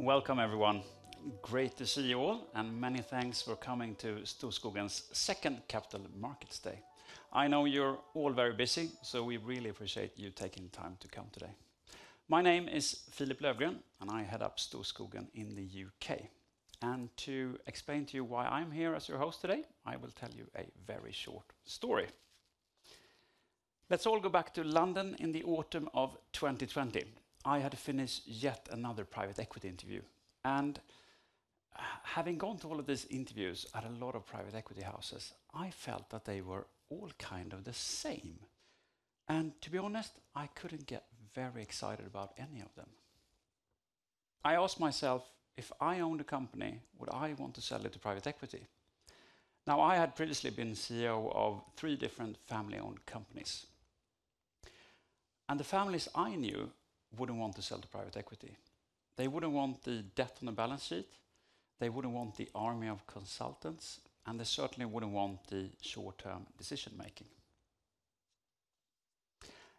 Welcome, everyone. Great to see you all, and many thanks for coming to Storskogen's second Capital Markets Day. I know you're all very busy, so we really appreciate you taking the time to come today. My name is Philip Löfgren, and I head up Storskogen in the U.K., and to explain to you why I'm here as your host today, I will tell you a very short story. Let's all go back to London in the autumn of 2020. I had to finish yet another private equity interview, and having gone to all of these interviews at a lot of private equity houses, I felt that they were all kind of the same, and to be honest, I couldn't get very excited about any of them. I asked myself, if I owned a company, would I want to sell it to private equity? Now, I had previously been CEO of three different family-owned companies. And the families I knew wouldn't want to sell to private equity. They wouldn't want the debt on the balance sheet. They wouldn't want the army of consultants. And they certainly wouldn't want the short-term decision-making.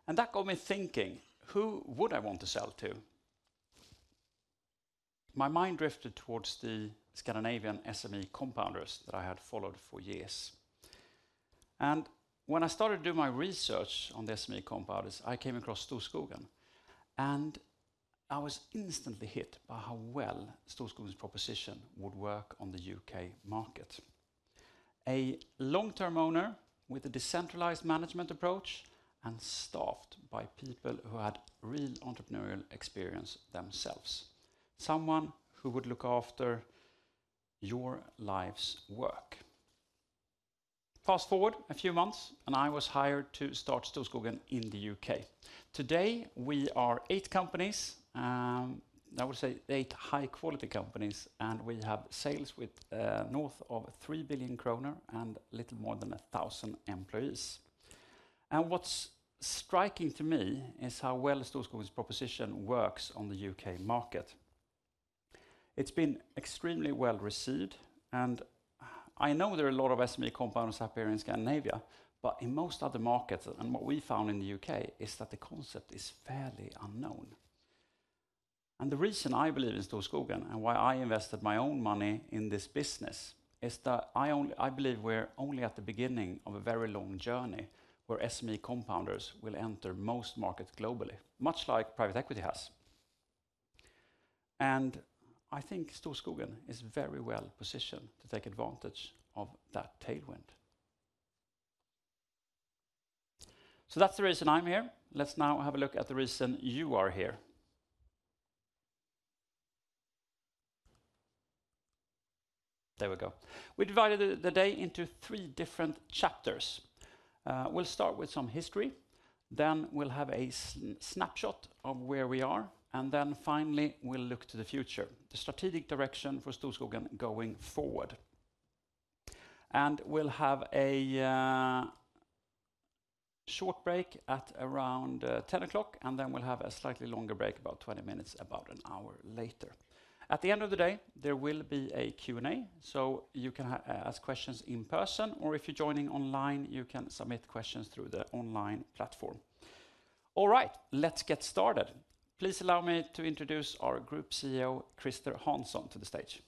And that got me thinking, who would I want to sell to? My mind drifted towards the Scandinavian SME compounders that I had followed for years. And when I started doing my research on the SME compounders, I came across Storskogen. And I was instantly hit by how well Storskogen's proposition would work on the U.K. market. A long-term owner with a decentralized management approach and staffed by people who had real entrepreneurial experience themselves. Someone who would look after your life's work. Fast forward a few months, and I was hired to start Storskogen in the U.K. Today, we are eight companies. I would say eight high-quality companies. And we have sales north of 3 billion kronor and a little more than 1,000 employees. And what's striking to me is how well Storskogen's proposition works on the U.K. market. It's been extremely well received. And I know there are a lot of SME compounders out there in Scandinavia, but in most other markets, and what we found in the U.K., is that the concept is fairly unknown. And the reason I believe in Storskogen and why I invested my own money in this business is that I believe we're only at the beginning of a very long journey where SME compounders will enter most markets globally, much like private equity has. And I think Storskogen is very well positioned to take advantage of that tailwind. So that's the reason I'm here. Let's now have a look at the reason you are here. There we go. We divided the day into three different chapters. We'll start with some history. Then we'll have a snapshot of where we are. And then finally, we'll look to the future, the strategic direction for Storskogen going forward. And we'll have a short break at around 10:00AM. And then we'll have a slightly longer break, about 20 minutes, about an hour later. At the end of the day, there will be a Q&A. So you can ask questions in person. Or if you're joining online, you can submit questions through the online platform. All right, let's get started. Please allow me to introduce our Group CEO, Christer Hansson, to the stage.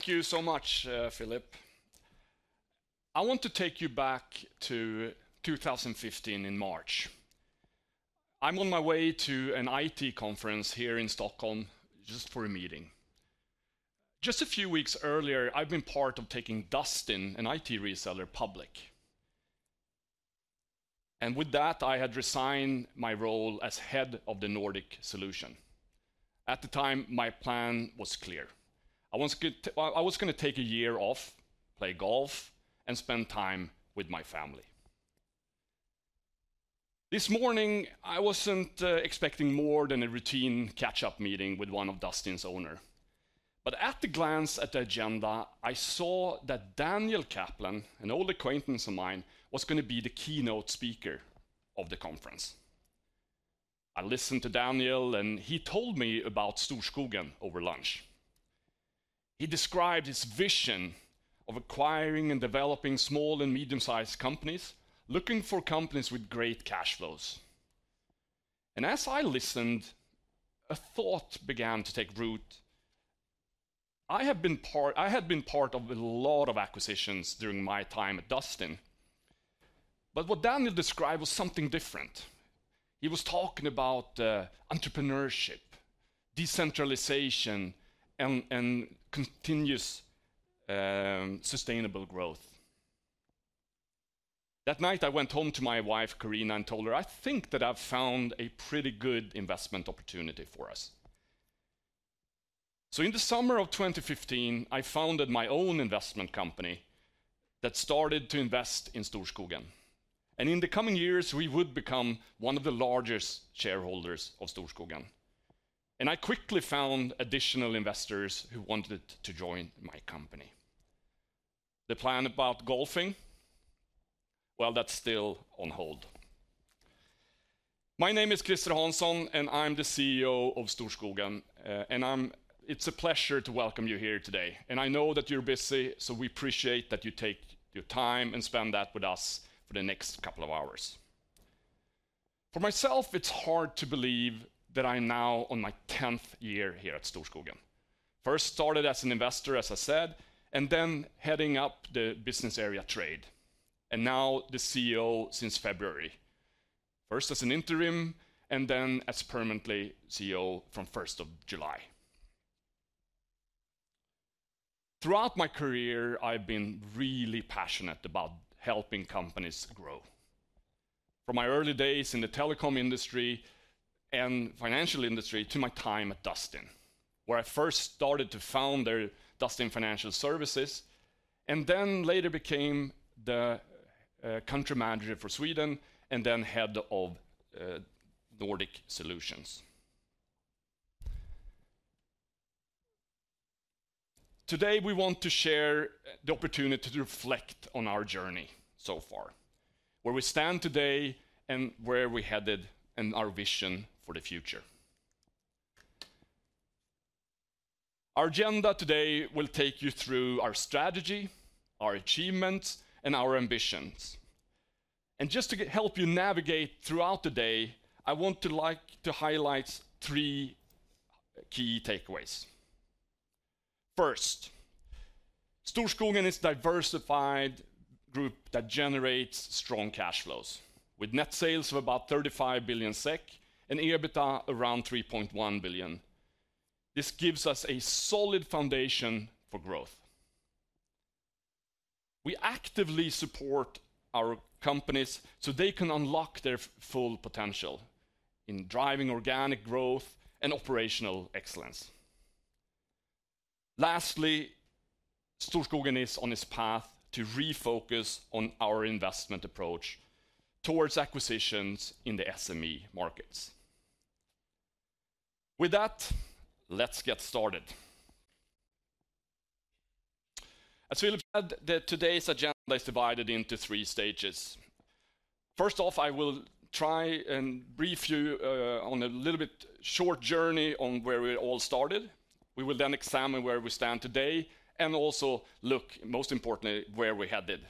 Thank you so much, Philip. I want to take you back to 2015 in March. I'm on my way to an IT conference here in Stockholm just for a meeting. Just a few weeks earlier, I've been part of taking Dustin, an IT reseller, public. And with that, I had resigned my role as Head of the Nordic Solutions. At the time, my plan was clear. I was going to take a year off, play golf, and spend time with my family. This morning, I wasn't expecting more than a routine catch-up meeting with one of Dustin's owners. But at a glance at the agenda, I saw that Daniel Kaplan, an old acquaintance of mine, was going to be the keynote speaker of the conference. I listened to Daniel, and he told me about Storskogen over lunch. He described his vision of acquiring and developing small and medium-sized companies, looking for companies with great cash flows. And as I listened, a thought began to take root. I had been part of a lot of acquisitions during my time at Dustin. But what Daniel described was something different. He was talking about entrepreneurship, decentralization, and continuous sustainable growth. That night, I went home to my wife, Carina, and told her, "I think that I've found a pretty good investment opportunity for us." So in the summer of 2015, I founded my own investment company that started to invest in Storskogen. And in the coming years, we would become one of the largest shareholders of Storskogen. And I quickly found additional investors who wanted to join my company. The plan about golfing? Well, that's still on hold. My name is Christer Hansson, and I'm the CEO of Storskogen. It's a pleasure to welcome you here today. I know that you're busy, so we appreciate that you take your time and spend that with us for the next couple of hours. For myself, it's hard to believe that I'm now on my 10th year here at Storskogen. First started as an investor, as I said, and then heading up the Business Area Trade. Now the CEO since February. First as an interim, and then as permanent CEO from 1 July. Throughout my career, I've been really passionate about helping companies grow. From my early days in the telecom industry and financial industry to my time at Dustin, where I first started to found Dustin Financial Services, and then later became the country manager for Sweden, and then Head of Nordic Solutions. Today, we want to share the opportunity to reflect on our journey so far, where we stand today, and where we're headed, and our vision for the future. Our agenda today will take you through our strategy, our achievements, and our ambitions. Just to help you navigate throughout the day, I want to highlight three key takeaways. First, Storskogen is a diversified group that generates strong cash flows, with net sales of about 35 billion SEK and EBITDA around 3.1 billion. This gives us a solid foundation for growth. We actively support our companies so they can unlock their full potential in driving organic growth and operational excellence. Lastly, Storskogen is on its path to refocus on our investment approach towards acquisitions in the SME markets. With that, let's get started. As Philip said, today's agenda is divided into three stages. First off, I will try and brief you on a little bit short journey on where we all started. We will then examine where we stand today and also look, most importantly, where we're headed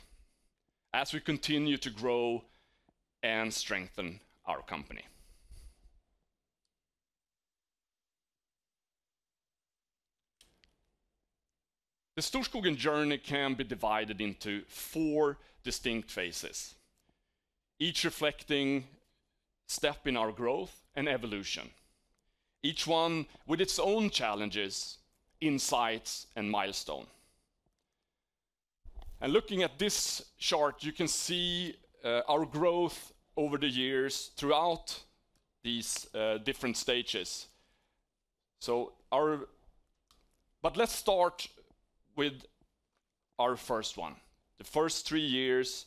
as we continue to grow and strengthen our company. The Storskogen journey can be divided into four distinct phases, each reflecting a step in our growth and evolution, each one with its own challenges, insights, and milestones, and looking at this chart, you can see our growth over the years throughout these different stages, but let's start with our first one, the first three years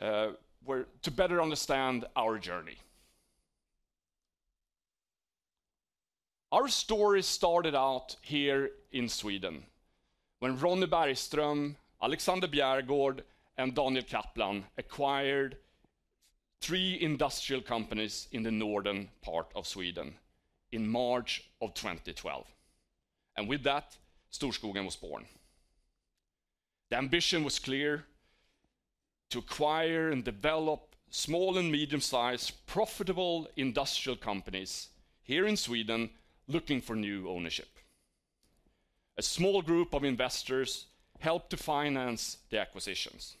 to better understand our journey. Our story started out here in Sweden when Ronnie Bergström, Alexander Bjärgård, and Daniel Kaplan acquired three industrial companies in the northern part of Sweden in March of 2012, and with that, Storskogen was born. The ambition was clear: to acquire and develop small and medium-sized profitable industrial companies here in Sweden looking for new ownership. A small group of investors helped to finance the acquisitions.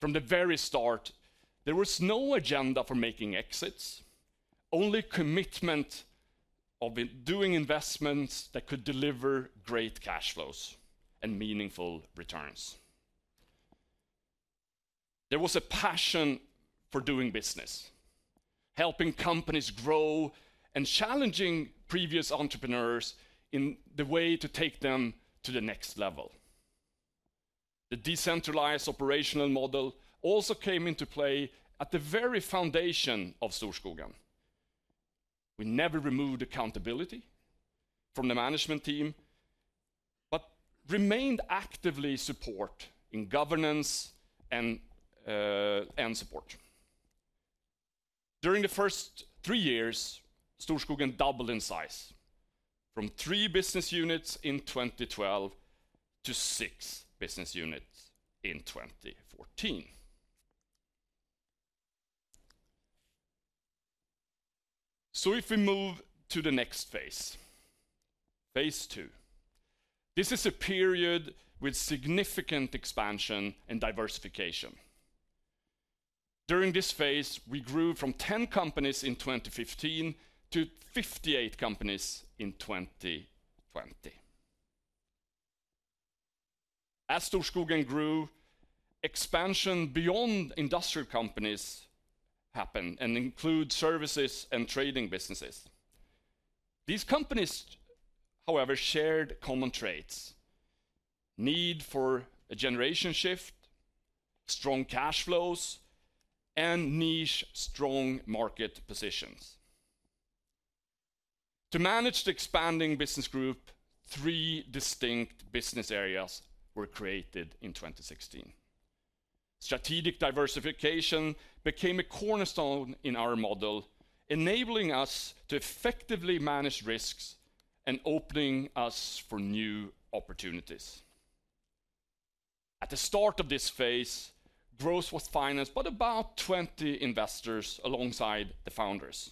From the very start, there was no agenda for making exits, only commitment to doing investments that could deliver great cash flows and meaningful returns. There was a passion for doing business, helping companies grow, and challenging previous entrepreneurs in the way to take them to the next level. The decentralized operational model also came into play at the very foundation of Storskogen. We never removed accountability from the management team, but remained actively supportive in governance and support. During the first three years, Storskogen doubled in size, from three business units in 2012 to six business units in 2014, so if we move to the next phase, phase two, this is a period with significant expansion and diversification. During this phase, we grew from 10 companies in 2015 to 58 companies in 2020. As Storskogen grew, expansion beyond industrial companies happened and included services and trading businesses. These companies, however, shared common traits: need for a generation shift, strong cash flows, and niche strong market positions. To manage the expanding business group, three distinct business areas were created in 2016. Strategic diversification became a cornerstone in our model, enabling us to effectively manage risks and opening us for new opportunities. At the start of this phase, growth was financed by about 20 investors alongside the founders.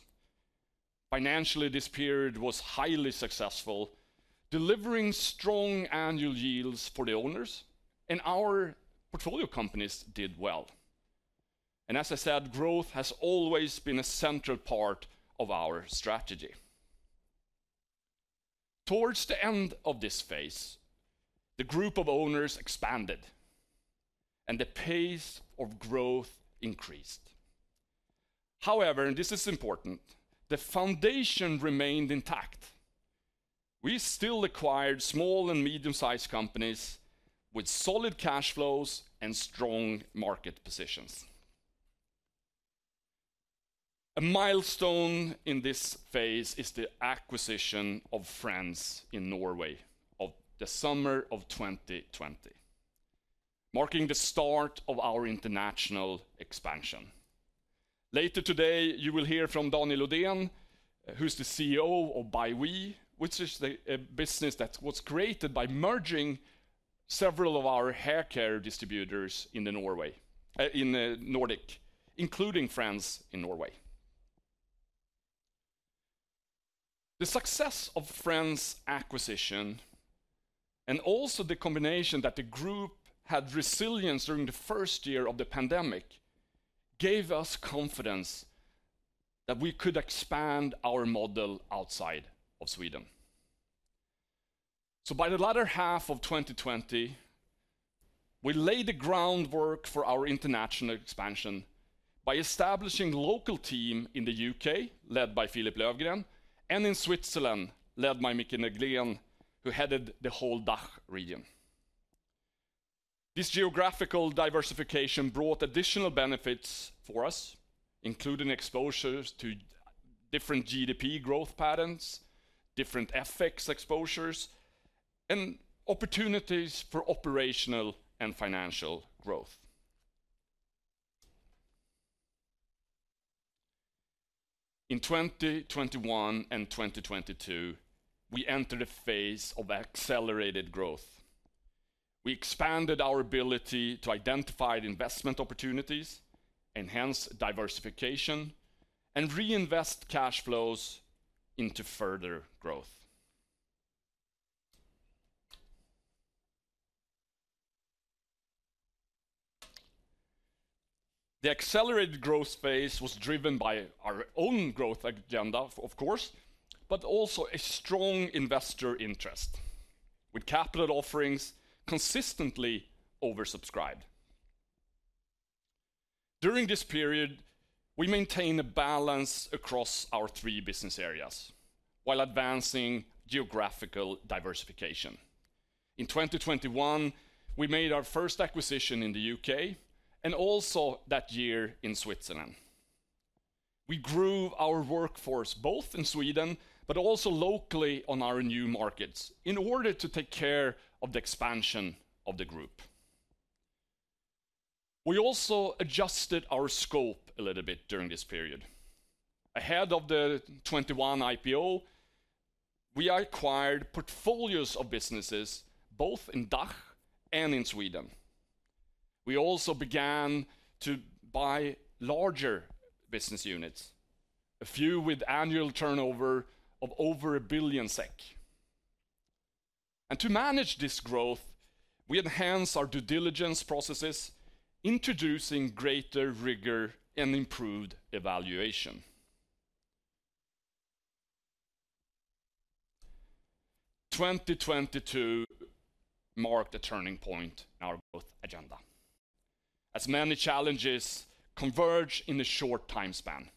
Financially, this period was highly successful, delivering strong annual yields for the owners, and our portfolio companies did well, and as I said, growth has always been a central part of our strategy. Towards the end of this phase, the group of owners expanded, and the pace of growth increased. However, and this is important, the foundation remained intact. We still acquired small and medium-sized companies with solid cash flows and strong market positions. A milestone in this phase is the acquisition of Frends in Norway in the summer of 2020, marking the start of our international expansion. Later today, you will hear from Daniel Odéhn, who's the CEO of ByWe, which is a business that was created by merging several of our hair care distributors in the Nordic, including Frends in Norway. The success of Frends' acquisition and also the combination that the group had resilience during the first year of the pandemic gave us confidence that we could expand our model outside of Sweden. By the latter half of 2020, we laid the groundwork for our international expansion by establishing a local team in the U.K., led by Philip Löfgren, and in Switzerland, led by Mikael Neglén, who headed the whole DACH region. This geographical diversification brought additional benefits for us, including exposures to different GDP growth patterns, different FX exposures, and opportunities for operational and financial growth. In 2021 and 2022, we entered a phase of accelerated growth. We expanded our ability to identify investment opportunities, enhance diversification, and reinvest cash flows into further growth. The accelerated growth phase was driven by our own growth agenda, of course, but also a strong investor interest, with capital offerings consistently oversubscribed. During this period, we maintained a balance across our three business areas while advancing geographical diversification. In 2021, we made our first acquisition in the U.K. and also that year in Switzerland. We grew our workforce both in Sweden but also locally on our new markets in order to take care of the expansion of the group. We also adjusted our scope a little bit during this period. Ahead of the 2021 IPO, we acquired portfolios of businesses both in DACH and in Sweden. We also began to buy larger business units, a few with annual turnover of over 1 billion SEK. And to manage this growth, we enhanced our due diligence processes, introducing greater rigor and improved evaluation. 2022 marked a turning point in our growth agenda, as many challenges converged in a short time span: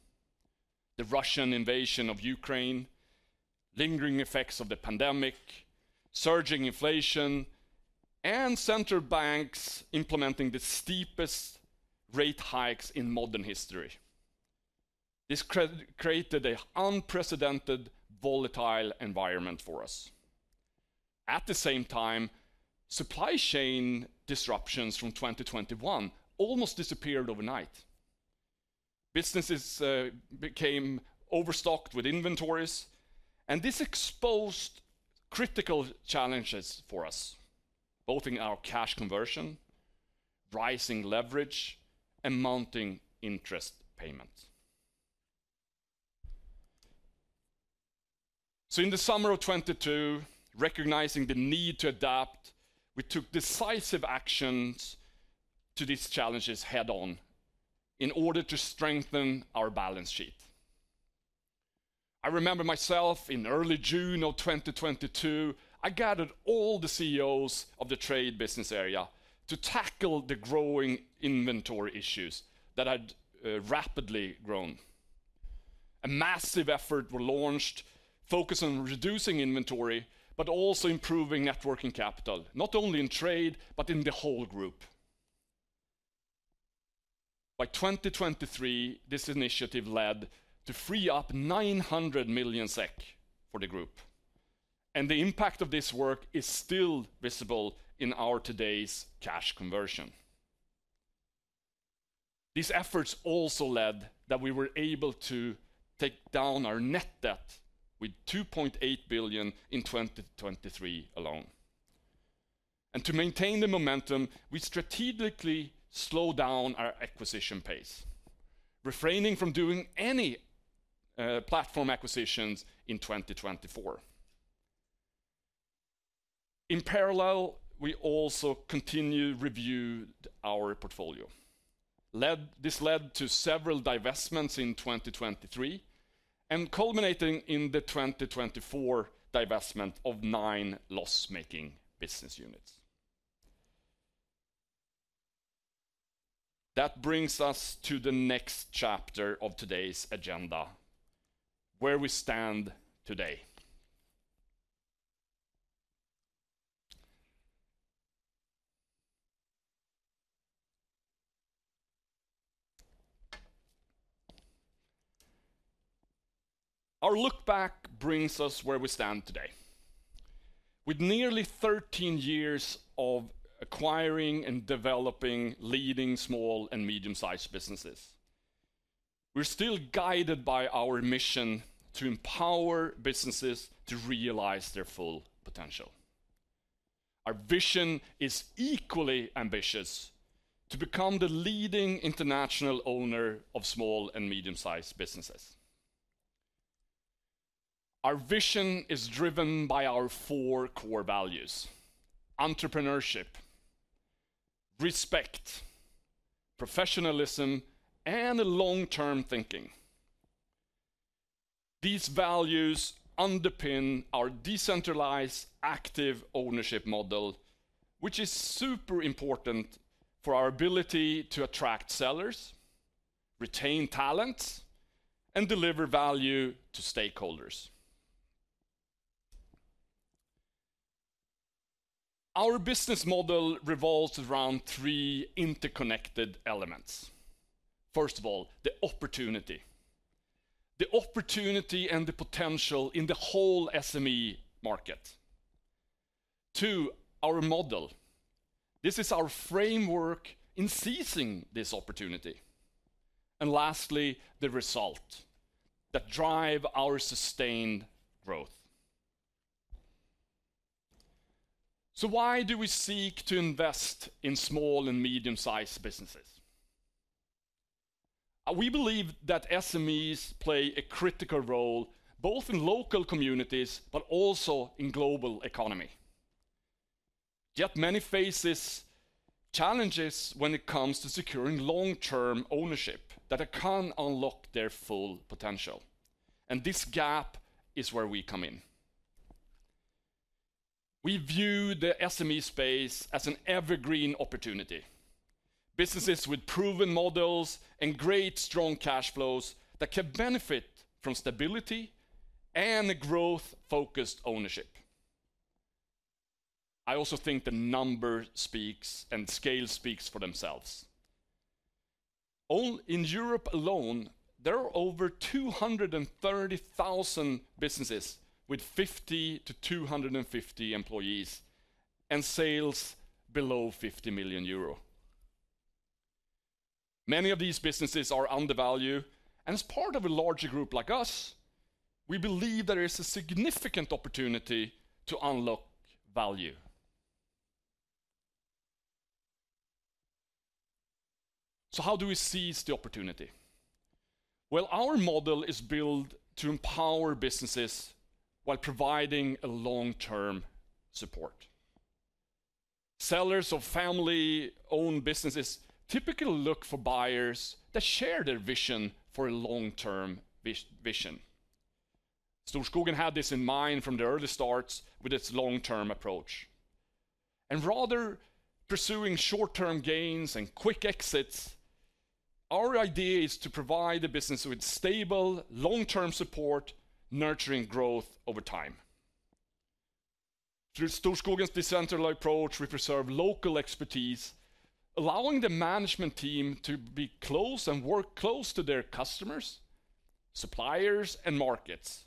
the Russian invasion of Ukraine, lingering effects of the pandemic, surging inflation, and central banks implementing the steepest rate hikes in modern history. This created an unprecedented volatile environment for us. At the same time, supply chain disruptions from 2021 almost disappeared overnight. Businesses became overstocked with inventories, and this exposed critical challenges for us, both in our cash conversion, rising leverage, and mounting interest payments. So in the summer of 2022, recognizing the need to adapt, we took decisive actions to these challenges head-on in order to strengthen our balance sheet. I remember myself in early June of 2022. I gathered all the CEOs of the trade business area to tackle the growing inventory issues that had rapidly grown. A massive effort was launched, focused on reducing inventory but also improving working capital, not only in trade but in the whole group. By 2023, this initiative led to free up 900 million SEK for the group, and the impact of this work is still visible in our today's cash conversion. These efforts also led to us being able to take down our net debt with 2.8 billion SEK in 2023 alone. To maintain the momentum, we strategically slowed down our acquisition pace, refraining from doing any platform acquisitions in 2024. In parallel, we also continued to review our portfolio. This led to several divestments in 2023 and culminated in the 2024 divestment of nine loss-making business units. That brings us to the next chapter of today's agenda, where we stand today. Our look back brings us where we stand today. With nearly 13 years of acquiring and developing leading small and medium-sized businesses, we're still guided by our mission to empower businesses to realize their full potential. Our vision is equally ambitious: to become the leading international owner of small and medium-sized businesses. Our vision is driven by our four core values: entrepreneurship, respect, professionalism, and long-term thinking. These values underpin our decentralized active ownership model, which is super important for our ability to attract sellers, retain talents, and deliver value to stakeholders. Our business model revolves around three interconnected elements. First of all, the opportunity. The opportunity and the potential in the whole SME market. Two, our model. This is our framework in seizing this opportunity and lastly, the result that drives our sustained growth, so why do we seek to invest in small and medium-sized businesses? We believe that SMEs play a critical role both in local communities but also in the global economy. Yet many face challenges when it comes to securing long-term ownership that can unlock their full potential and this gap is where we come in. We view the SME space as an evergreen opportunity: businesses with proven models and great, strong cash flows that can benefit from stability and growth-focused ownership. I also think the number speaks and scale speaks for themselves. In Europe alone, there are over 230,000 businesses with 50-250 employees and sales below 50 million euro. Many of these businesses are undervalued, and as part of a larger group like us, we believe there is a significant opportunity to unlock value. So how do we seize the opportunity? Well, our model is built to empower businesses while providing long-term support. Sellers of family-owned businesses typically look for buyers that share their vision for a long-term vision. Storskogen had this in mind from the early starts with its long-term approach. And rather than pursuing short-term gains and quick exits, our idea is to provide the business with stable, long-term support, nurturing growth over time. Through Storskogen's decentralized approach, we preserve local expertise, allowing the management team to be close and work close to their customers, suppliers, and markets,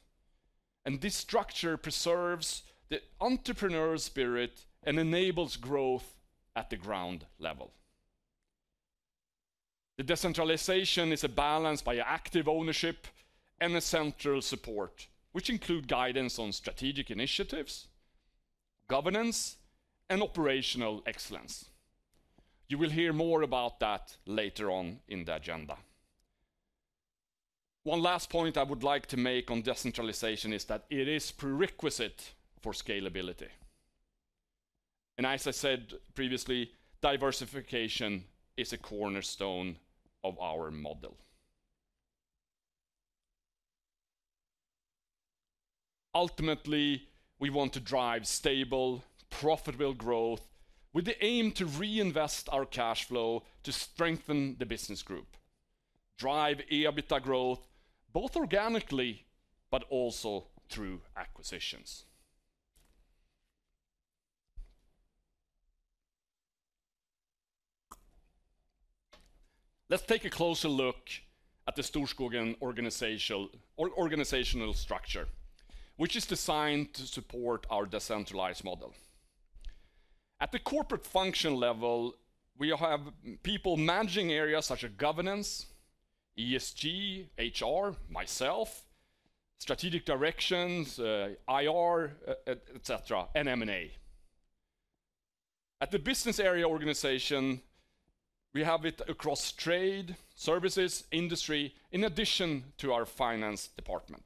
and this structure preserves the entrepreneurial spirit and enables growth at the ground level. The decentralization is balanced by active ownership and central support, which include guidance on strategic initiatives, governance, and operational excellence. You will hear more about that later on in the agenda. One last point I would like to make on decentralization is that it is a prerequisite for scalability, and as I said previously, diversification is a cornerstone of our model. Ultimately, we want to drive stable, profitable growth with the aim to reinvest our cash flow to strengthen the business group, drive EBITDA growth both organically but also through acquisitions. Let's take a closer look at the Storskogen organizational structure, which is designed to support our decentralized model. At the corporate function level, we have people managing areas such as governance, ESG, HR, myself, strategic directions, IR, etc., and M&A. At the business area organization, we have it across trade, services, industry, in addition to our finance department,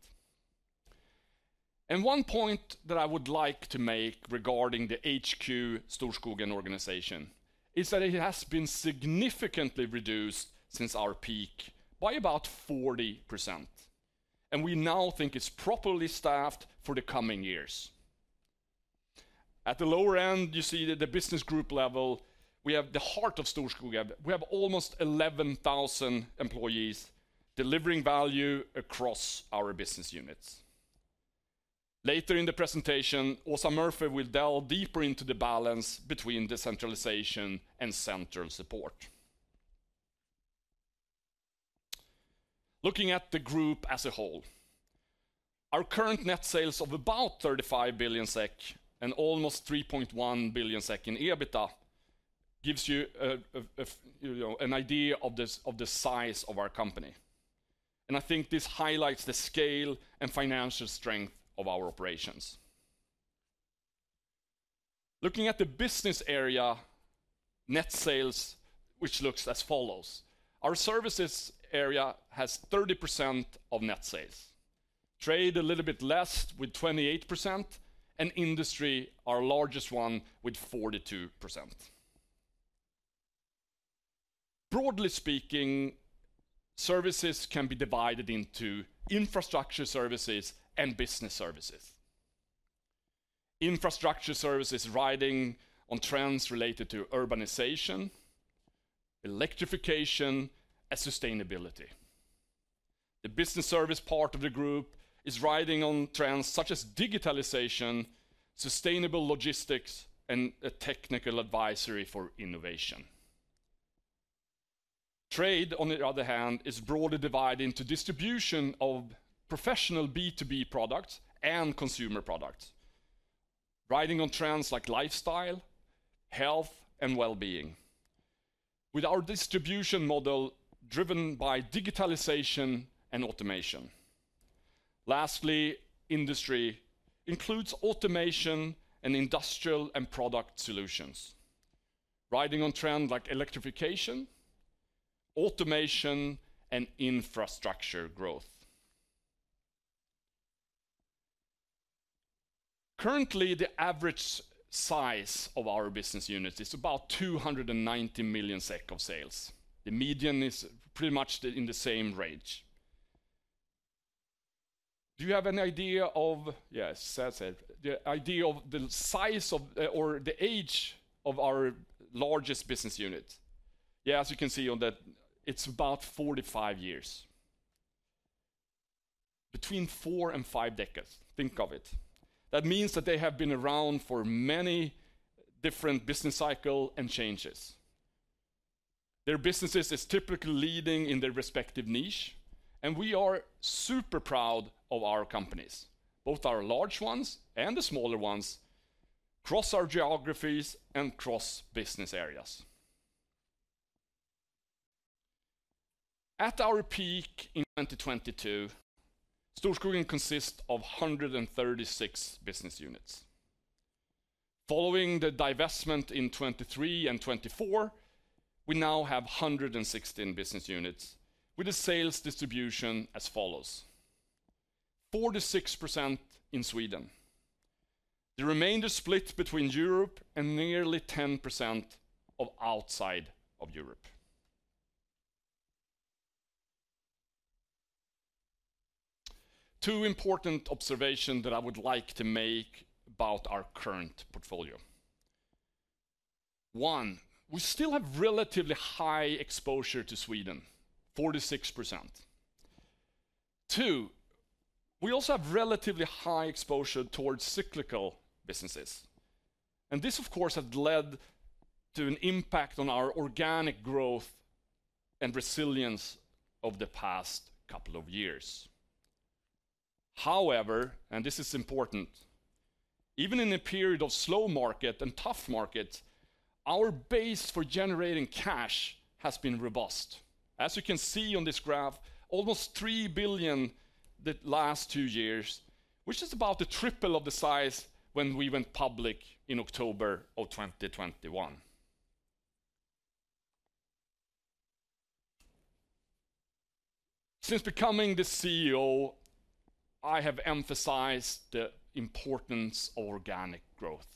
and one point that I would like to make regarding the HQ Storskogen organization is that it has been significantly reduced since our peak by about 40%, and we now think it's properly staffed for the coming years. At the lower end, you see that at the business group level, we have the heart of Storskogen. We have almost 11,000 employees delivering value across our business units. Later in the presentation, Åsa Murphy will delve deeper into the balance between decentralization and central support. Looking at the group as a whole, our current net sales of about 35 billion SEK and almost 3.1 billion SEK in EBITDA gives you an idea of the size of our company. And I think this highlights the scale and financial strength of our operations. Looking at the business area net sales, which looks as follows. Our services area has 30% of net sales, trade a little bit less with 28%, and industry, our largest one, with 42%. Broadly speaking, services can be divided into infrastructure services and business services. Infrastructure services are riding on trends related to urbanization, electrification, and sustainability. The business service part of the group is riding on trends such as digitalization, sustainable logistics, and technical advisory for innovation. Trade, on the other hand, is broadly divided into distribution of professional B2B products and consumer products, riding on trends like lifestyle, health, and well-being, with our distribution model driven by digitalization and automation. Lastly, industry includes automation and industrial and product solutions, riding on trends like electrification, automation, and infrastructure growth. Currently, the average size of our business unit is about 290 million SEK of sales. The median is pretty much in the same range. Do you have an idea of, yes, that's it, the idea of the size or the age of our largest business unit? Yeah, as you can see on that, it's about 45 years, between four and five decades. Think of it. That means that they have been around for many different business cycles and changes. Their businesses are typically leading in their respective niche, and we are super proud of our companies, both our large ones and the smaller ones, across our geographies and across business areas. At our peak in 2022, Storskogen consists of 136 business units. Following the divestment in 2023 and 2024, we now have 116 business units with a sales distribution as follows: 46% in Sweden, the remainder split between Europe and nearly 10% outside of Europe. Two important observations that I would like to make about our current portfolio. One, we still have relatively high exposure to Sweden, 46%. Two, we also have relatively high exposure towards cyclical businesses, and this, of course, has led to an impact on our organic growth and resilience of the past couple of years. However, and this is important, even in a period of slow market and tough markets, our base for generating cash has been robust. As you can see on this graph, almost 3 billion the last two years, which is about a triple of the size when we went public in October of 2021. Since becoming the CEO, I have emphasized the importance of organic growth,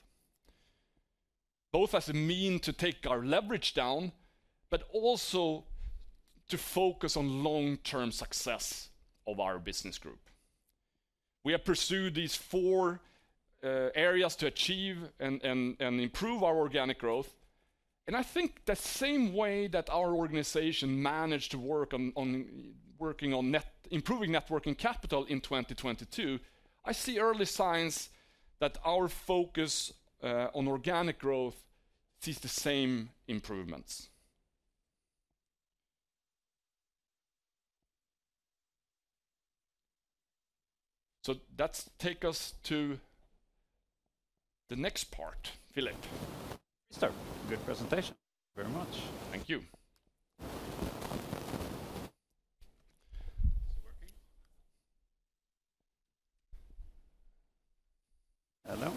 both as a means to take our leverage down but also to focus on long-term success of our business group. We have pursued these four areas to achieve and improve our organic growth. And I think the same way that our organization managed to work on improving working capital in 2022, I see early signs that our focus on organic growth sees the same improvements. So that takes us to the next part, Philip. Good presentation. Very much. Thank you. Is it working? Hello?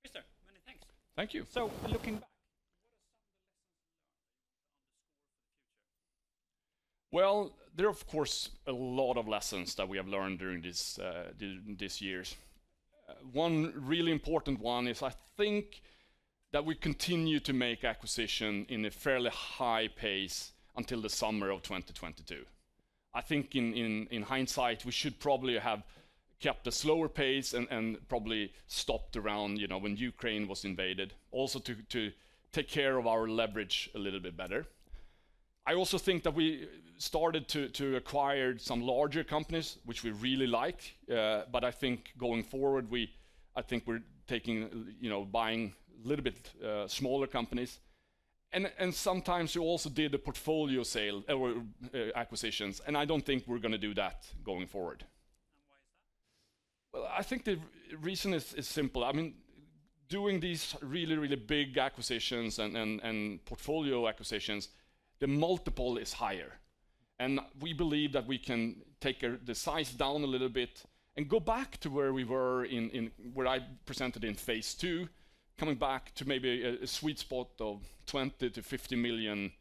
All right. Christer, many thanks. Thank you. So looking back, what are some of the lessons learned that you want to underscore for the future? Well, there are, of course, a lot of lessons that we have learned during these years. One really important one is I think that we continue to make acquisitions at a fairly high pace until the summer of 2022. I think in hindsight, we should probably have kept a slower pace and probably stopped around when Ukraine was invaded, also to take care of our leverage a little bit better. I also think that we started to acquire some larger companies, which we really like. But I think going forward, I think we're taking, buying a little bit smaller companies. And sometimes we also did a portfolio sale or acquisitions, and I don't think we're going to do that going forward. And why is that? I think the reason is simple. I mean, doing these really, really big acquisitions and portfolio acquisitions, the multiple is higher. And we believe that we can take the size down a little bit and go back to where we were in what I presented in phase II, coming back to maybe a sweet spot of 20 million-50 million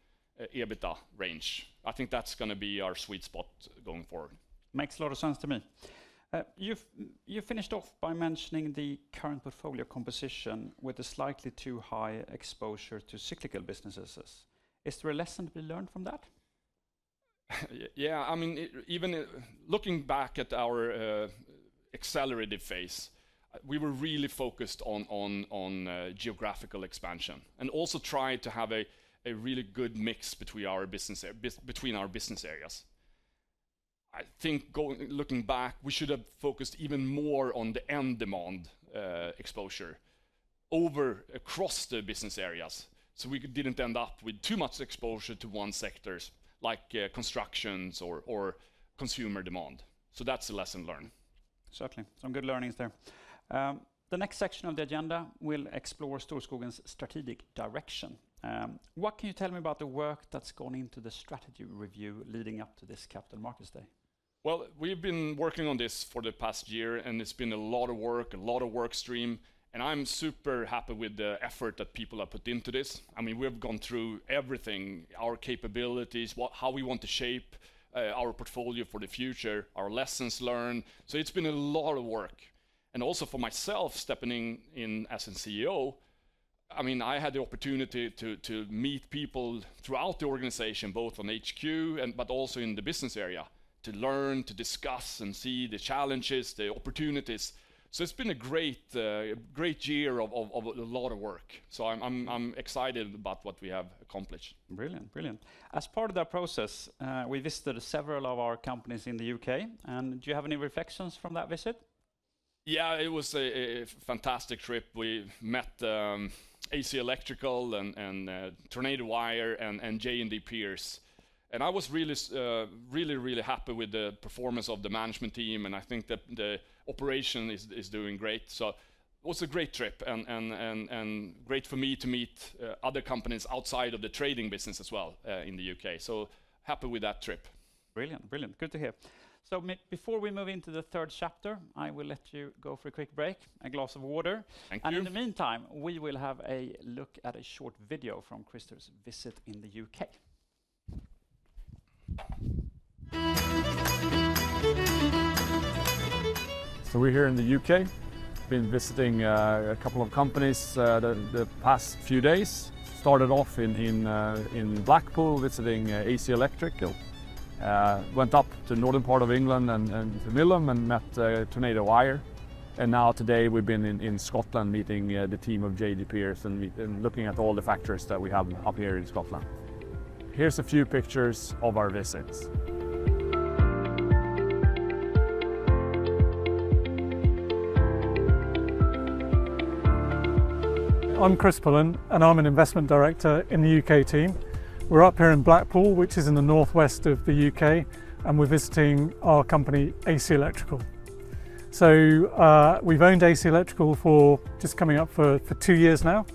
EBITDA range. I think that's going to be our sweet spot going forward. Makes a lot of sense to me. You finished off by mentioning the current portfolio composition with a slightly too high exposure to cyclical businesses. Is there a lesson to be learned from that? Yeah. I mean, even looking back at our accelerated phase, we were really focused on geographical expansion and also tried to have a really good mix between our business areas. I think looking back, we should have focused even more on the end demand exposure across the business areas, so we didn't end up with too much exposure to one sector like construction or consumer demand, so that's a lesson learned. Certainly. Some good learnings there. The next section of the agenda will explore Storskogen's strategic direction. What can you tell me about the work that's gone into the strategy review leading up to this Capital Markets Day? Well, we've been working on this for the past year, and it's been a lot of work, a lot of workstreams, and I'm super happy with the effort that people have put into this. I mean, we have gone through everything, our capabilities, how we want to shape our portfolio for the future, our lessons learned, so it's been a lot of work. And also for myself, stepping in as a CEO, I mean, I had the opportunity to meet people throughout the organization, both on H.Q. but also in the business area to learn, to discuss and see the challenges, the opportunities. So it's been a great year of a lot of work. So I'm excited about what we have accomplished. Brilliant. Brilliant. As part of that process, we visited several of our companies in the U.K. And do you have any reflections from that visit? Yeah, it was a fantastic trip. We met AC Electrical and Tornado Wire and J&D Pierce. And I was really, really, really happy with the performance of the management team. And I think that the operation is doing great. So it was a great trip and great for me to meet other companies outside of the trading business as well in the U.K. So happy with that trip. Brilliant. Brilliant. Good to hear. So before we move into the third chapter, I will let you go for a quick break, a glass of water. Thank you. And in the meantime, we will have a look at a short video from Christer's visit in the U.K. So we're here in the U.K. We've been visiting a couple of companies the past few days. Started off in Blackpool, visiting AC Electrical. Went up to the northern part of England and Millom and met Tornado Wire. And now today, we've been in Scotland meeting the team of J&D Pierce and looking at all the factories that we have up here in Scotland. Here's a few pictures of our visits. I'm Chris Pullen, and I'm an investment director in the U.K. team. We're up here in Blackpool, which is in the northwest of the U.K., and we're visiting our company, AC Electrical. So we've owned AC Electrical for just coming up for two years now,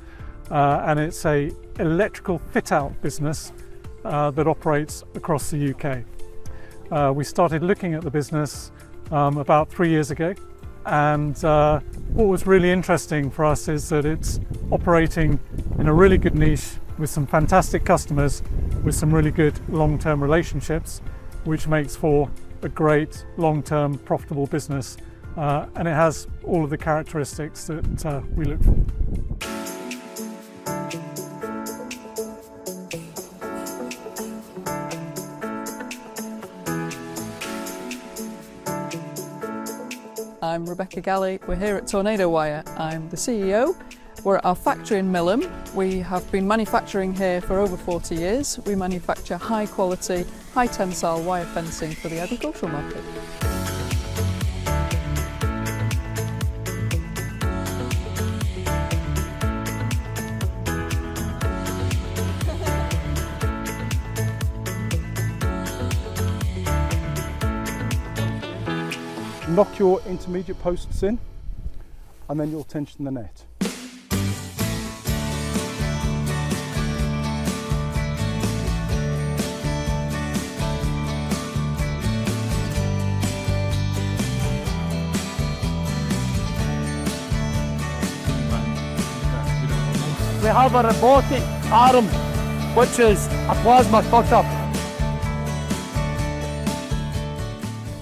and it's an electrical fit-out business that operates across the U.K. We started looking at the business about three years ago, and what was really interesting for us is that it's operating in a really good niche with some fantastic customers, with some really good long-term relationships, which makes for a great long-term profitable business. And it has all of the characteristics that we look for. I'm Rebecca Galley. We're here at Tornado Wire. I'm the CEO. We're at our factory in Millom. We have been manufacturing here for over 40 years. We manufacture high-quality, high-tensile wire fencing for the agricultural market. Knock your intermediate posts in, and then you'll tension the net. We have a robotic arm, which is a plasma cutter.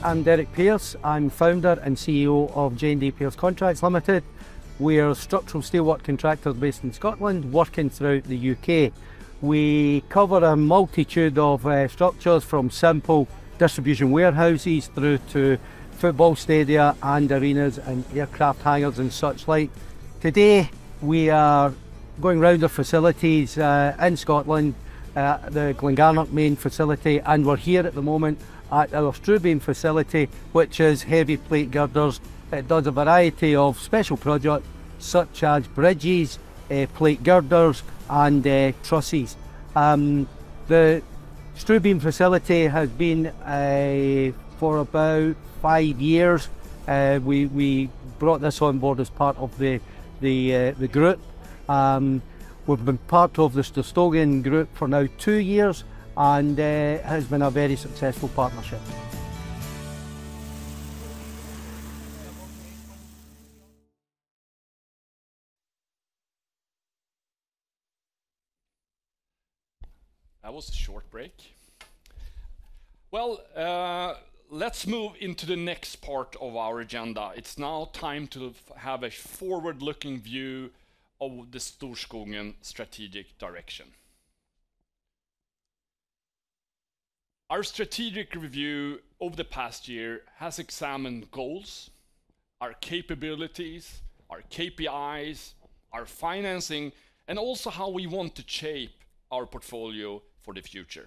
I'm Derek Pierce. I'm Founder and CEO of J&D Pierce Contracts Limited. We're a structural steelwork contractor based in Scotland, working throughout the U.K. We cover a multitude of structures, from simple distribution warehouses through to football stadiums and arenas and aircraft hangars and such like. Today, we are going around our facilities in Scotland, the Glengarnock main facility, and we're here at the moment at our StruBeam facility, which is heavy plate girders. It does a variety of special projects such as bridges, plate girders, and trusses. The StruBeam facility has been for about five years. We brought this on board as part of the group. We've been part of the Storskogen Group for now two years, and it has been a very successful partnership. That was a short break. Let's move into the next part of our agenda. It's now time to have a forward-looking view of the Storskogen strategic direction. Our strategic review over the past year has examined goals, our capabilities, our KPIs, our financing, and also how we want to shape our portfolio for the future.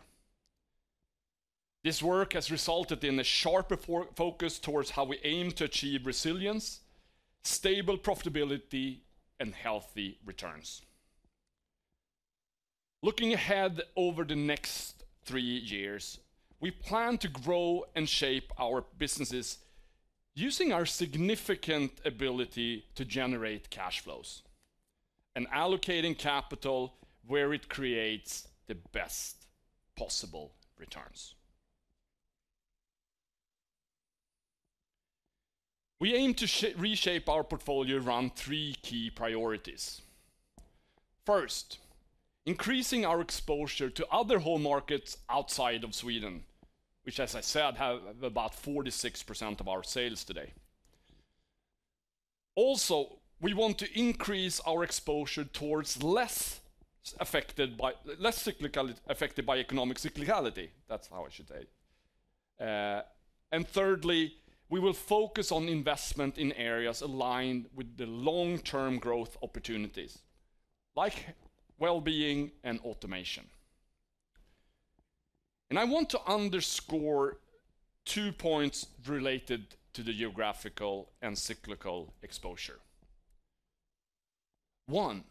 This work has resulted in a sharper focus towards how we aim to achieve resilience, stable profitability, and healthy returns. Looking ahead over the next three years, we plan to grow and shape our businesses using our significant ability to generate cash flows and allocating capital where it creates the best possible returns. We aim to reshape our portfolio around three key priorities. First, increasing our exposure to other whole markets outside of Sweden, which, as I said, have about 46% of our sales today. Also, we want to increase our exposure towards less affected by economic cyclicality. That's how I should say it. And thirdly, we will focus on investment in areas aligned with the long-term growth opportunities, like well-being and automation. And I want to underscore two points related to the geographical and cyclical exposure. One,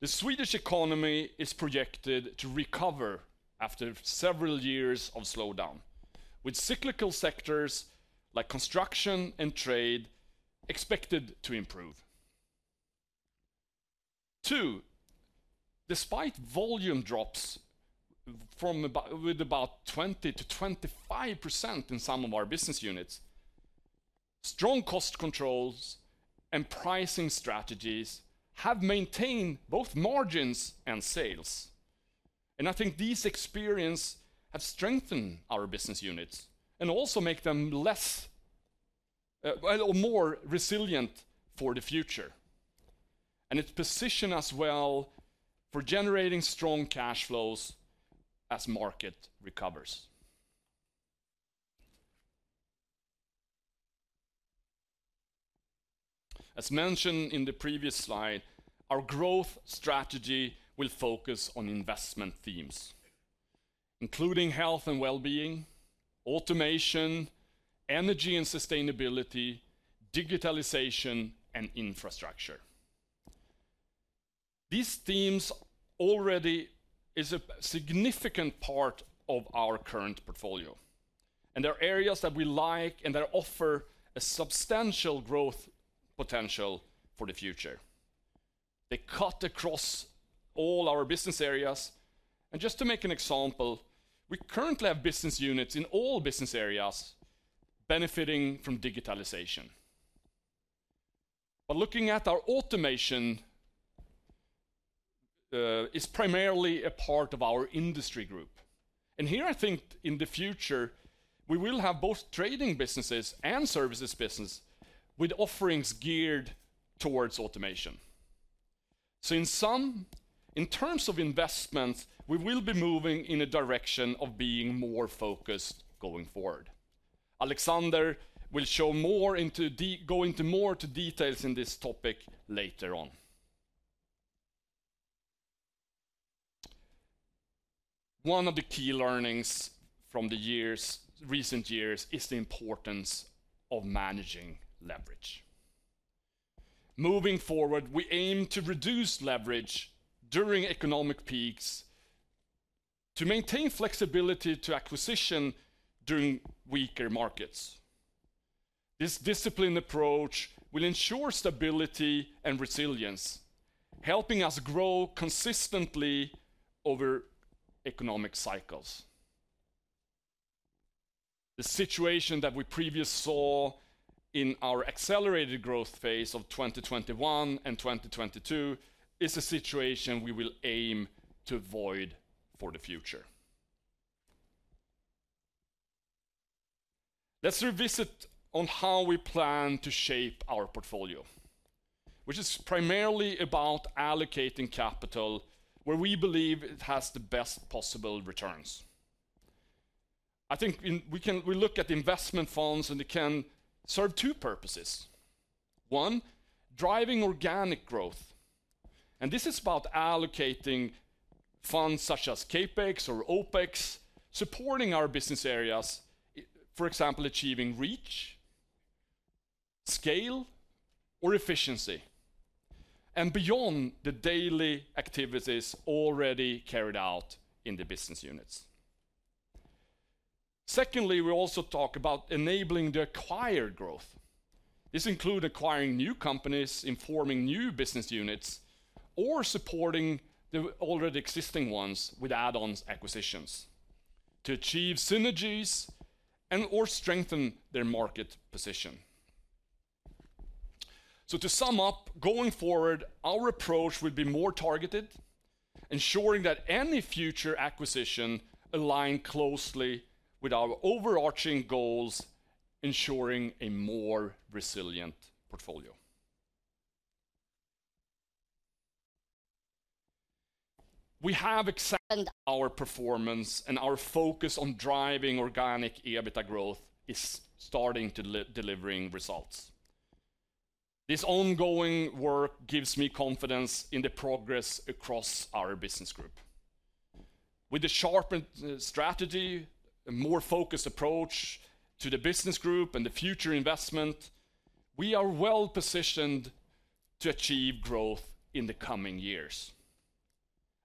the Swedish economy is projected to recover after several years of slowdown, with cyclical sectors like construction and trade expected to improve. Two, despite volume drops with about 20%-25% in some of our business units, strong cost controls and pricing strategies have maintained both margins and sales. And I think these experiences have strengthened our business units and also made them less or more resilient for the future. And it's positioned as well for generating strong cash flows as the market recovers. As mentioned in the previous slide, our growth strategy will focus on investment themes, including health and well-being, automation, energy and sustainability, digitalization, and infrastructure. These themes already are a significant part of our current portfolio, and there are areas that we like and that offer a substantial growth potential for the future. They cut across all our business areas, and just to make an example, we currently have business units in all business areas benefiting from digitalization. But looking at our automation is primarily a part of our industry group, and here, I think in the future, we will have both trading businesses and services businesses with offerings geared towards automation. So in terms of investment, we will be moving in a direction of being more focused going forward. Alexander will go into more details in this topic later on. One of the key learnings from the recent years is the importance of managing leverage. Moving forward, we aim to reduce leverage during economic peaks to maintain flexibility to acquisition during weaker markets. This disciplined approach will ensure stability and resilience, helping us grow consistently over economic cycles. The situation that we previously saw in our accelerated growth phase of 2021 and 2022 is a situation we will aim to avoid for the future. Let's revisit on how we plan to shape our portfolio, which is primarily about allocating capital where we believe it has the best possible returns. I think we look at investment funds, and they can serve two purposes. One, driving organic growth, and this is about allocating funds such as CapEx or OpEx, supporting our business areas, for example, achieving reach, scale, or efficiency, and beyond the daily activities already carried out in the business units. Secondly, we also talk about enabling the acquired growth. This includes acquiring new companies, informing new business units, or supporting the already existing ones with add-on acquisitions to achieve synergies and/or strengthen their market position. So to sum up, going forward, our approach will be more targeted, ensuring that any future acquisition aligns closely with our overarching goals, ensuring a more resilient portfolio. We have accepted our performance, and our focus on driving organic EBITDA growth is starting to deliver results. This ongoing work gives me confidence in the progress across our business group. With the sharpened strategy and more focused approach to the business group and the future investment, we are well positioned to achieve growth in the coming years.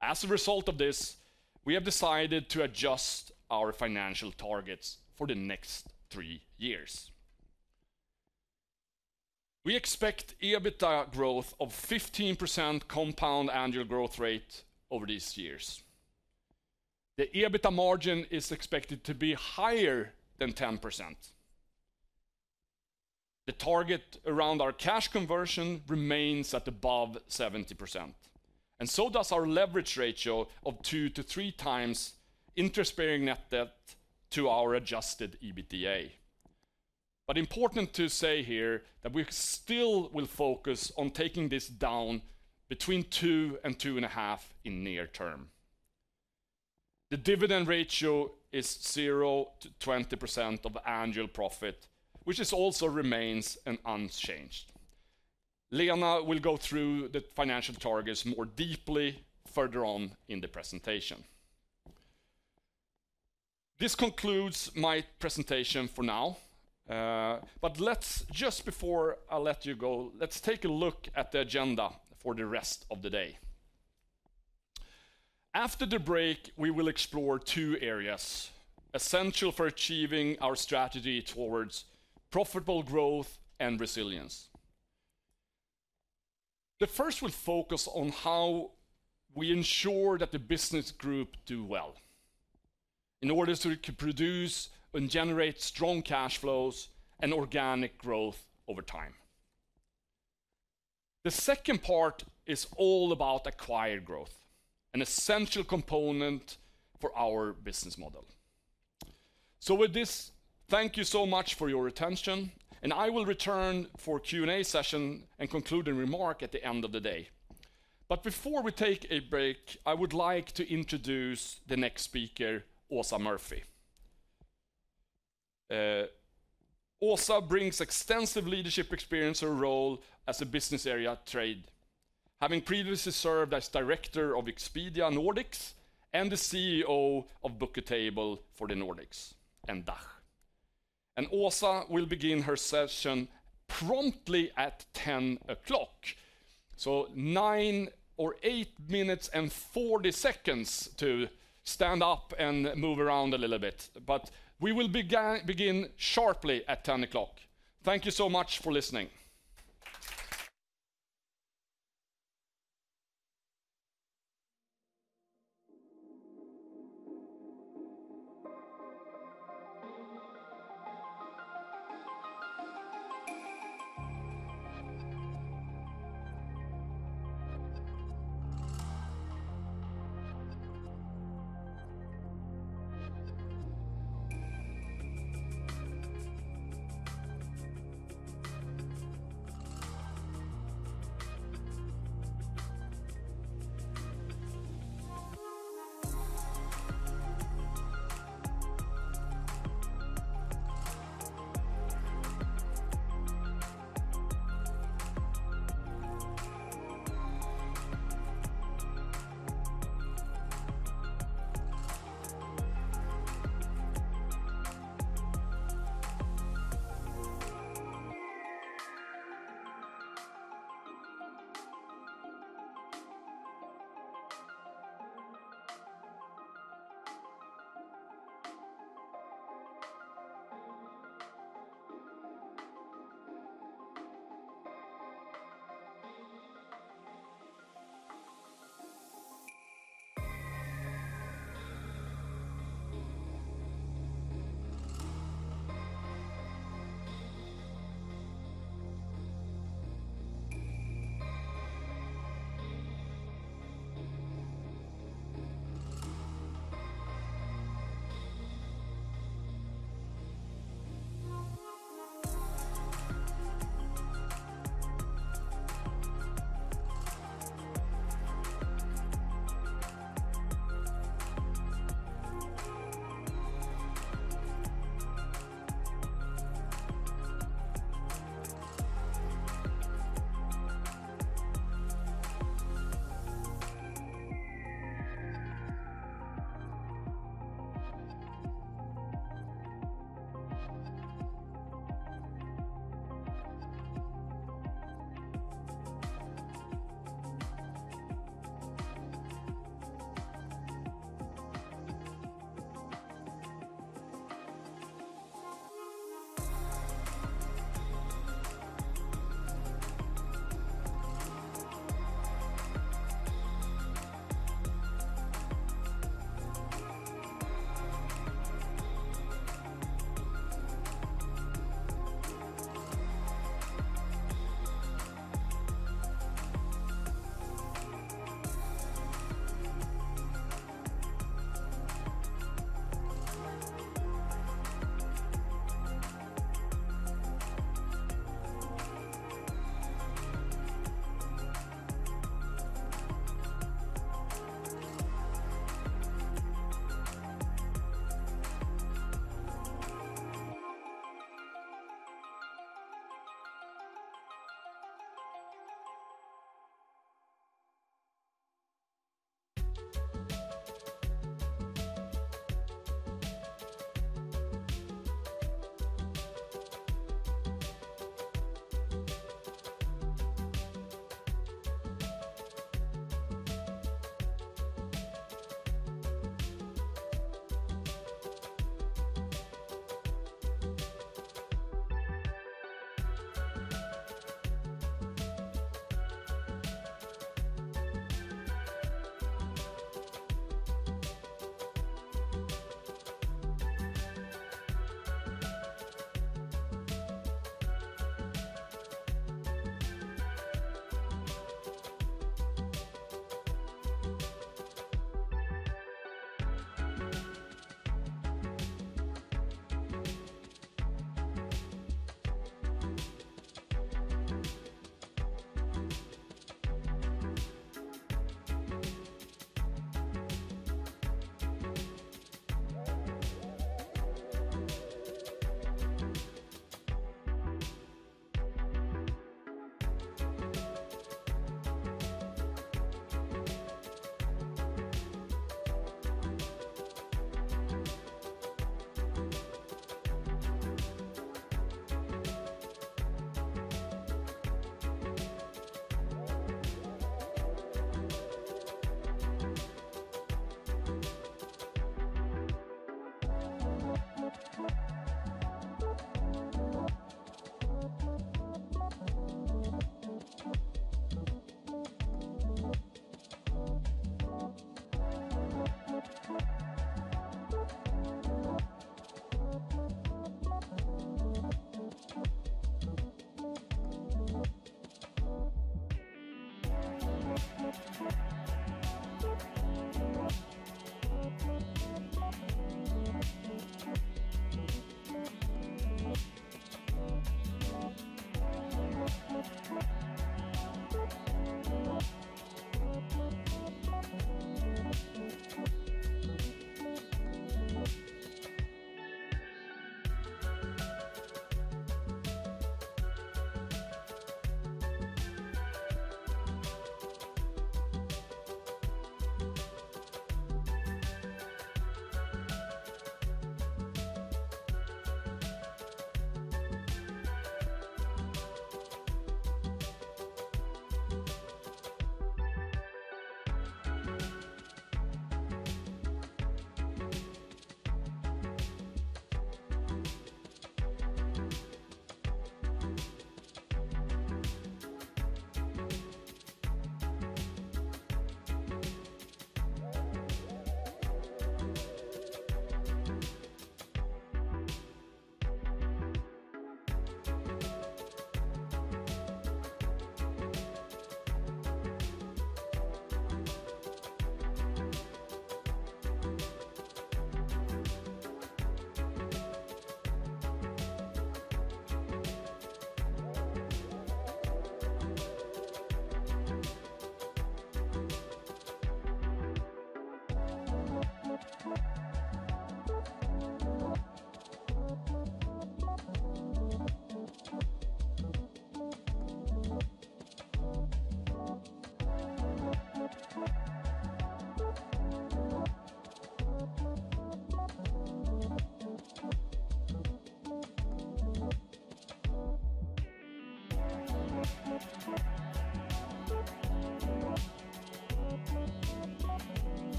As a result of this, we have decided to adjust our financial targets for the next three years. We expect EBITDA growth of 15% compound annual growth rate over these years. The EBITDA margin is expected to be higher than 10%. The target around our cash conversion remains at above 70%, and so does our leverage ratio of two to three times interest-bearing net debt to our Adjusted EBITDA. But important to say here that we still will focus on taking this down between two and two and a half in near term. The dividend ratio is 0-20% of annual profit, which also remains unchanged. Lena will go through the financial targets more deeply further on in the presentation. This concludes my presentation for now. But just before I let you go, let's take a look at the agenda for the rest of the day. After the break, we will explore two areas essential for achieving our strategy towards profitable growth and resilience. The first will focus on how we ensure that the business group does well in order to produce and generate strong cash flows and organic growth over time. The second part is all about acquired growth, an essential component for our business model. So with this, thank you so much for your attention, and I will return for a Q&A session and concluding remark at the end of the day. But before we take a break, I would like to introduce the next speaker, Åsa Murphy. Åsa brings extensive leadership experience and role as a Business Area Trade, having previously served as Director of Expedia Nordics and the CEO of Bookatable for the Nordics and DACH. And Åsa will begin her session promptly at 10:00AM, so nine or eight minutes and 40 seconds to stand up and move around a little bit. But we will begin sharply at 10:00AM. Thank you so much for listening.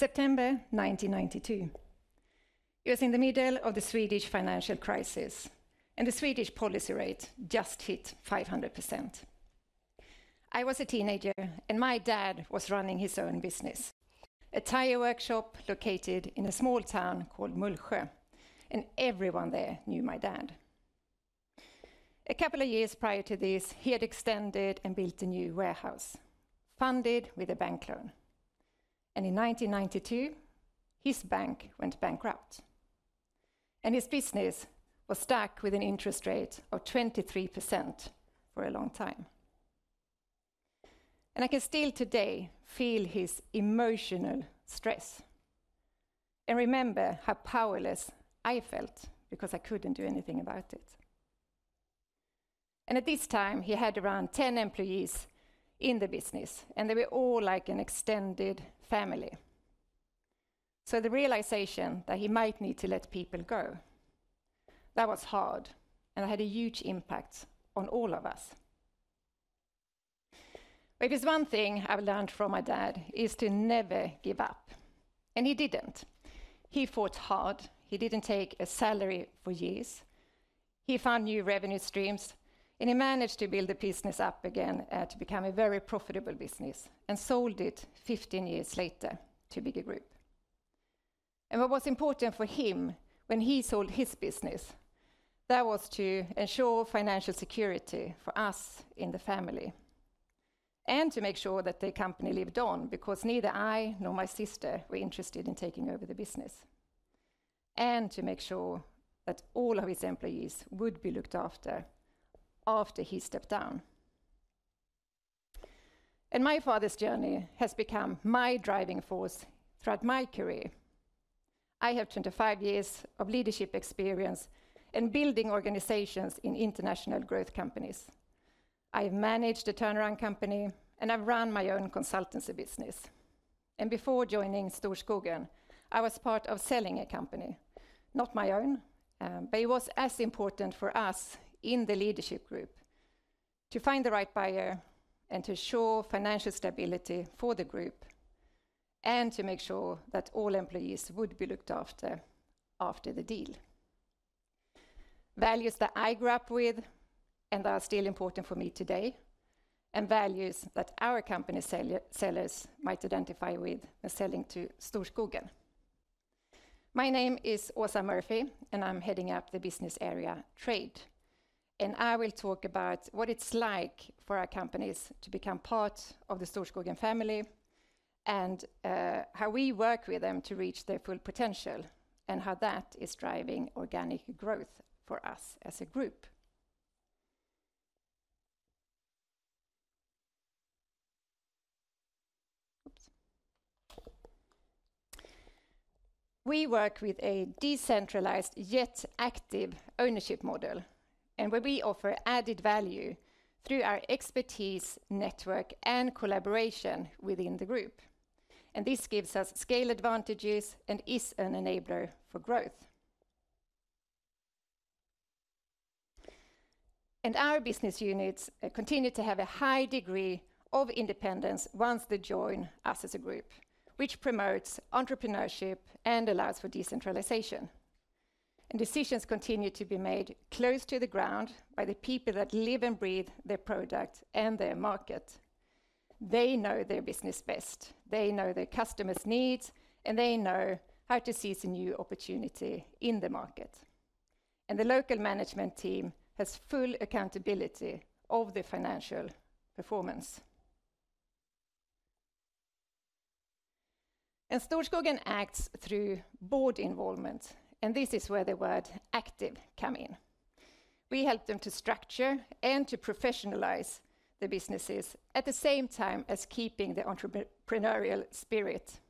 September 1992. It was in the middle of the Swedish financial crisis, and the Swedish policy rate just hit 500%. I was a teenager, and my dad was running his own business, a tire workshop located in a small town called Mullsjö, and everyone there knew my dad. A couple of years prior to this, he had extended and built a new warehouse, funded with a bank loan. And in 1992, his bank went bankrupt, and his business was stuck with an interest rate of 23% for a long time. And I can still today feel his emotional stress and remember how powerless I felt because I couldn't do anything about it. And at this time, he had around 10 employees in the business, and they were all like an extended family. The realization that he might need to let people go, that was hard, and it had a huge impact on all of us. If there's one thing I've learned from my dad, it is to never give up, and he didn't. He fought hard. He didn't take a salary for years. He found new revenue streams, and he managed to build the business up again to become a very profitable business and sold it 15 years later to [Bigger Group]. What was important for him when he sold his business was to ensure financial security for us in the family and to make sure that the company lived on because neither I nor my sister were interested in taking over the business, and to make sure that all of his employees would be looked after after he stepped down. My father's journey has become my driving force throughout my career. I have 25 years of leadership experience in building organizations in international growth companies. I have managed a turnaround company, and I've run my own consultancy business. Before joining Storskogen, I was part of selling a company, not my own, but it was as important for us in the leadership group to find the right buyer and to ensure financial stability for the group and to make sure that all employees would be looked after after the deal. Values that I grew up with and are still important for me today, and values that our company sellers might identify with when selling to Storskogen. My name is Åsa Murphy, and I'm heading up the Business Area Trade. I will talk about what it's like for our companies to become part of the Storskogen family and how we work with them to reach their full potential and how that is driving organic growth for us as a group. We work with a decentralized yet active ownership model, and where we offer added value through our expertise network and collaboration within the group. This gives us scale advantages and is an enabler for growth. Our business units continue to have a high degree of independence once they join us as a group, which promotes entrepreneurship and allows for decentralization. Decisions continue to be made close to the ground by the people that live and breathe their product and their market. They know their business best. They know their customers' needs, and they know how to seize a new opportunity in the market. The local management team has full accountability of the financial performance. Storskogen acts through board involvement, and this is where the word active comes in. We help them to structure and to professionalize their businesses at the same time as keeping the entrepreneurial spirit.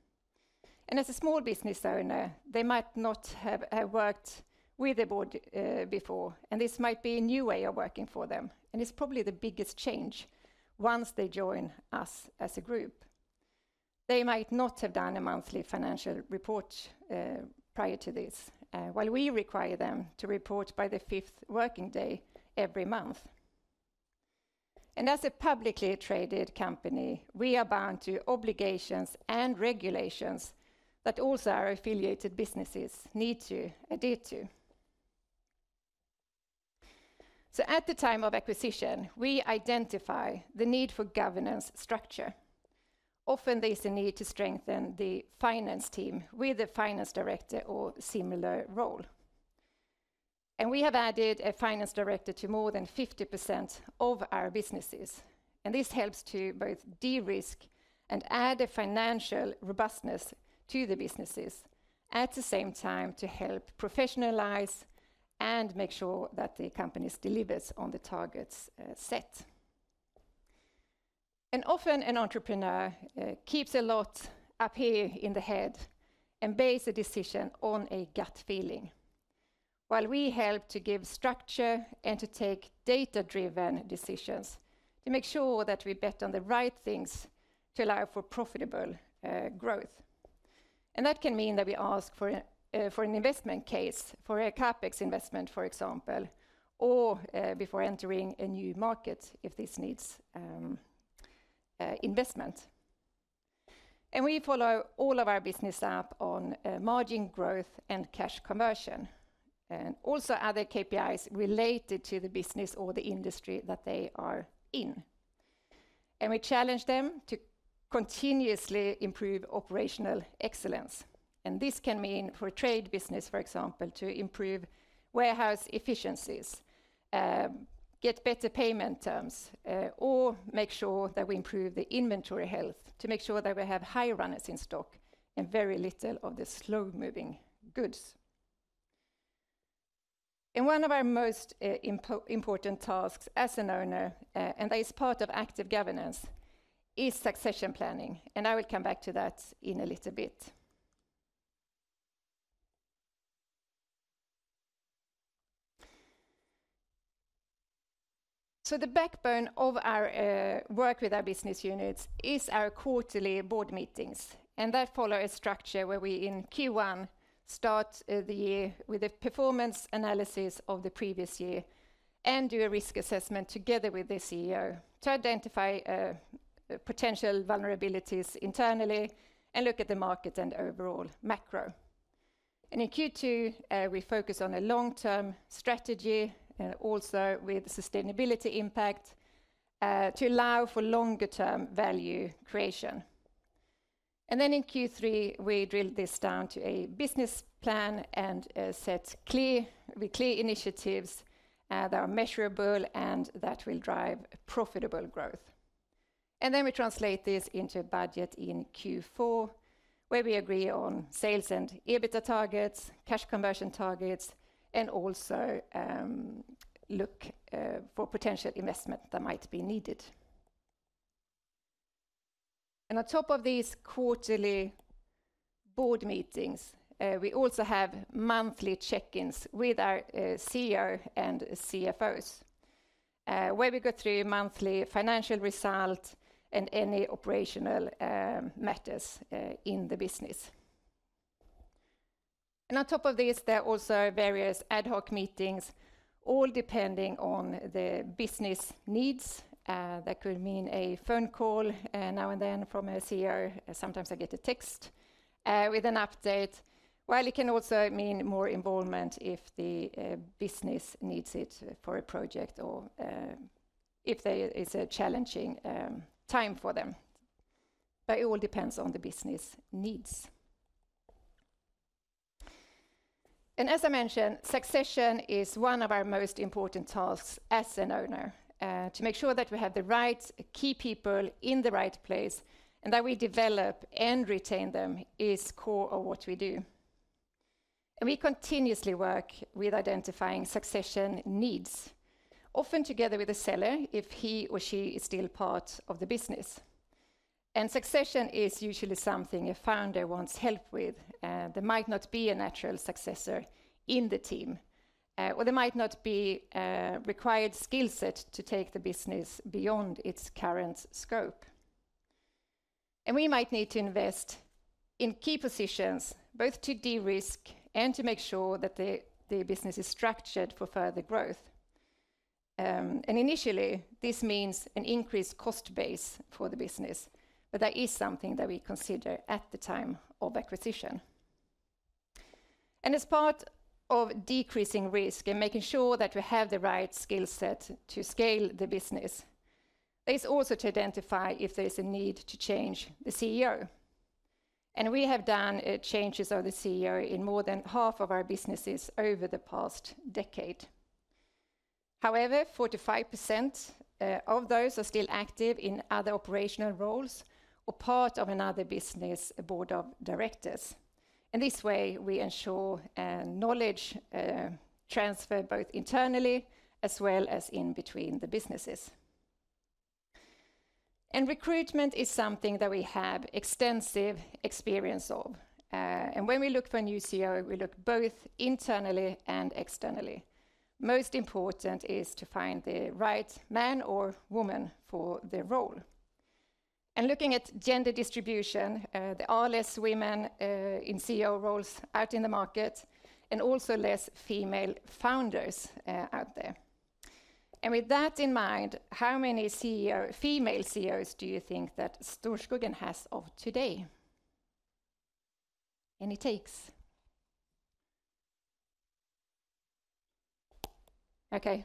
As a small business owner, they might not have worked with a board before, and this might be a new way of working for them. It's probably the biggest change once they join us as a group. They might not have done a monthly financial report prior to this, while we require them to report by the fifth working day every month. As a publicly traded company, we are bound to obligations and regulations that also our affiliated businesses need to adhere to. At the time of acquisition, we identify the need for governance structure. Often there is a need to strengthen the finance team with a finance director or similar role. And we have added a finance director to more than 50% of our businesses. And this helps to both de-risk and add financial robustness to the businesses at the same time to help professionalize and make sure that the company's delivers on the targets set. And often an entrepreneur keeps a lot up here in the head and bases a decision on a gut feeling. While we help to give structure and to take data-driven decisions to make sure that we bet on the right things to allow for profitable growth. And that can mean that we ask for an investment case for a CapEx investment, for example, or before entering a new market if this needs investment. And we follow all of our business up on margin growth and cash conversion, and also other KPIs related to the business or the industry that they are in. And we challenge them to continuously improve operational excellence. And this can mean for a trade business, for example, to improve warehouse efficiencies, get better payment terms, or make sure that we improve the inventory health to make sure that we have high runners in stock and very little of the slow-moving goods. And one of our most important tasks as an owner, and that is part of active governance, is succession planning. And I will come back to that in a little bit. So the backbone of our work with our business units is our quarterly board meetings. That follows a structure where we in Q1 start the year with a performance analysis of the previous year and do a risk assessment together with the CEO to identify potential vulnerabilities internally and look at the market and overall macro. In Q2, we focus on a long-term strategy, also with sustainability impact to allow for longer-term value creation. Then in Q3, we drill this down to a business plan and set clear initiatives that are measurable and that will drive profitable growth. Then we translate this into a budget in Q4, where we agree on sales and EBITDA targets, cash conversion targets, and also look for potential investment that might be needed. On top of these quarterly board meetings, we also have monthly check-ins with our CEO and CFOs, where we go through monthly financial results and any operational matters in the business. And on top of this, there also are various ad hoc meetings, all depending on the business needs. That could mean a phone call now and then from a CEO. Sometimes I get a text with an update, while it can also mean more involvement if the business needs it for a project or if it's a challenging time for them. But it all depends on the business needs. And as I mentioned, succession is one of our most important tasks as an owner. To make sure that we have the right key people in the right place and that we develop and retain them is core of what we do. And we continuously work with identifying succession needs, often together with a seller if he or she is still part of the business. And succession is usually something a founder wants help with. There might not be a natural successor in the team, or there might not be a required skill set to take the business beyond its current scope, and we might need to invest in key positions, both to de-risk and to make sure that the business is structured for further growth. Initially, this means an increased cost base for the business, but that is something that we consider at the time of acquisition. As part of decreasing risk and making sure that we have the right skill set to scale the business, there is also to identify if there is a need to change the CEO, and we have done changes of the CEO in more than half of our businesses over the past decade. However, 45% of those are still active in other operational roles or part of another business board of directors. And this way, we ensure knowledge transfer both internally as well as in between the businesses. And recruitment is something that we have extensive experience of. And when we look for a new CEO, we look both internally and externally. Most important is to find the right man or woman for the role. And looking at gender distribution, there are less women in CEO roles out in the market and also less female founders out there. And with that in mind, how many female CEOs do you think that Storskogen has of today? Okay.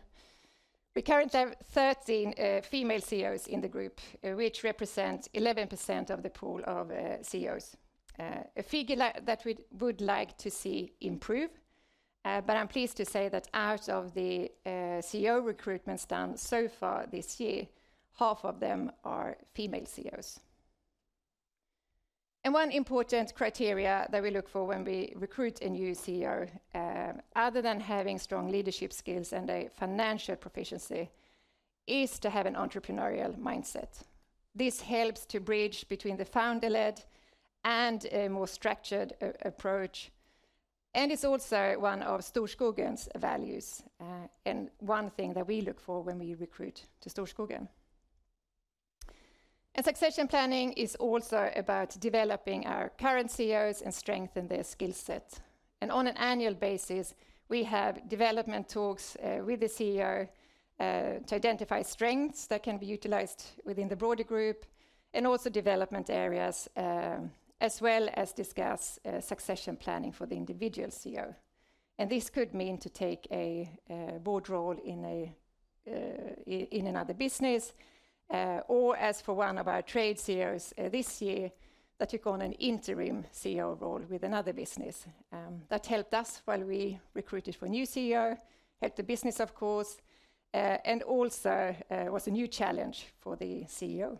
We currently have 13 female CEOs in the group, which represents 11% of the pool of CEOs. A figure that we would like to see improve. But I'm pleased to say that out of the CEO recruitments done so far this year, half of them are female CEOs. One important criterion that we look for when we recruit a new CEO, other than having strong leadership skills and a financial proficiency, is to have an entrepreneurial mindset. This helps to bridge between the founder-led and a more structured approach. And it's also one of Storskogen's values and one thing that we look for when we recruit to Storskogen. And succession planning is also about developing our current CEOs and strengthening their skill set. And on an annual basis, we have development talks with the CEO to identify strengths that can be utilized within the broader group and also development areas, as well as discuss succession planning for the individual CEO. And this could mean to take a board role in another business, or as for one of our trade CEOs this year, that took on an interim CEO role with another business. That helped us while we recruited for a new CEO, helped the business, of course, and also was a new challenge for the CEO.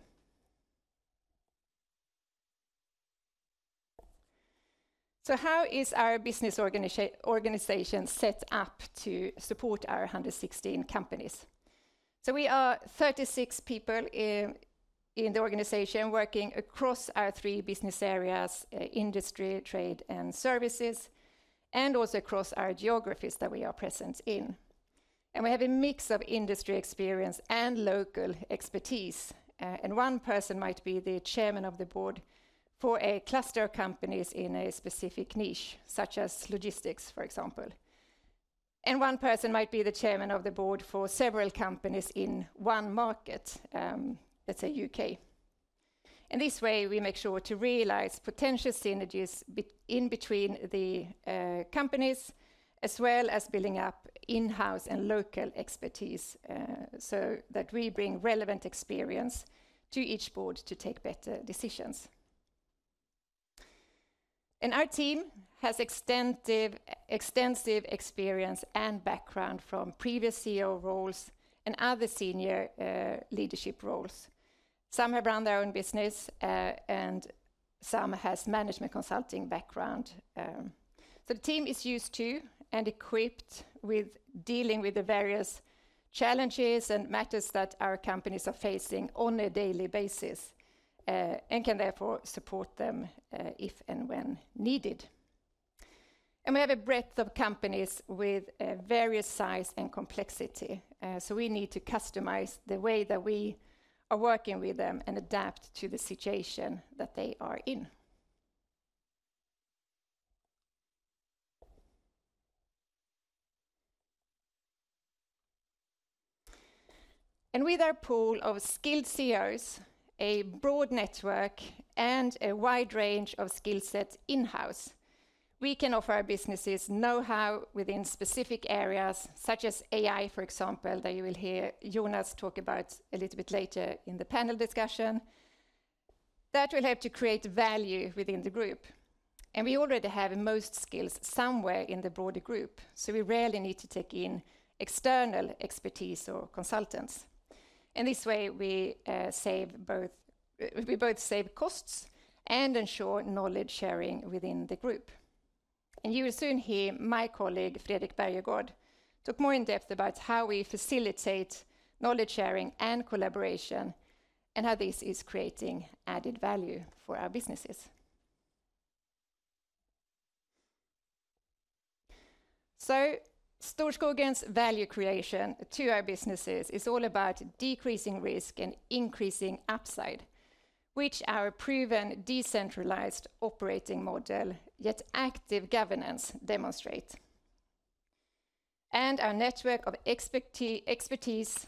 So how is our business organization set up to support our 116 companies? So we are 36 people in the organization working across our three business areas, industry, trade, and services, and also across our geographies that we are present in. And we have a mix of industry experience and local expertise. And one person might be the chairman of the board for a cluster of companies in a specific niche, such as logistics, for example. And one person might be the chairman of the board for several companies in one market, let's say U.K. This way, we make sure to realize potential synergies in between the companies, as well as building up in-house and local expertise so that we bring relevant experience to each board to take better decisions. Our team has extensive experience and background from previous CEO roles and other senior leadership roles. Some have run their own business, and some have management consulting background. The team is used to and equipped with dealing with the various challenges and matters that our companies are facing on a daily basis and can therefore support them if and when needed. We have a breadth of companies with various sizes and complexity. We need to customize the way that we are working with them and adapt to the situation that they are in. And with our pool of skilled CEOs, a broad network, and a wide range of skill sets in-house, we can offer our businesses know-how within specific areas, such as AI, for example, that you will hear Jonas talk about a little bit later in the panel discussion. That will help to create value within the group. And we already have most skills somewhere in the broader group, so we rarely need to take in external expertise or consultants. And this way, we both save costs and ensure knowledge sharing within the group. And you will soon hear my colleague, Fredrik Bergegård, talk more in depth about how we facilitate knowledge sharing and collaboration and how this is creating added value for our businesses. So Storskogen's value creation to our businesses is all about decreasing risk and increasing upside, which our proven decentralized operating model yet active governance demonstrates. Our network of expertise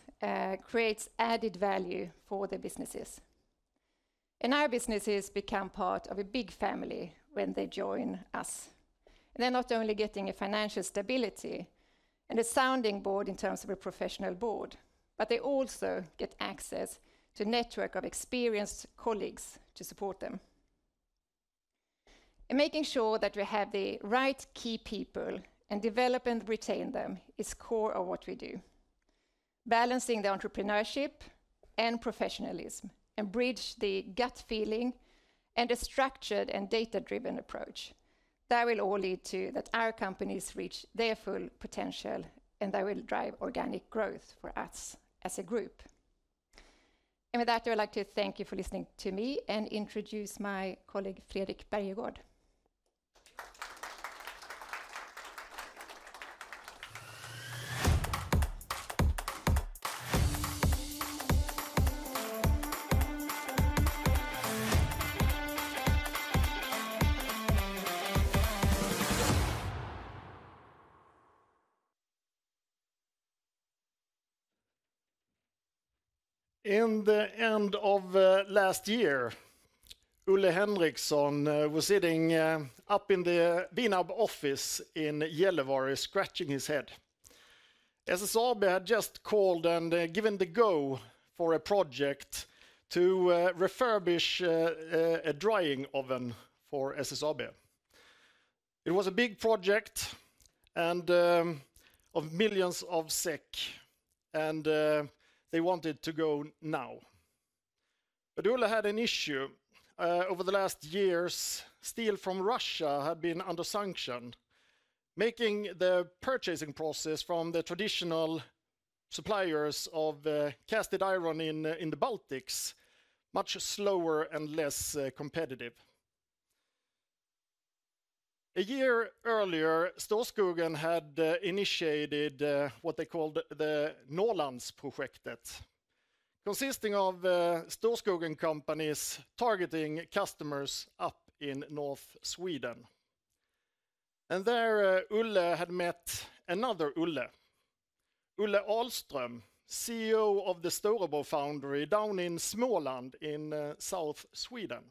creates added value for the businesses. Our businesses become part of a big family when they join us. They're not only getting financial stability and a sounding board in terms of a professional board, but they also get access to a network of experienced colleagues to support them. Making sure that we have the right key people and develop and retain them is core of what we do. Balancing the entrepreneurship and professionalism and bridge the gut feeling and a structured and data-driven approach. That will all lead to that our companies reach their full potential and that will drive organic growth for us as a group. With that, I would like to thank you for listening to me and introduce my colleague, Fredrik Bergegård. At the end of last year, Olle Henriksson was sitting up in the VINAB office in Gällivare scratching his head. SSAB had just called and given the go for a project to refurbish a drying oven for SSAB. It was a big project and of millions of SEK, and they wanted to go now, but Olle had an issue. Over the last years, steel from Russia had been under sanction, making the purchasing process from the traditional suppliers of cast iron in the Baltics much slower and less competitive. A year earlier, Storskogen had initiated what they called the Norrlands-projektet, consisting of Storskogen companies targeting customers up in North Sweden, and there, Olle had met another Olle, Olle Ahlström, CEO of the Storebro Foundry down in Småland in South Sweden,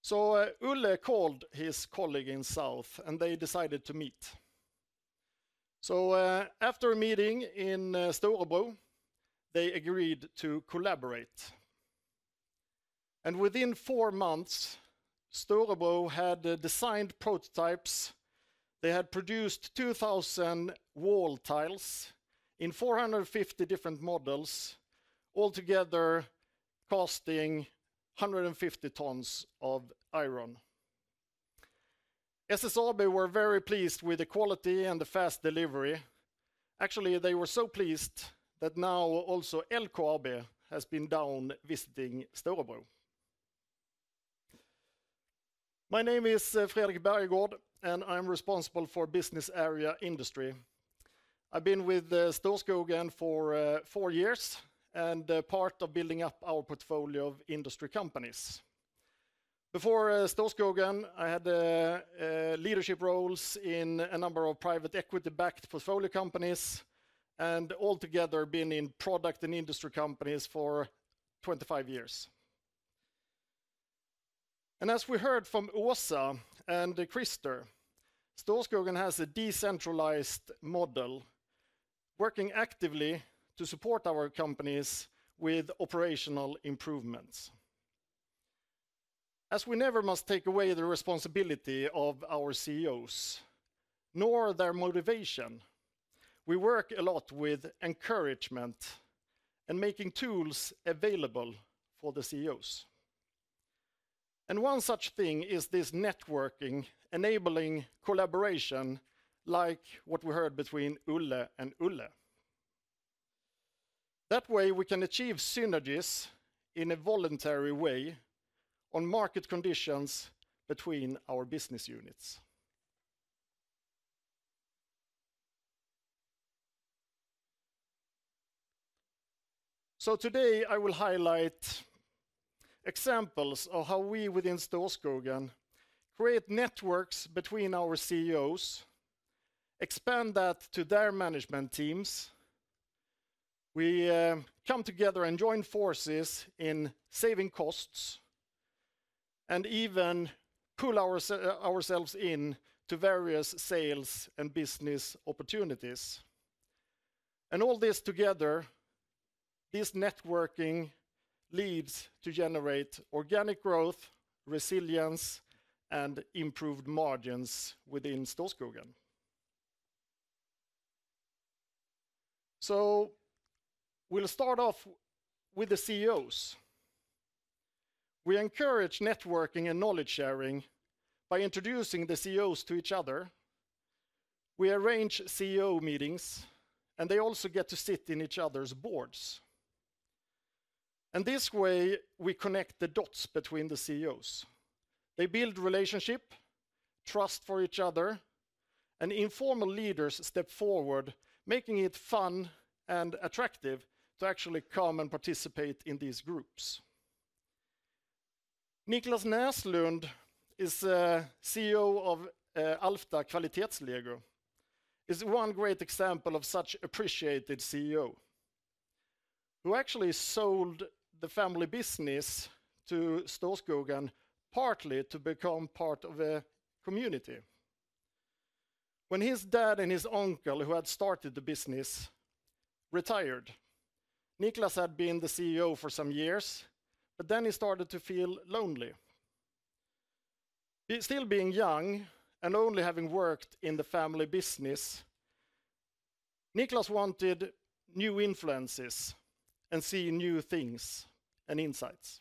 so Olle called his colleague in South, and they decided to meet. After a meeting in Storebro, they agreed to collaborate. Within four months, Storebro had designed prototypes. They had produced 2,000 wall tiles in 450 different models, altogether costing 150 tons of iron. SSAB were very pleased with the quality and the fast delivery. Actually, they were so pleased that now also LKAB has been down visiting Storebro. My name is Fredrik Bergegård, and I'm responsible for Business Area Industry. I've been with Storskogen for four years and part of building up our portfolio of industry companies. Before Storskogen, I had leadership roles in a number of private equity-backed portfolio companies and altogether been in product and industry companies for 25 years. As we heard from Åsa and Christer, Storskogen has a decentralized model, working actively to support our companies with operational improvements. As we never must take away the responsibility of our CEOs, nor their motivation, we work a lot with encouragement and making tools available for the CEOs. And one such thing is this networking, enabling collaboration like what we heard between Olle and Olle. That way, we can achieve synergies in a voluntary way on market conditions between our business units. So today, I will highlight examples of how we within Storskogen create networks between our CEOs, expand that to their management teams. We come together and join forces in saving costs and even pull ourselves in to various sales and business opportunities. And all this together, this networking leads to generate organic growth, resilience, and improved margins within Storskogen. So we'll start off with the CEOs. We encourage networking and knowledge sharing by introducing the CEOs to each other. We arrange CEO meetings, and they also get to sit in each other's boards, and this way, we connect the dots between the CEOs. They build relationship, trust for each other, and informal leaders step forward, making it fun and attractive to actually come and participate in these groups. Niklas Näslund is the CEO of Alfta Kvalitetslego, one great example of such appreciated CEO, who actually sold the family business to Storskogen, partly to become part of a community. When his dad and his uncle, who had started the business, retired, Niklas had been the CEO for some years, but then he started to feel lonely. Still being young and only having worked in the family business, Niklas wanted new influences and see new things and insights.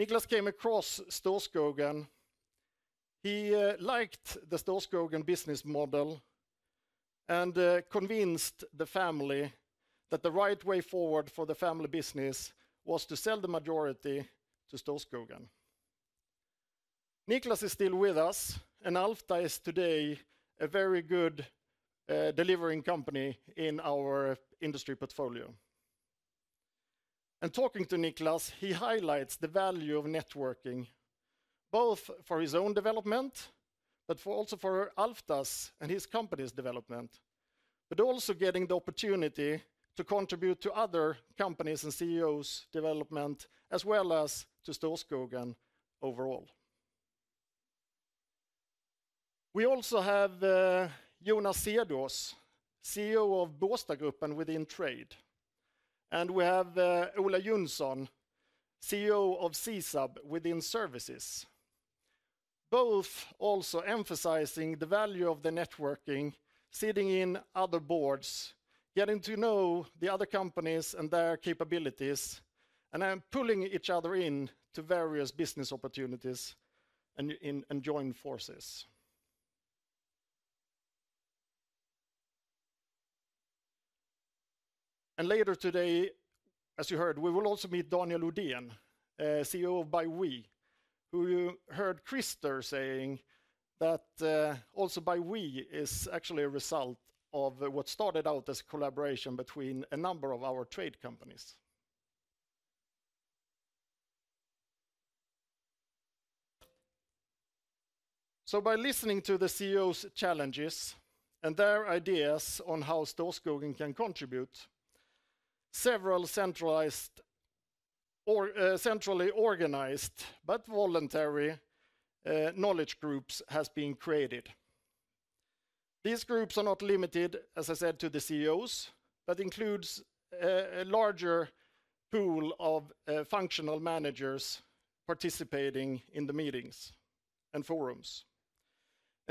Niklas came across Storskogen. He liked the Storskogen business model and convinced the family that the right way forward for the family business was to sell the majority to Storskogen. Niklas is still with us, and Alfta is today a very good delivering company in our industry portfolio. And talking to Niklas, he highlights the value of networking, both for his own development, but also for Alfta's and his company's development, but also getting the opportunity to contribute to other companies and CEOs' development, as well as to Storskogen overall. We also have Jonas Cederås, CEO of Borstagruppen within trade, and we have Ola Jonsson, CEO of SISAB within services, both also emphasizing the value of the networking, sitting in other boards, getting to know the other companies and their capabilities, and pulling each other in to various business opportunities and join forces. Later today, as you heard, we will also meet Daniel Ödehn, CEO of ByWe, who you heard Christer saying that also ByWe is actually a result of what started out as a collaboration between a number of our trade companies. By listening to the CEO's challenges and their ideas on how Storskogen can contribute, several centrally organized, but voluntary knowledge groups have been created. These groups are not limited, as I said, to the CEOs, but include a larger pool of functional managers participating in the meetings and forums.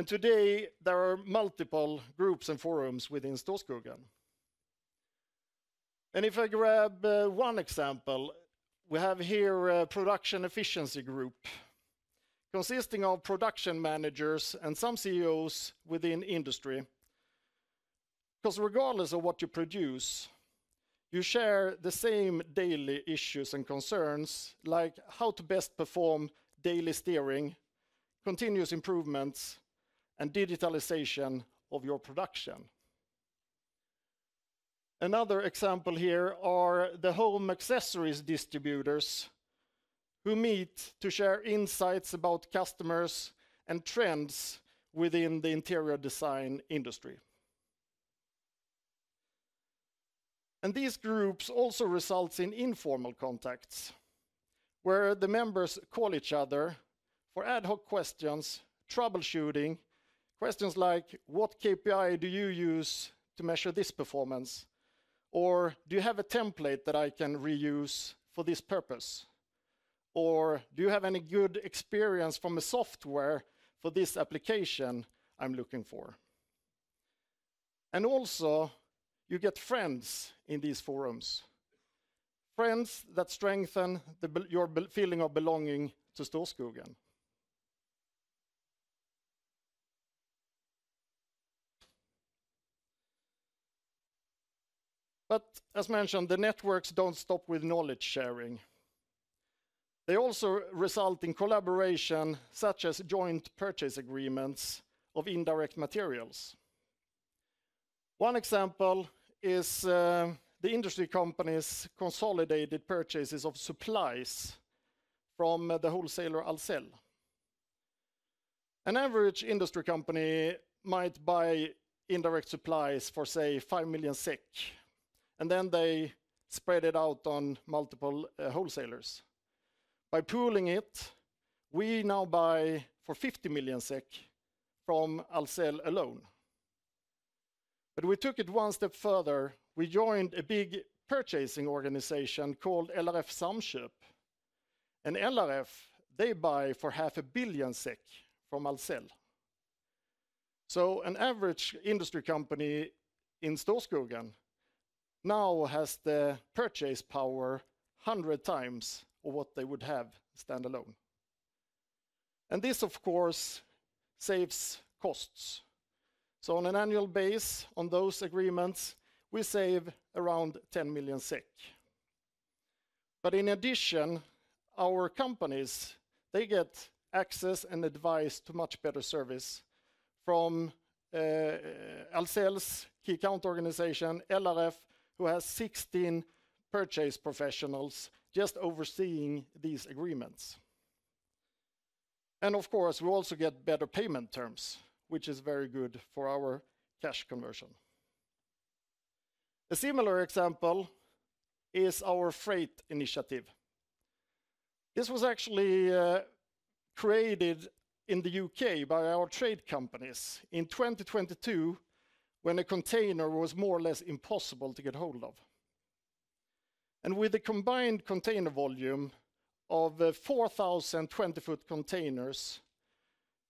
Today, there are multiple groups and forums within Storskogen. If I grab one example, we have here a production efficiency group consisting of production managers and some CEOs within industry. Because regardless of what you produce, you share the same daily issues and concerns, like how to best perform daily steering, continuous improvements, and digitalization of your production. Another example here are the home accessories distributors, who meet to share insights about customers and trends within the interior design industry. And these groups also result in informal contacts, where the members call each other for ad hoc questions, troubleshooting questions like, "What KPI do you use to measure this performance?" or, "Do you have a template that I can reuse for this purpose?" or, "Do you have any good experience from a software for this application I'm looking for?" And also, you get friends in these forums, friends that strengthen your feeling of belonging to Storskogen. But as mentioned, the networks don't stop with knowledge sharing. They also result in collaboration, such as joint purchase agreements of indirect materials. One example is the industry companies' consolidated purchases of supplies from the wholesaler Ahlsell. An average industry company might buy indirect supplies for, say, SEK 5 million, and then they spread it out on multiple wholesalers. By pooling it, we now buy for 50 million SEK from Ahlsell alone. But we took it one step further. We joined a big purchasing organization called LRF Samköp. And LRF, they buy for 500 million SEK from Ahlsell. So an average industry company in Storskogen now has the purchasing power 100 times what they would have standalone. And this, of course, saves costs. So on an annual basis, on those agreements, we save around 10 million SEK. But in addition, our companies, they get access and advice to much better service from Ahlsell's key account organization, LRF, who has 16 purchasing professionals just overseeing these agreements. Of course, we also get better payment terms, which is very good for our cash conversion. A similar example is our freight initiative. This was actually created in the U.K. by our trade companies in 2022, when a container was more or less impossible to get hold of. With the combined container volume of 4,000 20-foot containers,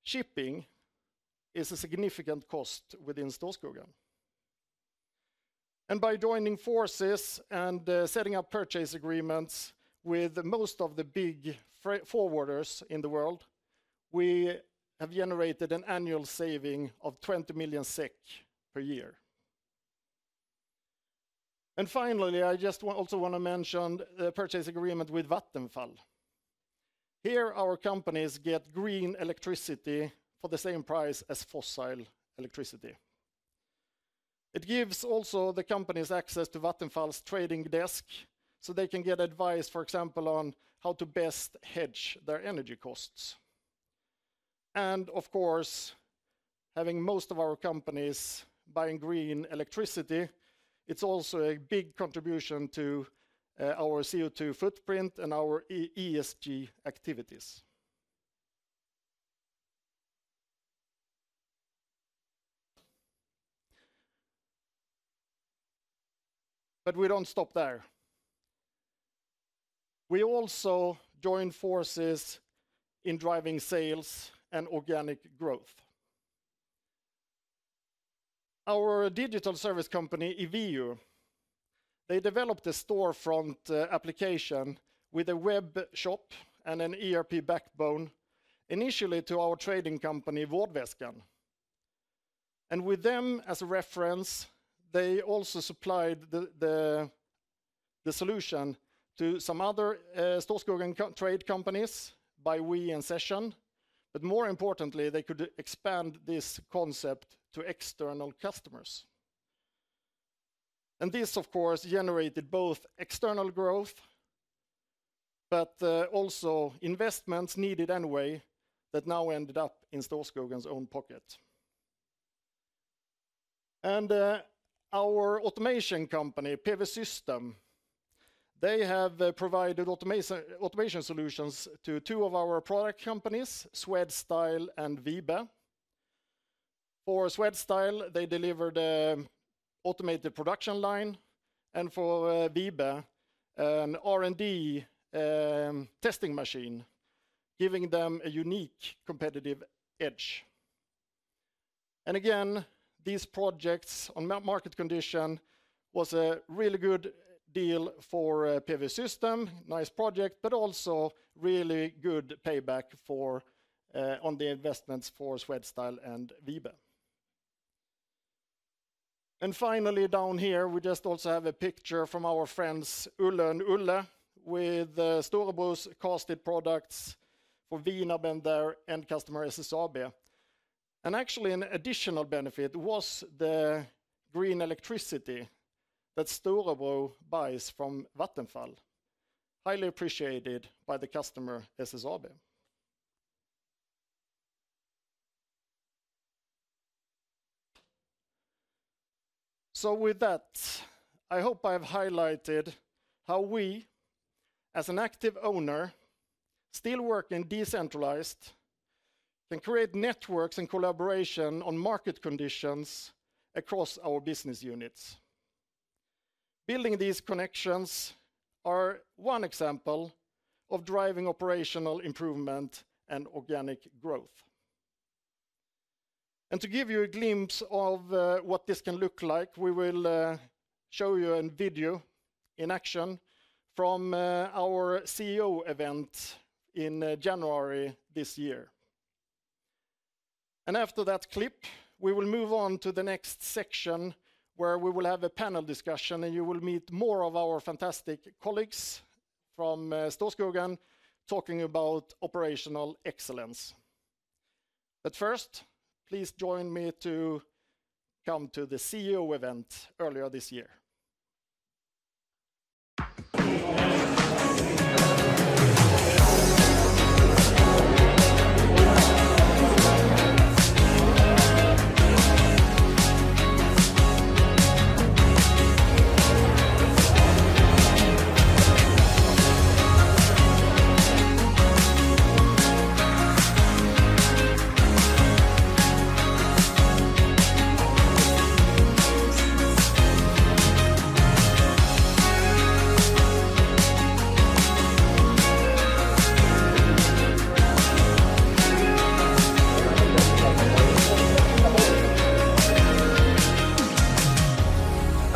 shipping is a significant cost within Storskogen. By joining forces and setting up purchase agreements with most of the big forwarders in the world, we have generated an annual saving of 20 million SEK per year. Finally, I just also want to mention the purchase agreement with Vattenfall. Here, our companies get green electricity for the same price as fossil electricity. It gives also the companies access to Vattenfall's trading desk, so they can get advice, for example, on how to best hedge their energy costs. And of course, having most of our companies buying green electricity, it's also a big contribution to our CO2 footprint and our ESG activities. But we don't stop there. We also join forces in driving sales and organic growth. Our digital service company, IVEO, they developed a storefront application with a web shop and an ERP backbone, initially to our trading company, Vårdväskan. And with them as a reference, they also supplied the solution to some other Storskogen trade companies, ByWe and Session. But more importantly, they could expand this concept to external customers. And this, of course, generated both external growth, but also investments needed anyway that now ended up in Storskogen's own pocket. And our automation company, PV Systems, they have provided automation solutions to two of our product companies, Swedstyle and Wibe. For Swedstyle, they delivered an automated production line, and for Wibe, an R&D testing machine, giving them a unique competitive edge, and again, these projects on market condition was a really good deal for PV Systems, nice project, but also really good payback on the investments for Swedstyle and Wibe, and finally, down here, we just also have a picture from our friends Olle and Olle with Storebro's casted products for VINAB and customer SSAB, and actually, an additional benefit was the green electricity that Storebro buys from Vattenfall, highly appreciated by the customer SSAB, so with that, I hope I have highlighted how we, as an active owner, still working decentralized, can create networks and collaboration on market conditions across our business units. Building these connections are one example of driving operational improvement and organic growth. And to give you a glimpse of what this can look like, we will show you a video in action from our CEO event in January this year. And after that clip, we will move on to the next section where we will have a panel discussion, and you will meet more of our fantastic colleagues from Storskogen talking about operational excellence. But first, please join me to come to the CEO event earlier this year.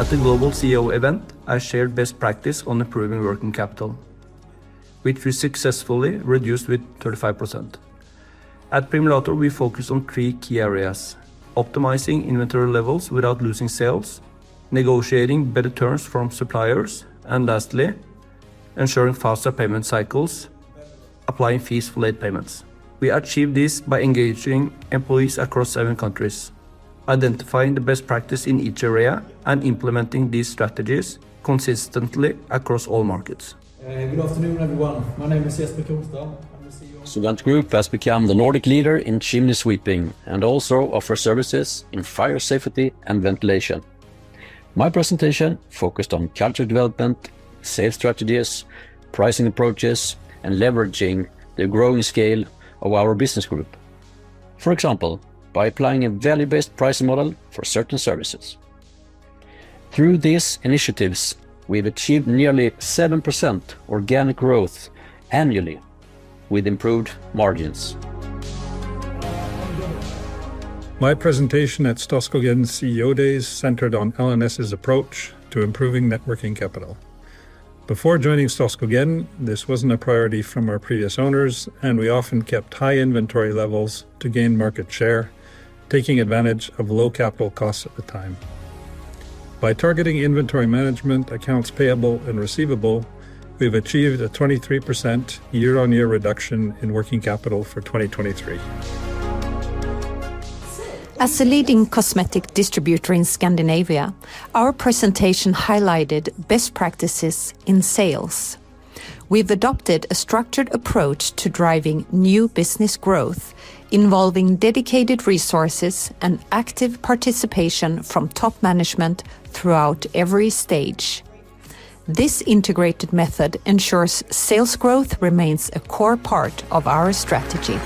At the global CEO event, I shared best practice on improving working capital, which we successfully reduced with 35%. At Primulator, we focus on three key areas: optimizing inventory levels without losing sales, negotiating better terms from suppliers, and lastly, ensuring faster payment cycles, applying fees for late payments. We achieve this by engaging employees across seven countries, identifying the best practice in each area, and implementing these strategies consistently across all markets. Good afternoon, everyone. My name is Jesper Kronstrand. I'm the CEO of SoVent Group. I've become the Nordic leader in chimney sweeping and also offer services in fire safety and ventilation. My presentation focused on culture development, sales strategies, pricing approaches, and leveraging the growing scale of our business group, for example, by applying a value-based pricing model for certain services. Through these initiatives, we've achieved nearly 7% organic growth annually with improved margins. My presentation at Storskogen's CEO Day is centered on SoVent's approach to improving net working capital. Before joining Storskogen, this wasn't a priority from our previous owners, and we often kept high inventory levels to gain market share, taking advantage of low capital costs at the time. By targeting inventory management, accounts payable, and receivable, we've achieved a 23% year-on-year reduction in working capital for 2023. As a leading cosmetic distributor in Scandinavia, our presentation highlighted best practices in sales. We've adopted a structured approach to driving new business growth, involving dedicated resources and active participation from top management throughout every stage. This integrated method ensures sales growth remains a core part of our strategy.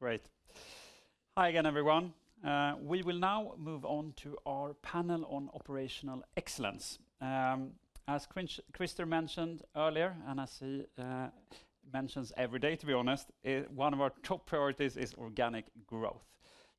Great. Hi again, everyone. We will now move on to our panel on operational excellence. As Christer mentioned earlier, and as he mentions every day, to be honest, one of our top priorities is organic growth.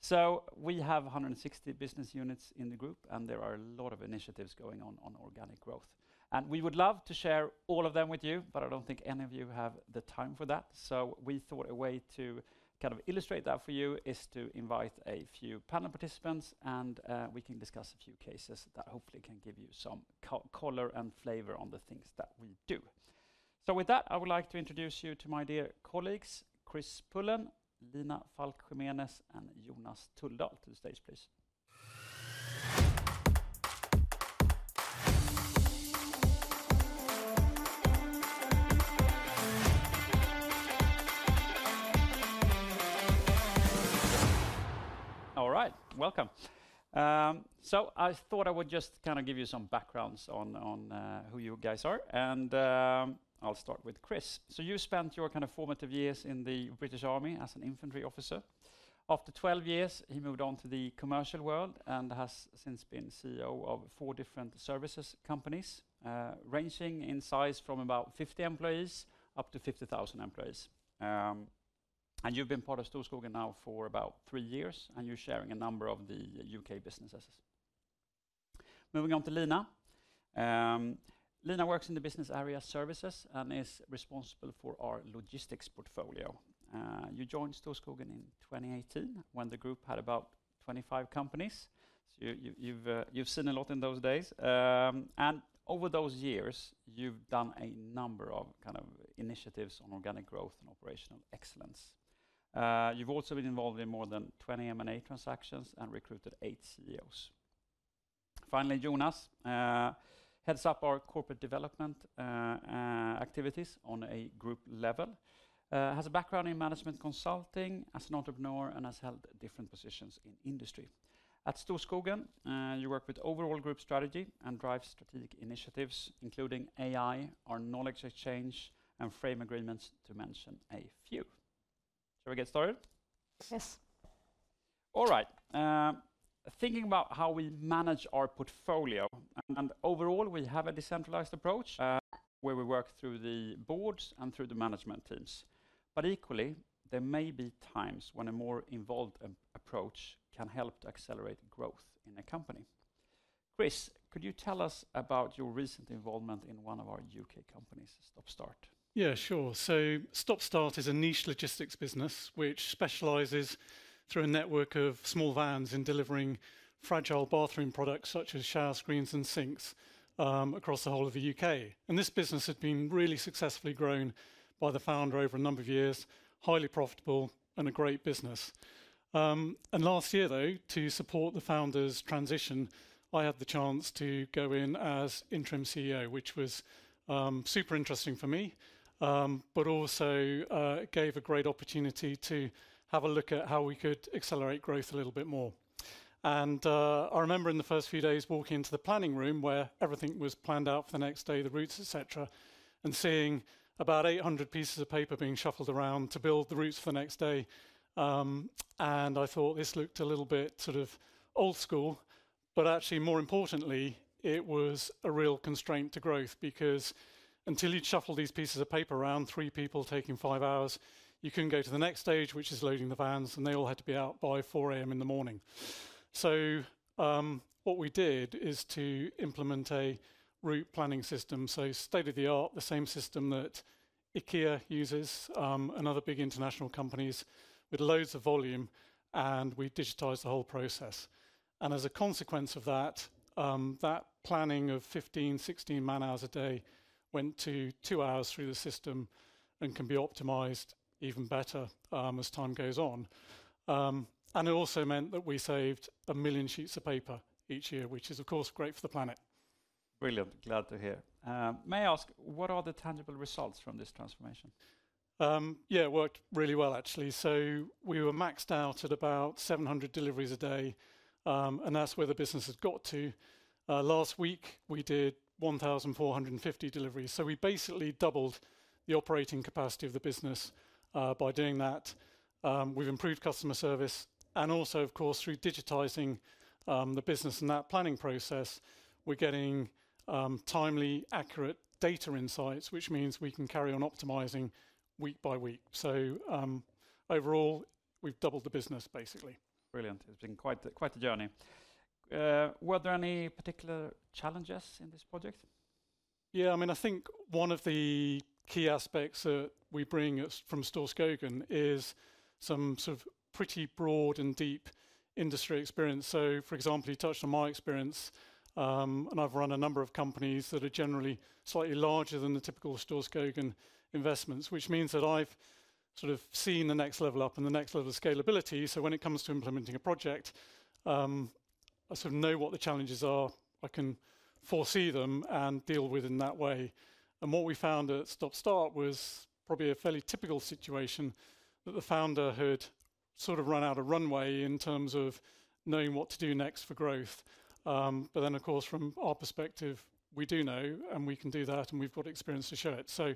So we have 160 business units in the group, and there are a lot of initiatives going on organic growth, and we would love to share all of them with you, but I don't think any of you have the time for that. So we thought a way to kind of illustrate that for you is to invite a few panel participants, and we can discuss a few cases that hopefully can give you some color and flavor on the things that we do. So with that, I would like to introduce you to my dear colleagues, Chris Pullen, Lina Falk Jiménez, and Jonas Tulldahl. To the stage, please. All right, welcome. So I thought I would just kind of give you some background on who you guys are, and I'll start with Chris. So you spent your kind of formative years in the British Army as an infantry officer. After 12 years, he moved on to the commercial world and has since been CEO of four different services companies, ranging in size from about 50 employees up to 50,000 employees. And you've been part of Storskogen now for about three years, and you're sharing a number of the U.K. businesses. Moving on to Lina. Lina works in the business area services and is responsible for our logistics portfolio. You joined Storskogen in 2018 when the group had about 25 companies. So you've seen a lot in those days. And over those years, you've done a number of kind of initiatives on organic growth and operational excellence. You've also been involved in more than 20 M&A transactions and recruited eight CEOs. Finally, Jonas heads up our corporate development activities on a group level, has a background in management consulting, as an entrepreneur, and has held different positions in industry. At Storskogen, you work with overall group strategy and drive strategic initiatives, including AI, our knowledge exchange, and frame agreements, to mention a few. Shall we get started? Yes. All right. Thinking about how we manage our portfolio, and overall, we have a decentralized approach where we work through the boards and through the management teams, but equally, there may be times when a more involved approach can help to accelerate growth in a company. Chris, could you tell us about your recent involvement in one of our U.K. companies, Stop Start? Yeah, sure, so Stop Start is a niche logistics business which specializes through a network of small vans in delivering fragile bathroom products such as shower screens and sinks across the whole of the U.K., and this business has been really successfully grown by the founder over a number of years, highly profitable and a great business. And last year, though, to support the founder's transition, I had the chance to go in as interim CEO, which was super interesting for me, but also gave a great opportunity to have a look at how we could accelerate growth a little bit more. And I remember in the first few days walking into the planning room where everything was planned out for the next day, the routes, etc., and seeing about 800 pieces of paper being shuffled around to build the routes for the next day. And I thought this looked a little bit sort of old school, but actually, more importantly, it was a real constraint to growth because until you'd shuffle these pieces of paper around, three people taking five hours, you couldn't go to the next stage, which is loading the vans, and they all had to be out by 4:00AM in the morning. What we did is to implement a route planning system, so state-of-the-art, the same system that IKEA uses, another big international company with loads of volume, and we digitized the whole process. As a consequence of that, that planning of 15, 16 man-hours a day went to two hours through the system and can be optimized even better as time goes on. It also meant that we saved a million sheets of paper each year, which is, of course, great for the planet. Brilliant. Glad to hear. May I ask, what are the tangible results from this transformation? Yeah, it worked really well, actually. We were maxed out at about 700 deliveries a day, and that's where the business has got to. Last week, we did 1,450 deliveries. We basically doubled the operating capacity of the business by doing that. We've improved customer service and also, of course, through digitizing the business and that planning process, we're getting timely, accurate data insights, which means we can carry on optimizing week by week. So overall, we've doubled the business, basically. Brilliant. It's been quite a journey. Were there any particular challenges in this project? Yeah, I mean, I think one of the key aspects that we bring from Storskogen is some sort of pretty broad and deep industry experience. So, for example, you touched on my experience, and I've run a number of companies that are generally slightly larger than the typical Storskogen investments, which means that I've sort of seen the next level up and the next level of scalability. So when it comes to implementing a project, I sort of know what the challenges are. I can foresee them and deal with them that way. And what we found at Stop Start was probably a fairly typical situation that the founder had sort of run out of runway in terms of knowing what to do next for growth. But then, of course, from our perspective, we do know, and we can do that, and we've got experience to show it. So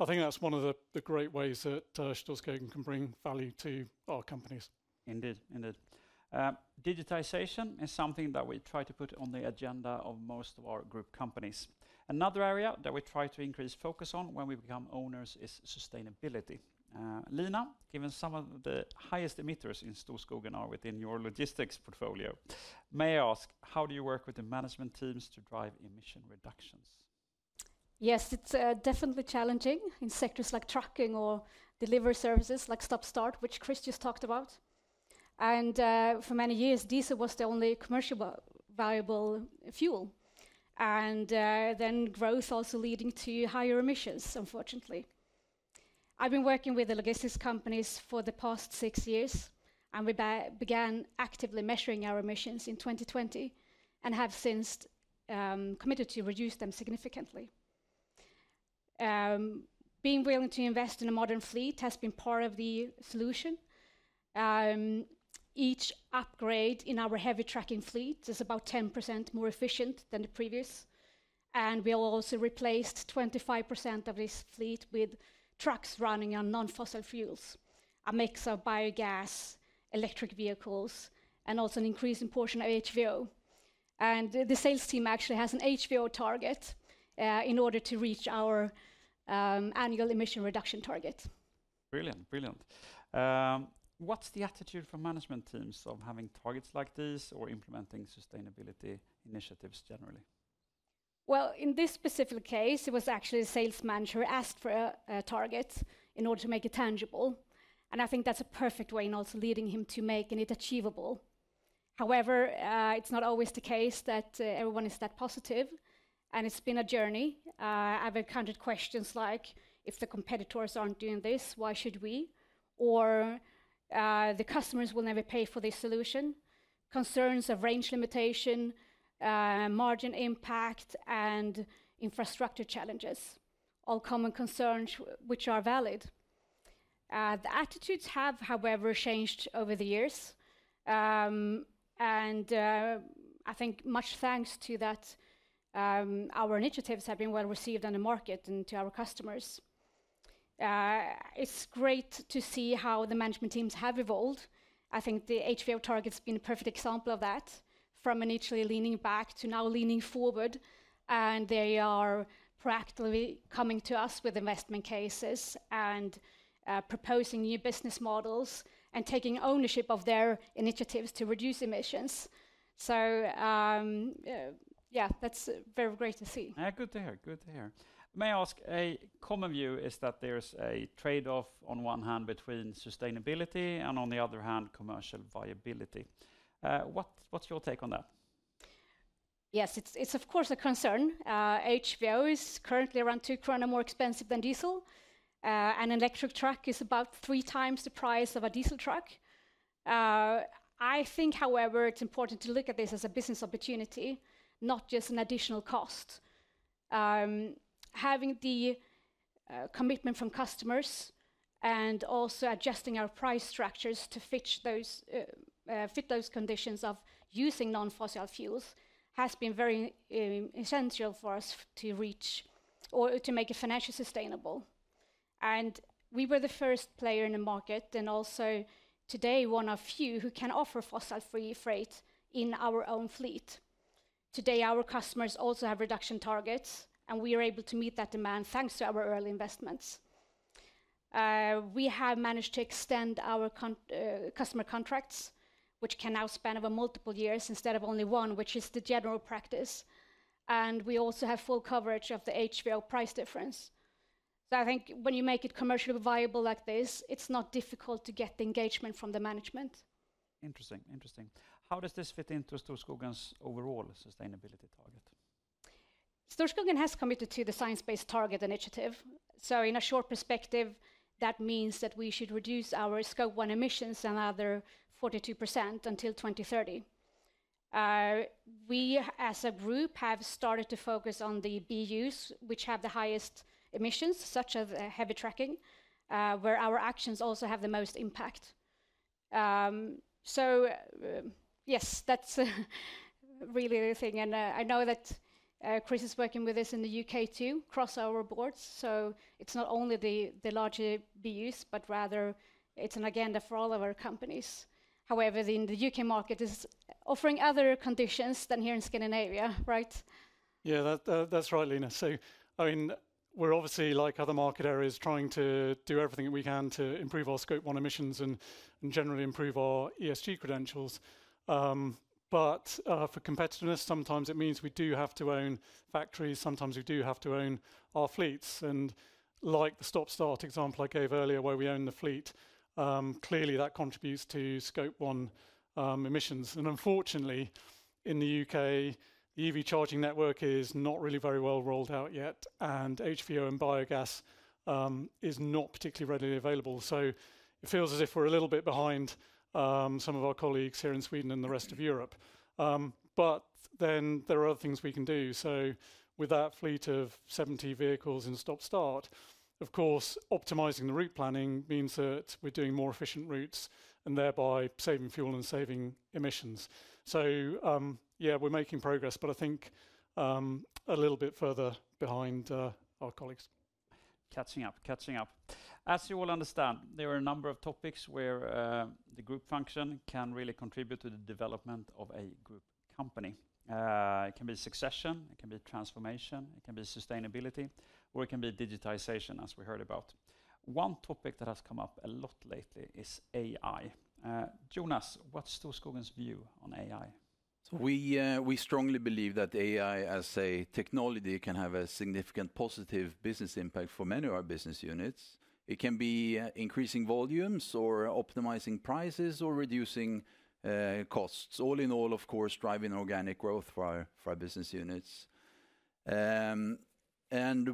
I think that's one of the great ways that Storskogen can bring value to our companies. Indeed, indeed. Digitization is something that we try to put on the agenda of most of our group companies. Another area that we try to increase focus on when we become owners is sustainability. Lina, given some of the highest emitters in Storskogen are within your logistics portfolio, may I ask, how do you work with the management teams to drive emission reductions? Yes, it's definitely challenging in sectors like trucking or delivery services like Stop Start, which Chris just talked about. And for many years, diesel was the only commercial variable fuel, and then growth also led to higher emissions, unfortunately. I've been working with the logistics companies for the past six years, and we began actively measuring our emissions in 2020 and have since committed to reduce them significantly. Being willing to invest in a modern fleet has been part of the solution. Each upgrade in our heavy trucking fleet is about 10% more efficient than the previous. And we also replaced 25% of this fleet with trucks running on non-fossil fuels, a mix of biogas, electric vehicles, and also an increasing portion of HVO. And the sales team actually has an HVO target in order to reach our annual emission reduction target. Brilliant, brilliant. What's the attitude from management teams of having targets like these or implementing sustainability initiatives generally? Well, in this specific case, it was actually a sales manager who asked for targets in order to make it tangible. And I think that's a perfect way in also leading him to make it achievable. However, it's not always the case that everyone is that positive. And it's been a journey. I've encountered questions like, if the competitors aren't doing this, why should we? Or the customers will never pay for this solution. Concerns of range limitation, margin impact, and infrastructure challenges, all common concerns which are valid. The attitudes have, however, changed over the years. And I think much thanks to that, our initiatives have been well received on the market and to our customers. It's great to see how the management teams have evolved. I think the HVO target has been a perfect example of that, from initially leaning back to now leaning forward, and they are practically coming to us with investment cases and proposing new business models and taking ownership of their initiatives to reduce emissions. So yeah, that's very great to see. Good to hear, good to hear. May I ask, a common view is that there's a trade-off on one hand between sustainability and on the other hand, commercial viability. What's your take on that? Yes, it's of course a concern. HVO is currently around 2 kronor more expensive than diesel. An electric truck is about 3x the price of a diesel truck. I think, however, it's important to look at this as a business opportunity, not just an additional cost. Having the commitment from customers and also adjusting our price structures to fit those conditions of using non-fossil fuels has been very essential for us to reach or to make it financially sustainable, and we were the first player in the market and also today one of few who can offer fossil-free freight in our own fleet. Today, our customers also have reduction targets, and we are able to meet that demand thanks to our early investments. We have managed to extend our customer contracts, which can now span over multiple years instead of only one, which is the general practice, and we also have full coverage of the HVO price difference, so I think when you make it commercially viable like this, it's not difficult to get engagement from the management. Interesting, interesting. How does this fit into Storskogen's overall sustainability target? Storskogen has committed to the science-based target initiative. So in a short perspective, that means that we should reduce our Scope 1 emissions another 42% until 2030. We, as a group, have started to focus on the BUs, which have the highest emissions, such as heavy trucking, where our actions also have the most impact. So yes, that's really the thing. And I know that Chris is working with us in the U.K. too, across our boards. So it's not only the larger BUs, but rather it's an agenda for all of our companies. However, in the U.K. market, it's offering other conditions than here in Scandinavia, right? Yeah, that's right, Lina. So I mean, we're obviously, like other market areas, trying to do everything that we can to improve our Scope 1 emissions and generally improve our ESG credentials. For competitiveness, sometimes it means we do have to own factories. Sometimes we do have to own our fleets. And like the Stop Start example I gave earlier, where we own the fleet, clearly that contributes to Scope 1 emissions. And unfortunately, in the U.K., the EV charging network is not really very well rolled out yet, and HVO and biogas is not particularly readily available. So it feels as if we're a little bit behind some of our colleagues here in Sweden and the rest of Europe. But then there are other things we can do. So with that fleet of 70 vehicles in Stop Start, of course, optimizing the route planning means that we're doing more efficient routes and thereby saving fuel and saving emissions. So yeah, we're making progress, but I think a little bit further behind our colleagues. Catching up, catching up. As you all understand, there are a number of topics where the group function can really contribute to the development of a group company. It can be succession, it can be transformation, it can be sustainability, or it can be digitization, as we heard about. One topic that has come up a lot lately is AI. Jonas, what's Storskogen's view on AI? We strongly believe that AI as a technology can have a significant positive business impact for many of our business units. It can be increasing volumes or optimizing prices or reducing costs, all in all, of course, driving organic growth for our business units. And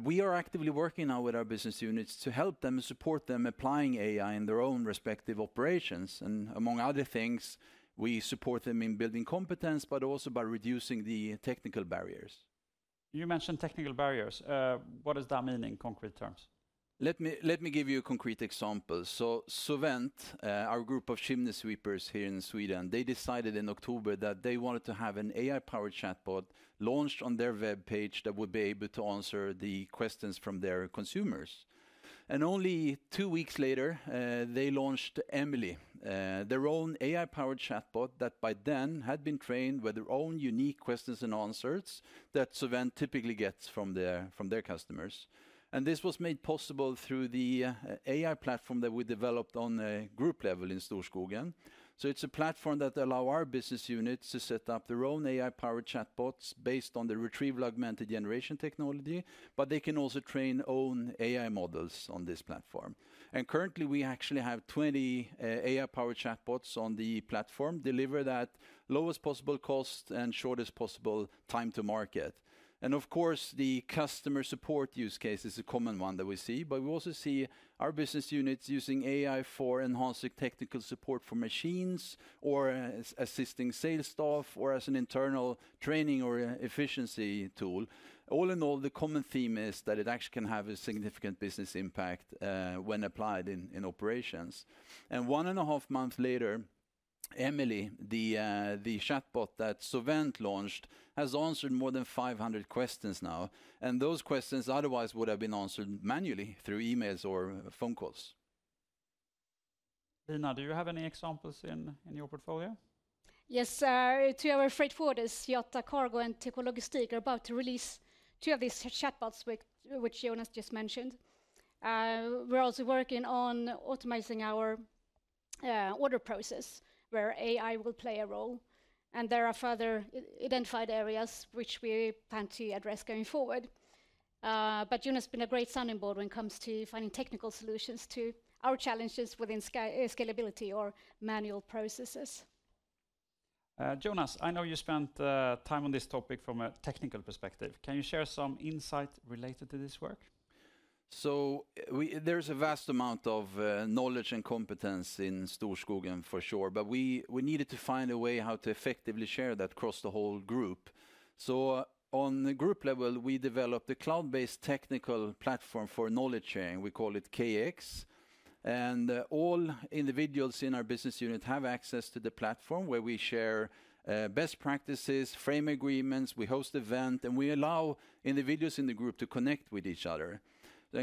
we are actively working now with our business units to help them and support them applying AI in their own respective operations. And among other things, we support them in building competence, but also by reducing the technical barriers. You mentioned technical barriers. What does that mean in concrete terms? Let me give you a concrete example. So SoVent, our group of chimney sweepers here in Sweden, they decided in October that they wanted to have an AI-powered chatbot launched on their web page that would be able to answer the questions from their consumers. And only two weeks later, they launched that by then had been trained with their own unique questions and answers that SoVent typically gets from their customers. And this was made possible through the AI platform that we developed on a group level in Storskogen. So it's a platform that allows our business units to set up their own AI-powered chatbots based on the retrieval-augmented generation technology, but they can also train own AI models on this platform. Currently, we actually have 20 AI-powered chatbots on the platform, delivered at lowest possible cost and shortest possible time to market. Of course, the customer support use case is a common one that we see, but we also see our business units using AI for enhancing technical support for machines or assisting sales staff or as an internal training or efficiency tool. All in all, the common theme is that it actually can have a significant business impact when applied in operations. One and a half months later, Emily, the chatbot that SoVent launched, has answered more than 500 questions now. Those questions otherwise would have been answered manually through emails or phone calls. Lina, do you have any examples in your portfolio? Yes, two of our freight forwarders, Jata Cargo and Téco Logistics, are about to release two of these chatbots which Jonas just mentioned. We're also working on optimizing our order process where AI will play a role. And there are further identified areas which we plan to address going forward. But Jonas has been a great sounding board when it comes to finding technical solutions to our challenges within scalability or manual processes. Jonas, I know you spent time on this topic from a technical perspective. Can you share some insight related to this work? So there's a vast amount of knowledge and competence in Storskogen for sure, but we needed to find a way how to effectively share that across the whole group. So on the group level, we developed a cloud-based technical platform for knowledge sharing. We call it KX. All individuals in our business unit have access to the platform where we share best practices, frame agreements, we host events, and we allow individuals in the group to connect with each other.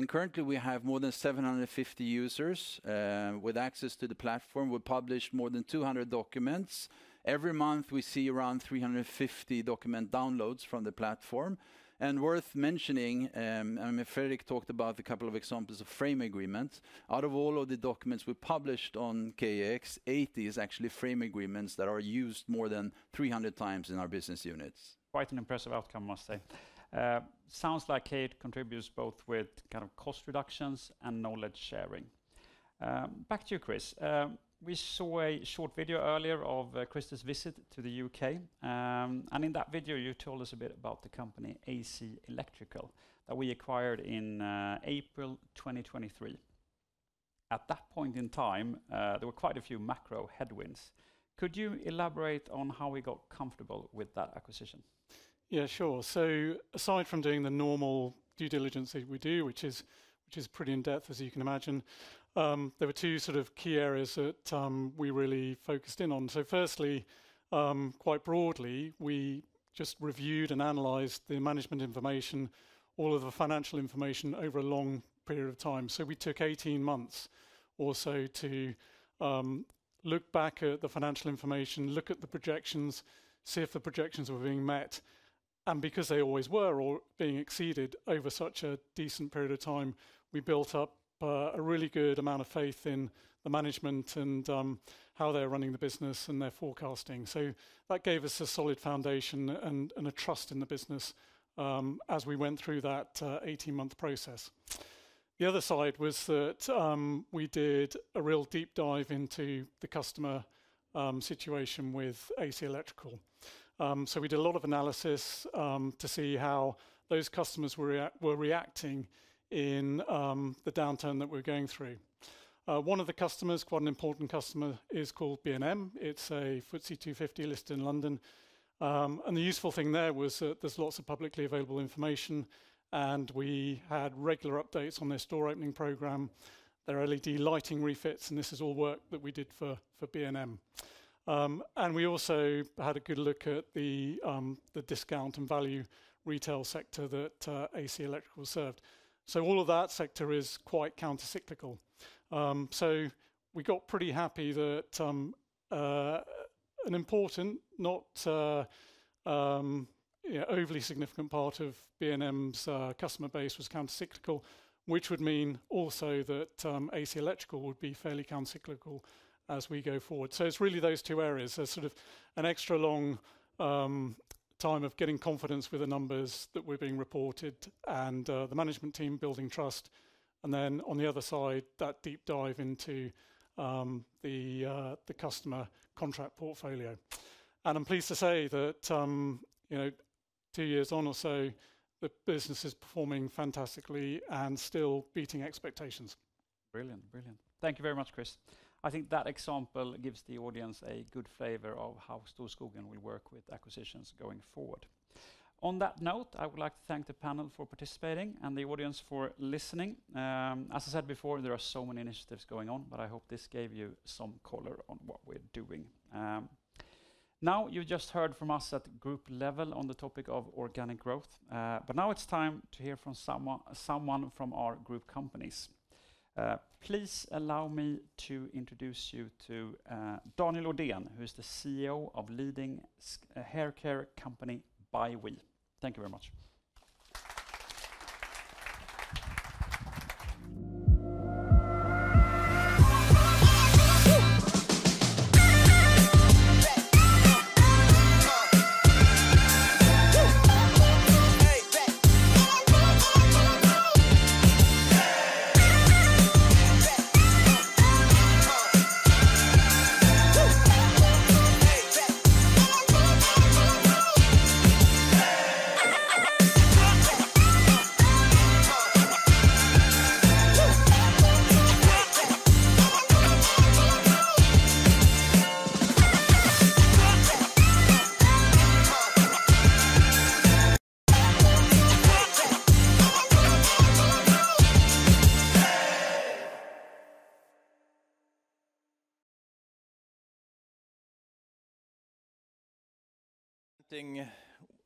Currently, we have more than 750 users with access to the platform. We publish more than 200 documents. Every month, we see around 350 document downloads from the platform. Worth mentioning, I mean, Fredrik talked about a couple of examples of frame agreements. Out of all of the documents we published on KX, 80 is actually frame agreements that are used more than 300 times in our business units. Quite an impressive outcome, must say. Sounds like it contributes both with kind of cost reductions and knowledge sharing. Back to you, Chris. We saw a short video earlier of Chris's visit to the U.K. In that video, you told us a bit about the company AC Electrical that we acquired in April 2023. At that point in time, there were quite a few macro headwinds. Could you elaborate on how we got comfortable with that acquisition? Yeah, sure. Aside from doing the normal due diligence we do, which is pretty in-depth, as you can imagine, there were two sort of key areas that we really focused in on. Firstly, quite broadly, we just reviewed and analyzed the management information, all of the financial information over a long period of time. We took 18 months or so to look back at the financial information, look at the projections, see if the projections were being met. Because they always were or being exceeded over such a decent period of time, we built up a really good amount of faith in the management and how they're running the business and their forecasting. That gave us a solid foundation and a trust in the business as we went through that 18-month process. The other side was that we did a real deep dive into the customer situation with AC Electrical. We did a lot of analysis to see how those customers were reacting in the downturn that we're going through. One of the customers, quite an important customer, is called B&M. It's a FTSE 250 listed in London. The useful thing there was that there's lots of publicly available information. We had regular updates on their store opening program, their LED lighting refits, and this is all work that we did for B&M. And we also had a good look at the discount and value retail sector that AC Electrical served. So all of that sector is quite countercyclical. So we got pretty happy that an important, not overly significant part of B&M's customer base was countercyclical, which would mean also that AC Electrical would be fairly countercyclical as we go forward. So it's really those two areas. There's sort of an extra long time of getting confidence with the numbers that were being reported and the management team building trust. And then on the other side, that deep dive into the customer contract portfolio. And I'm pleased to say that two years on or so, the business is performing fantastically and still beating expectations. Brilliant, brilliant. Thank you very much, Chris. I think that example gives the audience a good flavor of how Storskogen will work with acquisitions going forward. On that note, I would like to thank the panel for participating and the audience for listening. As I said before, there are so many initiatives going on, but I hope this gave you some color on what we're doing. Now, you've just heard from us at group level on the topic of organic growth, but now it's time to hear from someone from our group companies. Please allow me to introduce you to Daniel Ödehn, who is the CEO of leading haircare company ByWe. Thank you very much.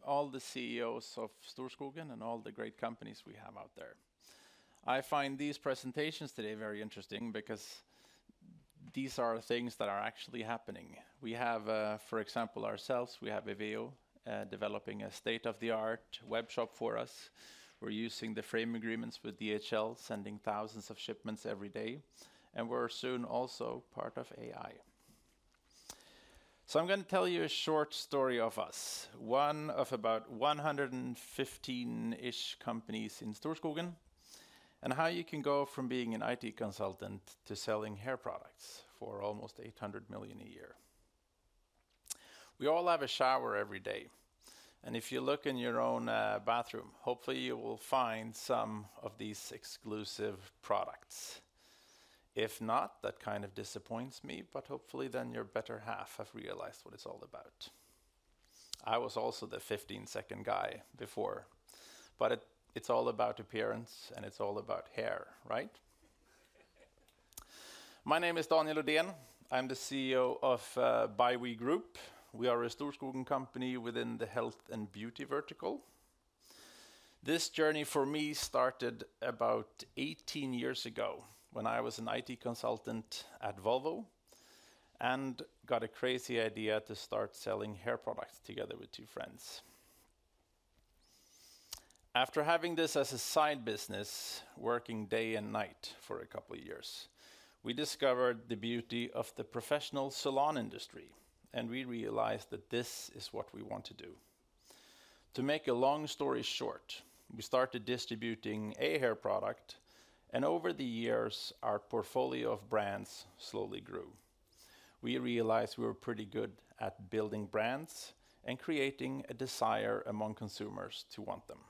All the CEOs of Storskogen and all the great companies we have out there, I find these presentations today very interesting because these are things that are actually happening. We have, for example, ourselves, we have IVEO developing a state-of-the-art web shop for us. We're using the frame agreements with DHL, sending thousands of shipments every day. We're soon also part of AI. I'm going to tell you a short story of us, one of about 115-ish companies in Storskogen, and how you can go from being an IT consultant to selling hair products for almost 800 million a year. We all have a shower every day. If you look in your own bathroom, hopefully you will find some of these exclusive products. If not, that kind of disappoints me, but hopefully then your better half has realized what it's all about. I was also the 15-second guy before, but it's all about appearance and it's all about hair, right? My name is Daniel Ödehn. I'm the CEO of ByWe Group. We are a Storskogen company within the health and beauty vertical. This journey for me started about 18 years ago when I was an IT consultant at Volvo and got a crazy idea to start selling hair products together with two friends. After having this as a side business, working day and night for a couple of years, we discovered the beauty of the professional salon industry, and we realized that this is what we want to do. To make a long story short, we started distributing a hair product, and over the years, our portfolio of brands slowly grew. We realized we were pretty good at building brands and creating a desire among consumers to want them.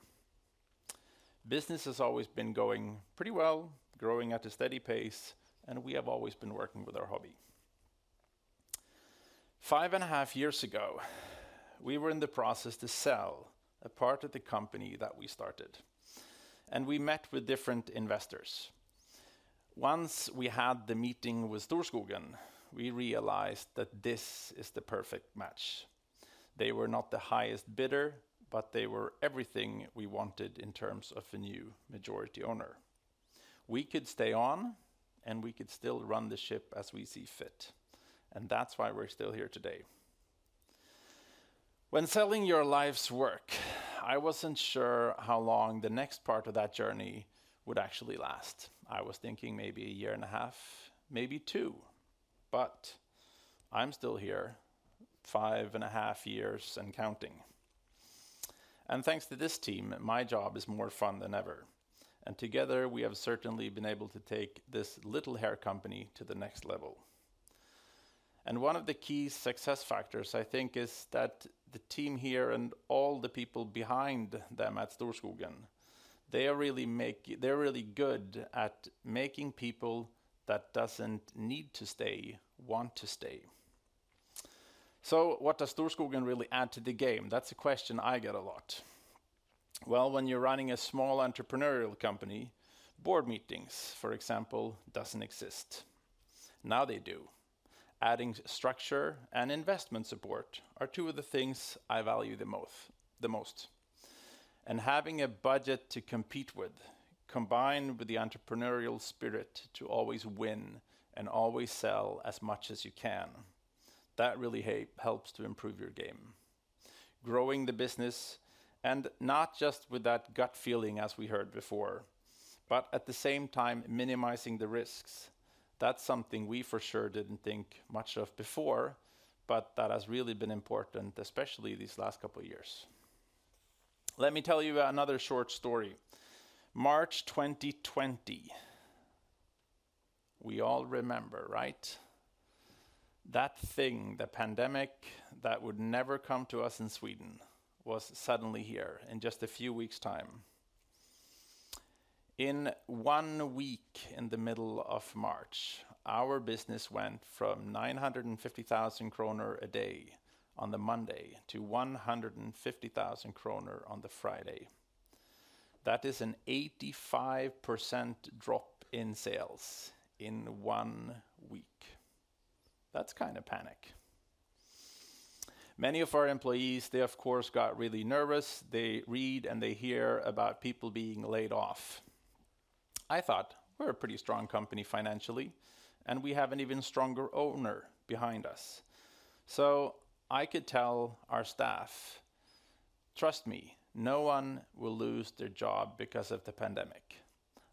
Business has always been going pretty well, growing at a steady pace, and we have always been working with our hobby. Five and a half years ago, we were in the process to sell a part of the company that we started, and we met with different investors. Once we had the meeting with Storskogen, we realized that this is the perfect match. They were not the highest bidder, but they were everything we wanted in terms of a new majority owner. We could stay on, and we could still run the ship as we see fit. And that's why we're still here today. When selling your life's work, I wasn't sure how long the next part of that journey would actually last. I was thinking maybe a year and a half, maybe two, but I'm still here, five and a half years and counting. And thanks to this team, my job is more fun than ever. Together, we have certainly been able to take this little hair company to the next level. One of the key success factors, I think, is that the team here and all the people behind them at Storskogen, they are really good at making people that don't need to stay want to stay. So what does Storskogen really add to the game? That's a question I get a lot. Well, when you're running a small entrepreneurial company, board meetings, for example, don't exist. Now they do. Adding structure and investment support are two of the things I value the most. Having a budget to compete with, combined with the entrepreneurial spirit to always win and always sell as much as you can, that really helps to improve your game. Growing the business, and not just with that gut feeling as we heard before, but at the same time minimizing the risks, that's something we for sure didn't think much of before, but that has really been important, especially these last couple of years. Let me tell you another short story. March 2020. We all remember, right? That thing, the pandemic that would never come to us in Sweden, was suddenly here in just a few weeks' time. In one week in the middle of March, our business went from 950,000 kronor a day on the Monday to 150,000 kronor on the Friday. That is an 85% drop in sales in one week. That's kind of panic. Many of our employees, they of course got really nervous. They read and they hear about people being laid off. I thought we're a pretty strong company financially, and we have an even stronger owner behind us. So I could tell our staff, trust me, no one will lose their job because of the pandemic.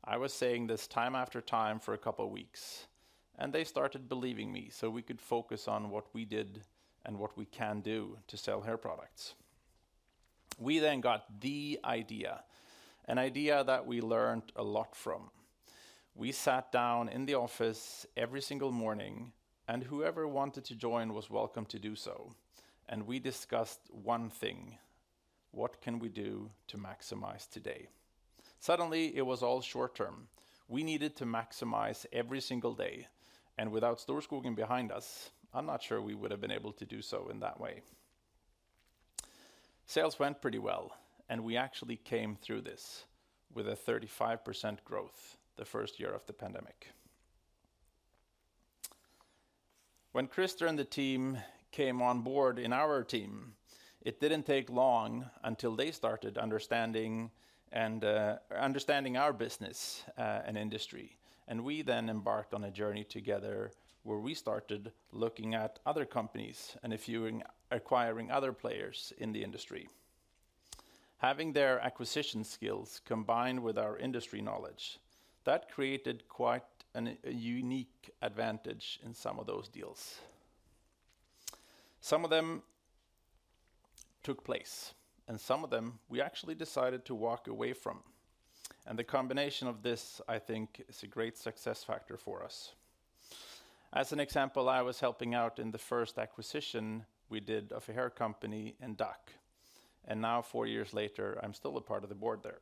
I was saying this time after time for a couple of weeks, and they started believing me so we could focus on what we did and what we can do to sell hair products. We then got the idea, an idea that we learned a lot from. We sat down in the office every single morning, and whoever wanted to join was welcome to do so. And we discussed one thing. What can we do to maximize today? Suddenly, it was all short term. We needed to maximize every single day. And without Storskogen behind us, I'm not sure we would have been able to do so in that way. Sales went pretty well, and we actually came through this with a 35% growth the first year of the pandemic. When Chris and the team came on board in our team, it didn't take long until they started understanding our business and industry. And we then embarked on a journey together where we started looking at other companies and acquiring other players in the industry. Having their acquisition skills combined with our industry knowledge, that created quite a unique advantage in some of those deals. Some of them took place, and some of them we actually decided to walk away from. And the combination of this, I think, is a great success factor for us. As an example, I was helping out in the first acquisition we did of a hair company in DACH. And now, four years later, I'm still a part of the board there.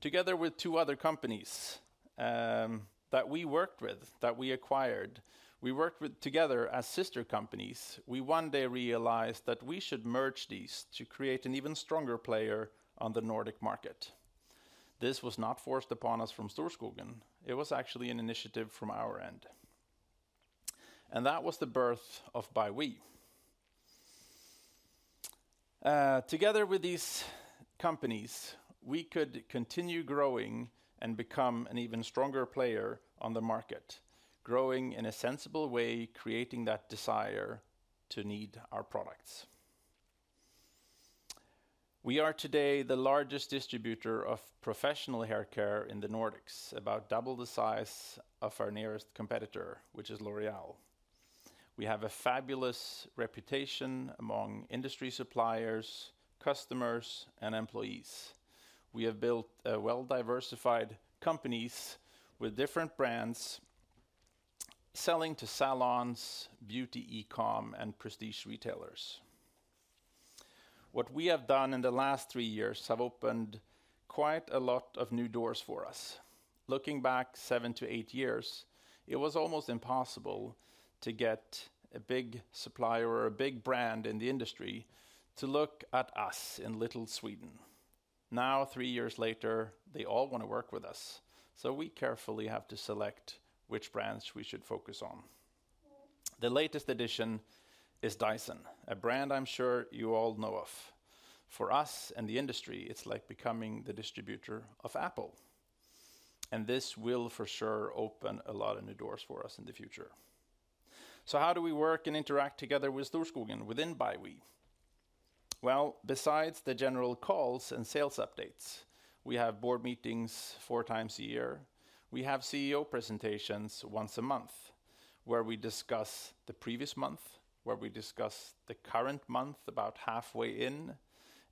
Together with two other companies that we worked with, that we acquired, we worked together as sister companies. We one day realized that we should merge these to create an even stronger player on the Nordic market. This was not forced upon us from Storskogen. It was actually an initiative from our end. And that was the birth of ByWe. Together with these companies, we could continue growing and become an even stronger player on the market, growing in a sensible way, creating that desire to need our products. We are today the largest distributor of professional haircare in the Nordics, about double the size of our nearest competitor, which is L'Oréal. We have a fabulous reputation among industry suppliers, customers, and employees. We have built well-diversified companies with different brands selling to salons, beauty e-comm, and prestige retailers. What we have done in the last three years has opened quite a lot of new doors for us. Looking back seven to eight years, it was almost impossible to get a big supplier or a big brand in the industry to look at us in little Sweden. Now, three years later, they all want to work with us. So we carefully have to select which brands we should focus on. The latest addition is Dyson, a brand I'm sure you all know of. For us and the industry, it's like becoming the distributor of Apple. And this will for sure open a lot of new doors for us in the future. So how do we work and interact together with Storskogen within ByWe? Well, besides the general calls and sales updates, we have board meetings four times a year. We have CEO presentations once a month where we discuss the previous month, where we discuss the current month about halfway in,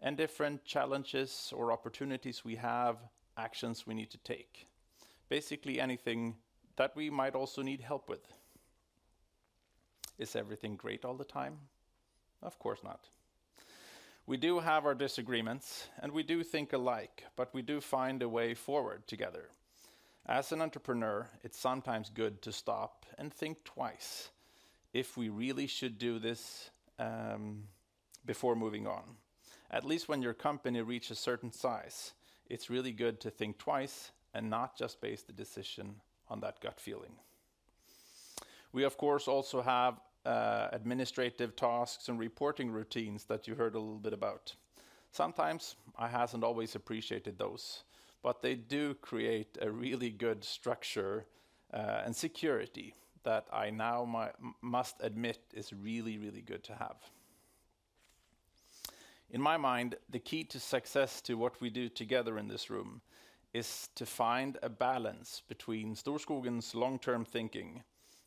and different challenges or opportunities we have, actions we need to take. Basically, anything that we might also need help with. Is everything great all the time? Of course not. We do have our disagreements, and we do think alike, but we do find a way forward together. As an entrepreneur, it's sometimes good to stop and think twice if we really should do this before moving on. At least when your company reaches a certain size, it's really good to think twice and not just base the decision on that gut feeling. We, of course, also have administrative tasks and reporting routines that you heard a little bit about. Sometimes I haven't always appreciated those, but they do create a really good structure and security that I now must admit is really, really good to have. In my mind, the key to success to what we do together in this room is to find a balance between Storskogen's long-term thinking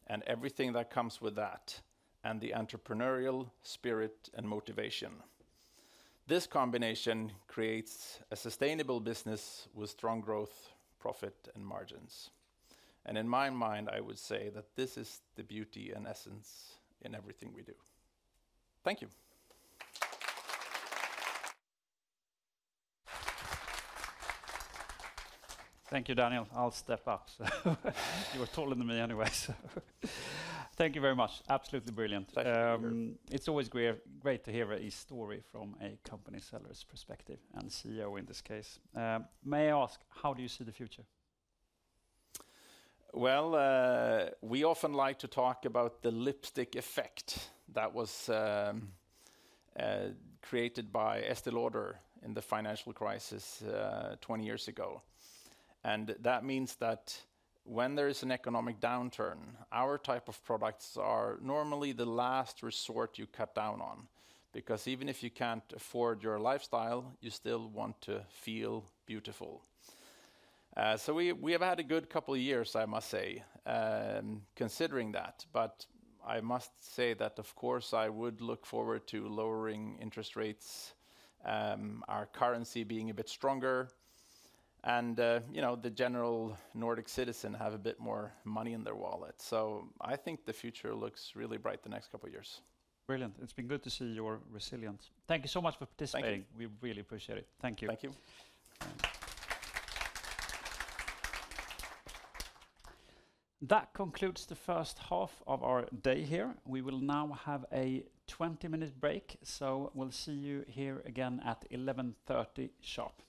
and everything that comes with that, and the entrepreneurial spirit and motivation. This combination creates a sustainable business with strong growth, profit, and margins. And in my mind, I would say that this is the beauty and essence in everything we do. Thank you. Thank you, Daniel. I'll step up. You were taller than me anyway. Thank you very much. Absolutely brilliant. It's always great to hear a story from a company seller's perspective and CEO in this case. May I ask, how do you see the future? We often like to talk about the lipstick effect that was created by Estée Lauder in the financial crisis 20 years ago. That means that when there is an economic downturn, our type of products are normally the last resort you cut down on. Because even if you can't afford your lifestyle, you still want to feel beautiful. We have had a good couple of years, I must say, considering that. I must say that, of course, I would look forward to lowering interest rates, our currency being a bit stronger, and the general Nordic citizen having a bit more money in their wallet. I think the future looks really bright the next couple of years. Brilliant. It's been good to see your resilience. Thank you so much for participating. We really appreciate it. Thank you. Thank you. That concludes the first half of our day here. We will now have a 20-minute break. We'll see you here again at 11:30AM sharp.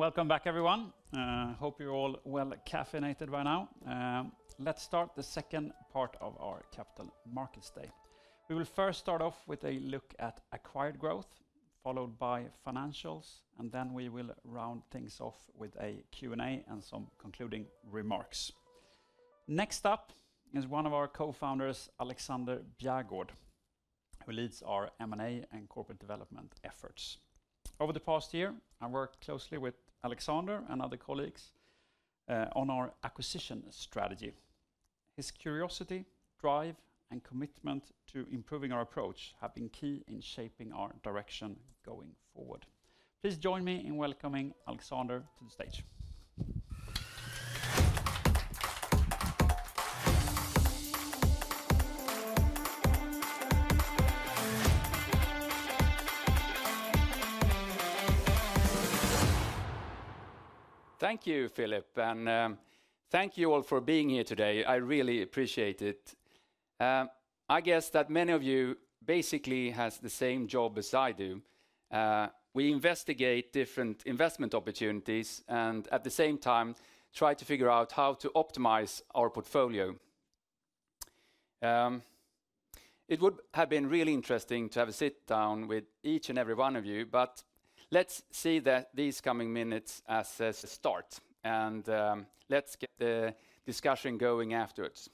Welcome back, everyone. Hope you're all well caffeinated by now. Let's start the second part of our Capital Markets Day. We will first start off with a look at acquired growth, followed by financials, and then we will round things off with a Q&A and some concluding remarks. Next up is one of our co-founders, Alexander Bjärgård, who leads our M&A and corporate development efforts. Over the past year, I worked closely with Alexander and other colleagues on our acquisition strategy. His curiosity, drive, and commitment to improving our approach have been key in shaping our direction going forward. Please join me in welcoming Alexander to the stage. Thank you, Philip, and thank you all for being here today. I really appreciate it. I guess that many of you basically have the same job as I do. We investigate different investment opportunities and, at the same time, try to figure out how to optimize our portfolio. It would have been really interesting to have a sit-down with each and every one of you, but let's see these coming minutes as a start, and let's get the discussion going afterwards.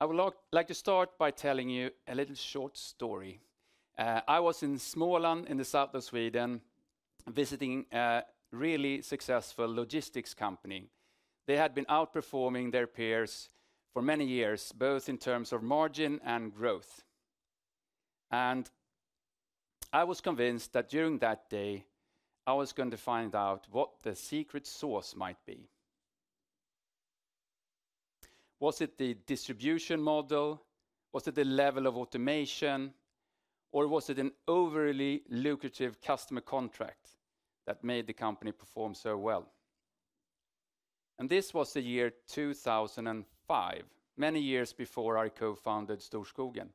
I would like to start by telling you a little short story. I was in Småland in the south of Sweden visiting a really successful logistics company. They had been outperforming their peers for many years, both in terms of margin and growth, and I was convinced that during that day, I was going to find out what the secret sauce might be. Was it the distribution model? Was it the level of automation? Or was it an overly lucrative customer contract that made the company perform so well? And this was the year 2005, many years before I co-founded Storskogen.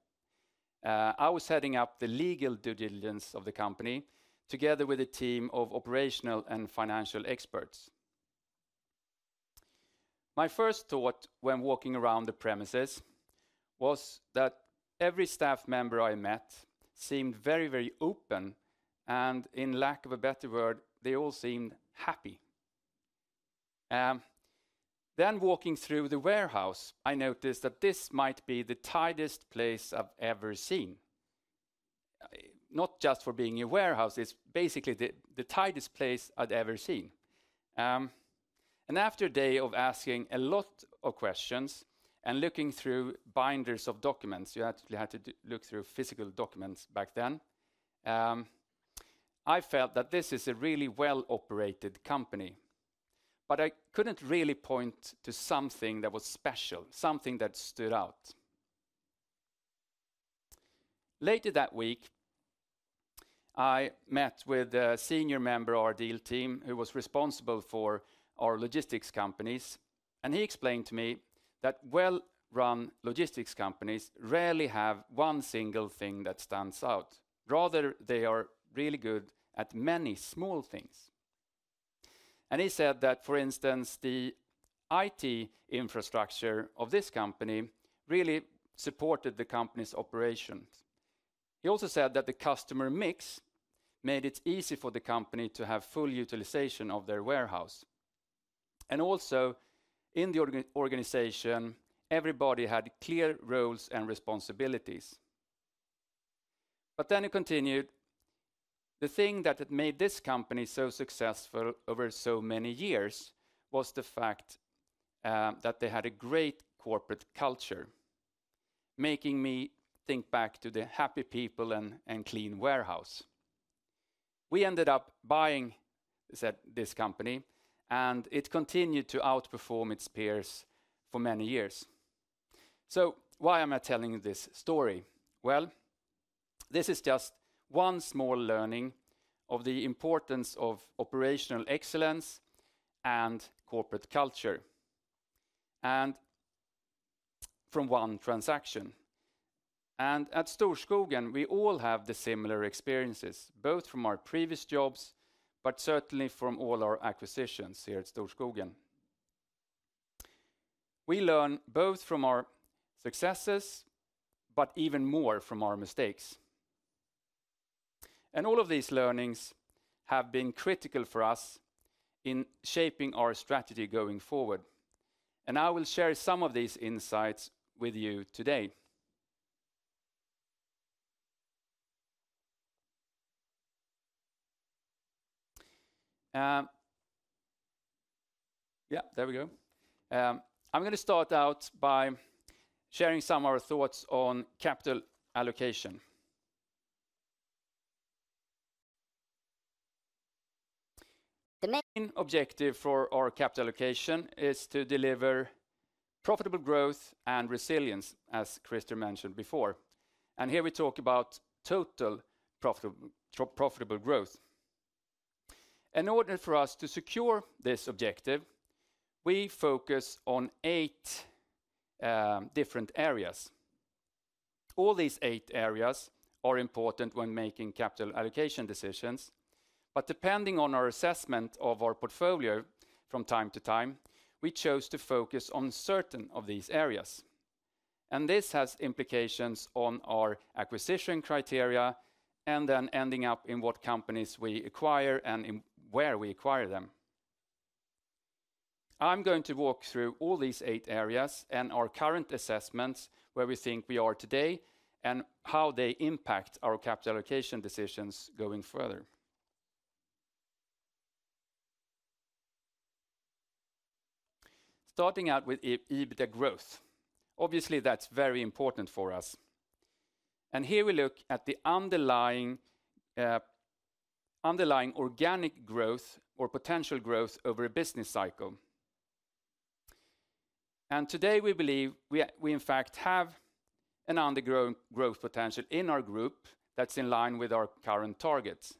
I was heading up the legal due diligence of the company together with a team of operational and financial experts. My first thought when walking around the premises was that every staff member I met seemed very, very open, and in lack of a better word, they all seemed happy. Then, walking through the warehouse, I noticed that this might be the tidiest place I've ever seen. Not just for being a warehouse, it's basically the tidiest place I'd ever seen. And after a day of asking a lot of questions and looking through binders of documents, you actually had to look through physical documents back then, I felt that this is a really well-operated company. I couldn't really point to something that was special, something that stood out. Later that week, I met with a senior member of our deal team who was responsible for our logistics companies, and he explained to me that well-run logistics companies rarely have one single thing that stands out. Rather, they are really good at many small things. He said that, for instance, the IT infrastructure of this company really supported the company's operations. He also said that the customer mix made it easy for the company to have full utilization of their warehouse. Also, in the organization, everybody had clear roles and responsibilities. He continued, the thing that had made this company so successful over so many years was the fact that they had a great corporate culture, making me think back to the happy people and clean warehouse. We ended up buying this company, and it continued to outperform its peers for many years. So why am I telling you this story? Well, this is just one small learning of the importance of operational excellence and corporate culture. And from one transaction. And at Storskogen, we all have the similar experiences, both from our previous jobs, but certainly from all our acquisitions here at Storskogen. We learn both from our successes, but even more from our mistakes. And all of these learnings have been critical for us in shaping our strategy going forward. And I will share some of these insights with you today. Yeah, there we go. I'm going to start out by sharing some of our thoughts on capital allocation. The main objective for our capital allocation is to deliver profitable growth and resilience, as Christer mentioned before. And here we talk about total profitable growth. In order for us to secure this objective, we focus on eight different areas. All these eight areas are important when making capital allocation decisions. But depending on our assessment of our portfolio from time to time, we chose to focus on certain of these areas. And this has implications on our acquisition criteria and then ending up in what companies we acquire and where we acquire them. I'm going to walk through all these eight areas and our current assessments where we think we are today and how they impact our capital allocation decisions going further. Starting out with EBITDA growth. Obviously, that's very important for us. And here we look at the underlying organic growth or potential growth over a business cycle. And today we believe we, in fact, have an undergrown growth potential in our group that's in line with our current targets.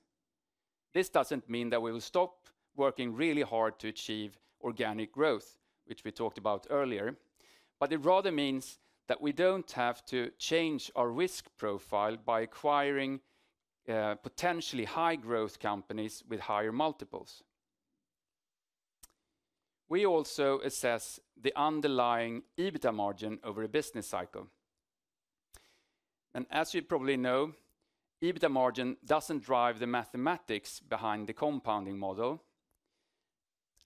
This doesn't mean that we will stop working really hard to achieve organic growth, which we talked about earlier, but it rather means that we don't have to change our risk profile by acquiring potentially high-growth companies with higher multiples. We also assess the underlying EBITDA margin over a business cycle, and as you probably know, EBITDA margin doesn't drive the mathematics behind the compounding model.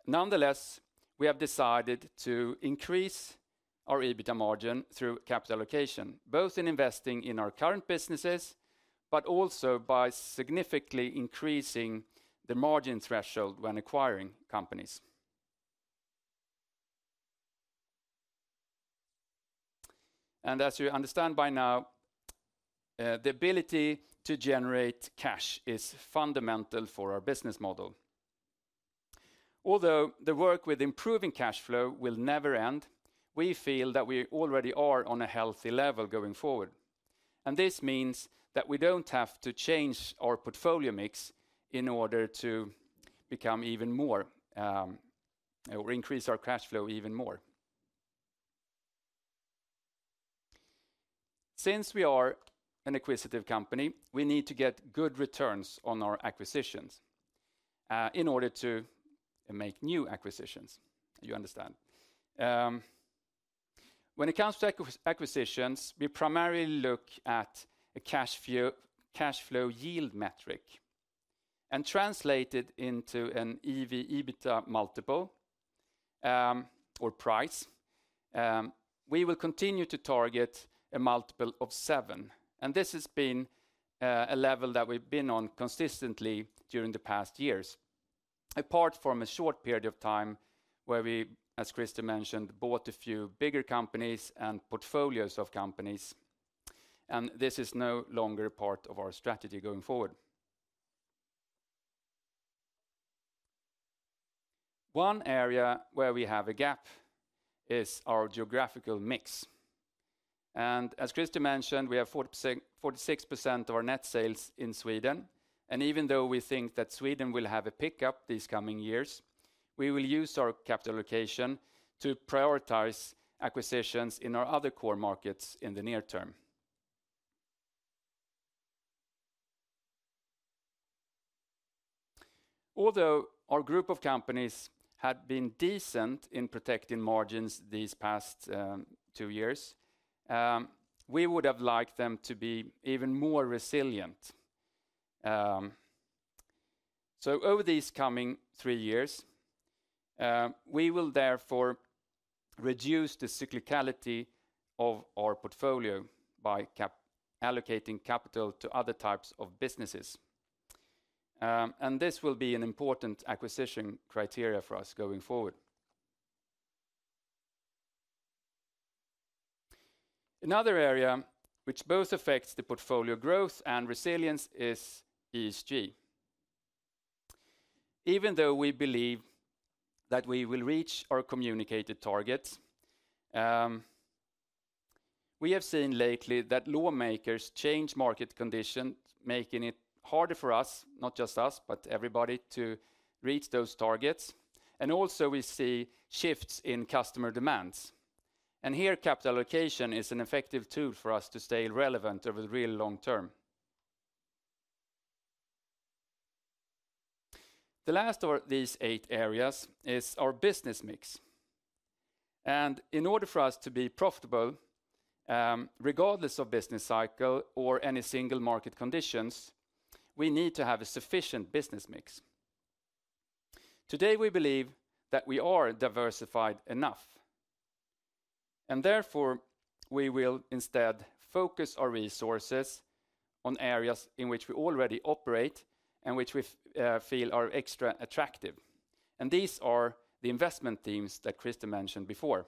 Nonetheless, we have decided to increase our EBITDA margin through capital allocation, both in investing in our current businesses, but also by significantly increasing the margin threshold when acquiring companies, and as you understand by now, the ability to generate cash is fundamental for our business model. Although the work with improving cash flow will never end, we feel that we already are on a healthy level going forward. This means that we don't have to change our portfolio mix in order to become even more or increase our cash flow even more. Since we are an acquisitive company, we need to get good returns on our acquisitions in order to make new acquisitions, you understand. When it comes to acquisitions, we primarily look at a cash flow yield metric. Translated into an EV/EBITDA multiple or price, we will continue to target a multiple of seven. This has been a level that we've been on consistently during the past years, apart from a short period of time where we, as Christer mentioned, bought a few bigger companies and portfolios of companies. This is no longer a part of our strategy going forward. One area where we have a gap is our geographical mix. As Christer mentioned, we have 46% of our net sales in Sweden. Even though we think that Sweden will have a pickup these coming years, we will use our capital allocation to prioritize acquisitions in our other core markets in the near term. Although our group of companies had been decent in protecting margins these past two years, we would have liked them to be even more resilient. Over these coming three years, we will therefore reduce the cyclicality of our portfolio by allocating capital to other types of businesses. This will be an important acquisition criteria for us going forward. Another area which both affects the portfolio growth and resilience is ESG. Even though we believe that we will reach our communicated targets, we have seen lately that lawmakers change market conditions, making it harder for us, not just us, but everybody to reach those targets. And also we see shifts in customer demands. And here capital allocation is an effective tool for us to stay relevant over the real long term. The last of these eight areas is our business mix. And in order for us to be profitable, regardless of business cycle or any single market conditions, we need to have a sufficient business mix. Today we believe that we are diversified enough. And therefore we will instead focus our resources on areas in which we already operate and which we feel are extra attractive. And these are the investment themes that Christer mentioned before.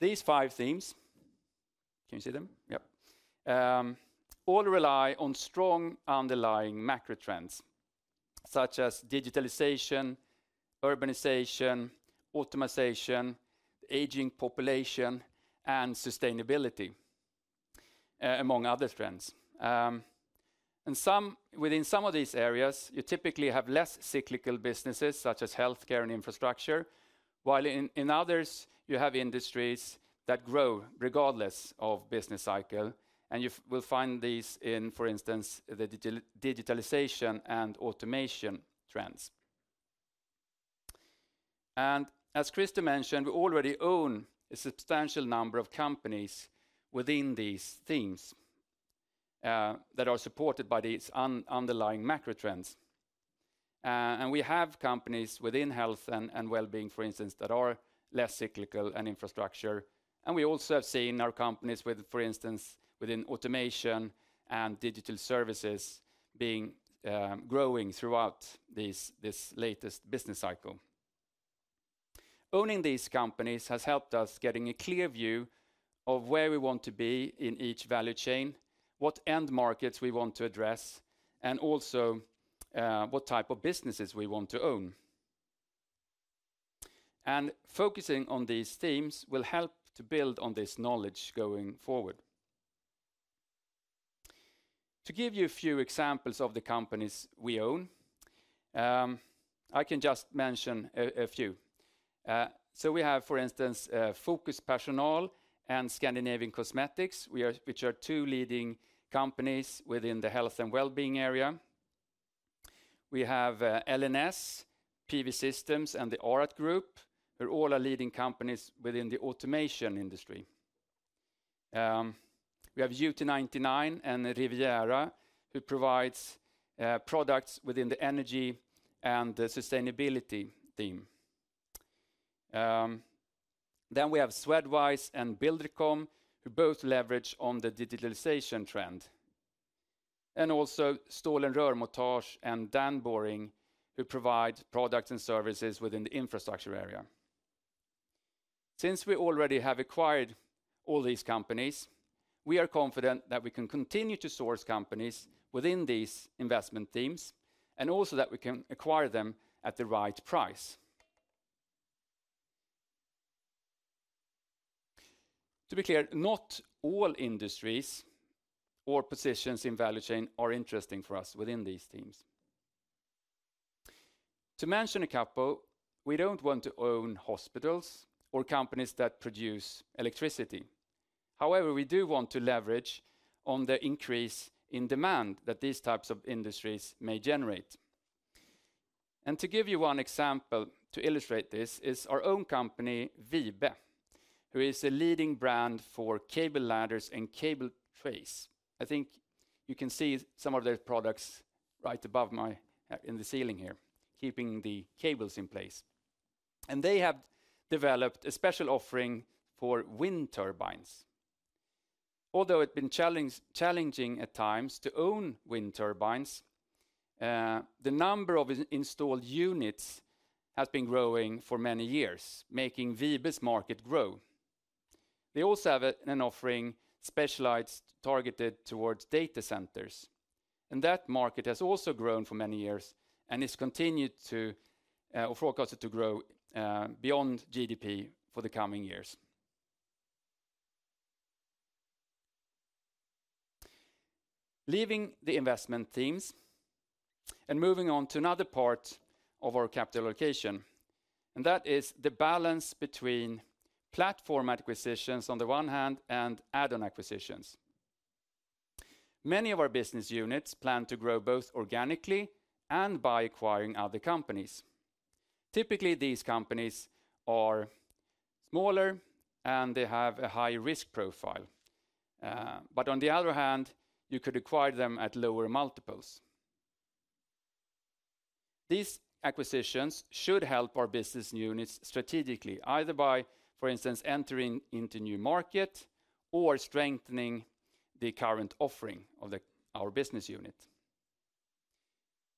These five themes, can you see them? Yep. All rely on strong underlying macro trends, such as digitalization, urbanization, optimization, aging population, and sustainability, among other trends. And within some of these areas, you typically have less cyclical businesses, such as healthcare and infrastructure, while in others you have industries that grow regardless of business cycle. And you will find these in, for instance, the digitalization and automation trends. And as Christer mentioned, we already own a substantial number of companies within these themes that are supported by these underlying macro trends. And we have companies within health and well-being, for instance, that are less cyclical and infrastructure. And we also have seen our companies with, for instance, within automation and digital services being growing throughout this latest business cycle. Owning these companies has helped us get a clear view of where we want to be in each value chain, what end markets we want to address, and also what type of businesses we want to own. And focusing on these themes will help to build on this knowledge going forward. To give you a few examples of the companies we own, I can just mention a few. So we have, for instance, Fokus Personal and Scandinavian Cosmetics, which are two leading companies within the health and well-being area. We have L&S, PV Systems, and the ARAT Group, who are all leading companies within the automation industry. We have UT99 and Riviera, who provide products within the energy and sustainability theme. Then we have Swedwise and Buildercom, who both leverage on the digitalization trend. And also Stål & Rörmontage and Danboring, who provide products and services within the infrastructure area. Since we already have acquired all these companies, we are confident that we can continue to source companies within these investment themes and also that we can acquire them at the right price. To be clear, not all industries or positions in value chain are interesting for us within these themes. To mention a couple, we don't want to own hospitals or companies that produce electricity. However, we do want to leverage on the increase in demand that these types of industries may generate. And to give you one example to illustrate this is our own company, Wibe, who is a leading brand for cable ladders and cable trays. I think you can see some of their products right above me in the ceiling here, keeping the cables in place. They have developed a special offering for wind turbines. Although it's been challenging at times to own wind turbines, the number of installed units has been growing for many years, making Wibe's market grow. They also have an offering specialized targeted towards data centers. That market has also grown for many years and is continued to or forecasted to grow beyond GDP for the coming years. Leaving the investment themes and moving on to another part of our capital allocation, and that is the balance between platform acquisitions on the one hand and add-on acquisitions. Many of our business units plan to grow both organically and by acquiring other companies. Typically, these companies are smaller and they have a high risk profile. But on the other hand, you could acquire them at lower multiples. These acquisitions should help our business units strategically, either by, for instance, entering into new markets or strengthening the current offering of our business unit,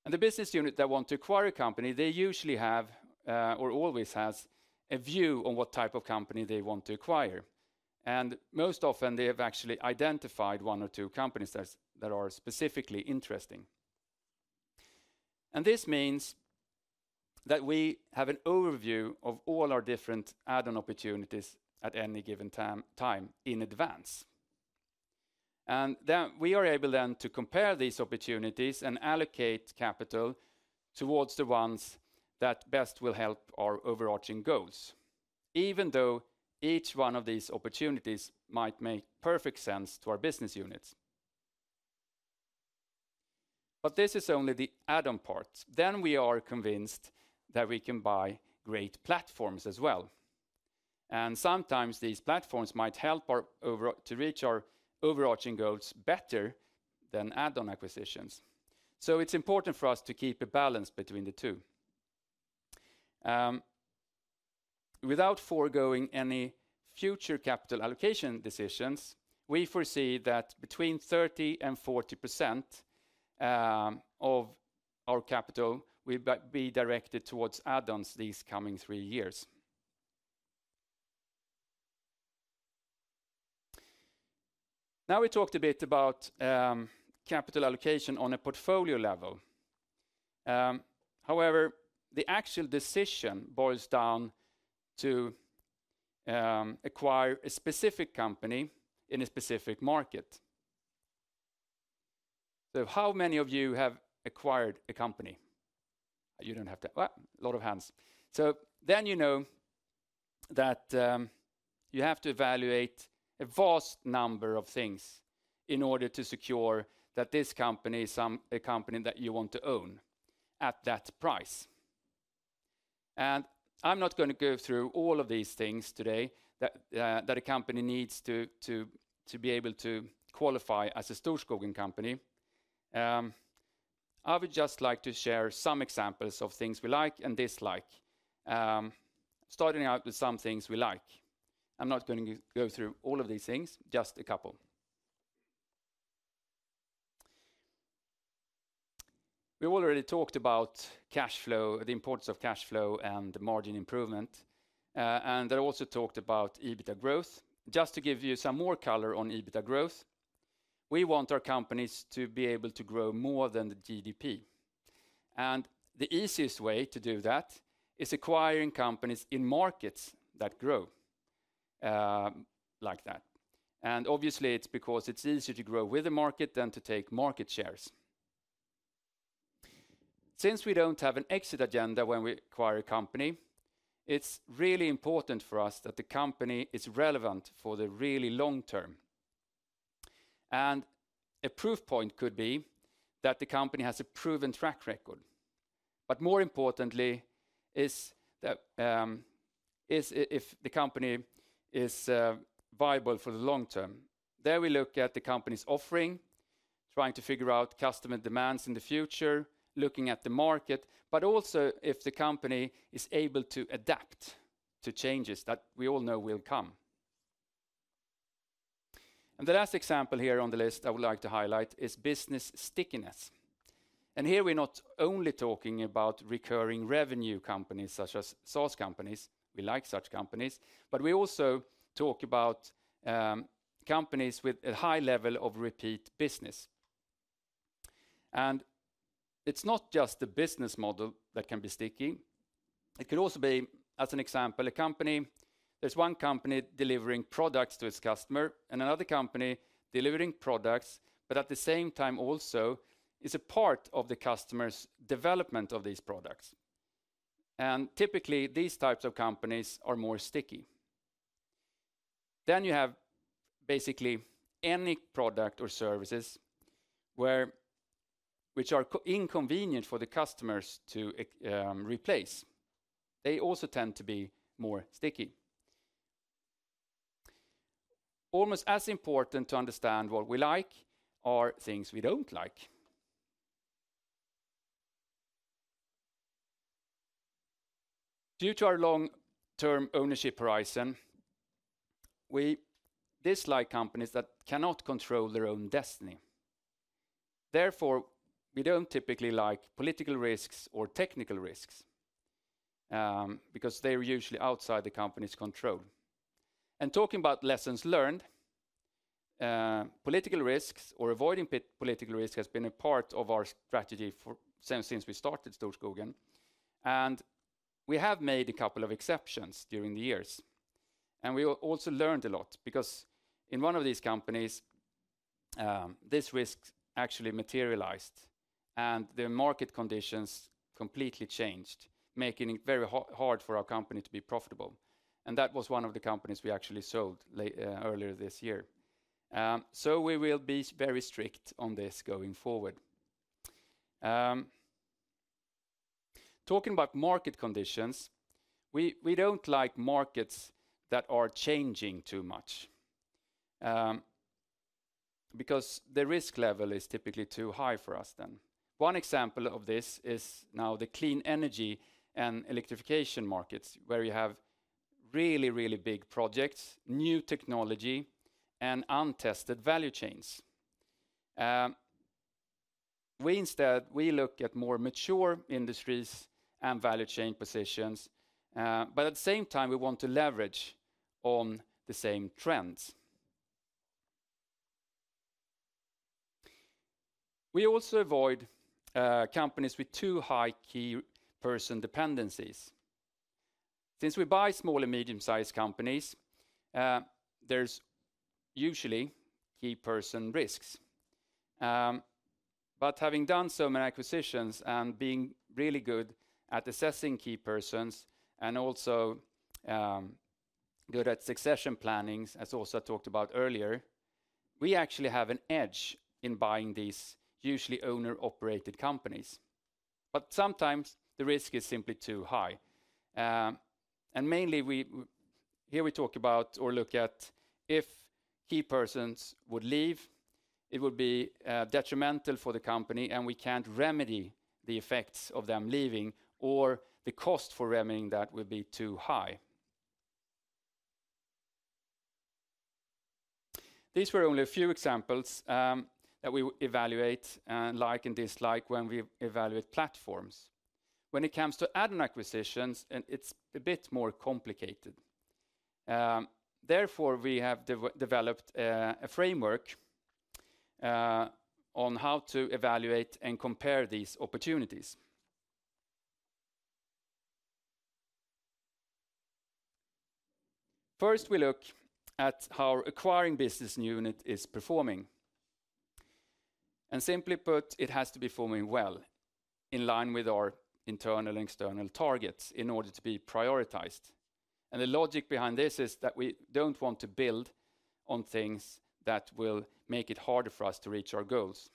and the business unit that wants to acquire a company, they usually have or always has a view on what type of company they want to acquire. And most often, they have actually identified one or two companies that are specifically interesting, and this means that we have an overview of all our different add-on opportunities at any given time in advance. And we are able then to compare these opportunities and allocate capital towards the ones that best will help our overarching goals, even though each one of these opportunities might make perfect sense to our business units, but this is only the add-on part, then we are convinced that we can buy great platforms as well. And sometimes these platforms might help to reach our overarching goals better than add-on acquisitions. So it's important for us to keep a balance between the two. Without foregoing any future capital allocation decisions, we foresee that between 30% and 40% of our capital will be directed towards add-ons these coming three years. Now we talked a bit about capital allocation on a portfolio level. However, the actual decision boils down to acquiring a specific company in a specific market. So how many of you have acquired a company? You don't have to. Well, a lot of hands. So then you know that you have to evaluate a vast number of things in order to secure that this company is a company that you want to own at that price. I'm not going to go through all of these things today that a company needs to be able to qualify as a Storskogen company. I would just like to share some examples of things we like and dislike, starting out with some things we like. I'm not going to go through all of these things, just a couple. We've already talked about cash flow, the importance of cash flow and margin improvement. I also talked about EBITDA growth. Just to give you some more color on EBITDA growth, we want our companies to be able to grow more than the GDP. The easiest way to do that is acquiring companies in markets that grow like that. Obviously, it's because it's easier to grow with the market than to take market shares. Since we don't have an exit agenda when we acquire a company, it's really important for us that the company is relevant for the really long term. And a proof point could be that the company has a proven track record. But more importantly, is if the company is viable for the long term. There we look at the company's offering, trying to figure out customer demands in the future, looking at the market, but also if the company is able to adapt to changes that we all know will come. And the last example here on the list I would like to highlight is business stickiness. And here we're not only talking about recurring revenue companies such as SaaS companies. We like such companies, but we also talk about companies with a high level of repeat business. And it's not just the business model that can be sticky. It could also be, as an example, a company. There's one company delivering products to its customer and another company delivering products, but at the same time also is a part of the customer's development of these products. And typically, these types of companies are more sticky. Then you have basically any product or services which are inconvenient for the customers to replace. They also tend to be more sticky. Almost as important to understand what we like are things we don't like. Due to our long-term ownership horizon, we dislike companies that cannot control their own destiny. Therefore, we don't typically like political risks or technical risks because they are usually outside the company's control. And talking about lessons learned, political risks or avoiding political risks has been a part of our strategy since we started Storskogen. And we have made a couple of exceptions during the years. We also learned a lot because in one of these companies, this risk actually materialized and the market conditions completely changed, making it very hard for our company to be profitable. That was one of the companies we actually sold earlier this year. We will be very strict on this going forward. Talking about market conditions, we don't like markets that are changing too much because the risk level is typically too high for us then. One example of this is now the clean energy and electrification markets, where you have really, really big projects, new technology, and untested value chains. We instead, we look at more mature industries and value chain positions, but at the same time, we want to leverage on the same trends. We also avoid companies with too high key person dependencies. Since we buy small and medium-sized companies, there's usually key person risks. But having done so many acquisitions and being really good at assessing key persons and also good at succession planning, as also I talked about earlier, we actually have an edge in buying these usually owner-operated companies. But sometimes the risk is simply too high. And mainly here we talk about or look at if key persons would leave, it would be detrimental for the company and we can't remedy the effects of them leaving or the cost for remedying that would be too high. These were only a few examples that we evaluate and like and dislike when we evaluate platforms. When it comes to add-on acquisitions, it's a bit more complicated. Therefore, we have developed a framework on how to evaluate and compare these opportunities. First, we look at how acquiring business unit is performing. Simply put, it has to be performing well in line with our internal and external targets in order to be prioritized. The logic behind this is that we don't want to build on things that will make it harder for us to reach our goals.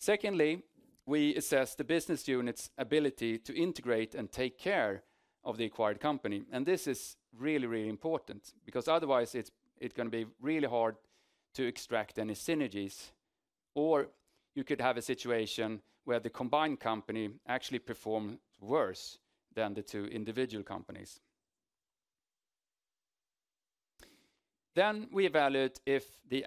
Secondly, we assess the business unit's ability to integrate and take care of the acquired company. This is really, really important because otherwise it's going to be really hard to extract any synergies or you could have a situation where the combined company actually performed worse than the two individual companies. We evaluate if the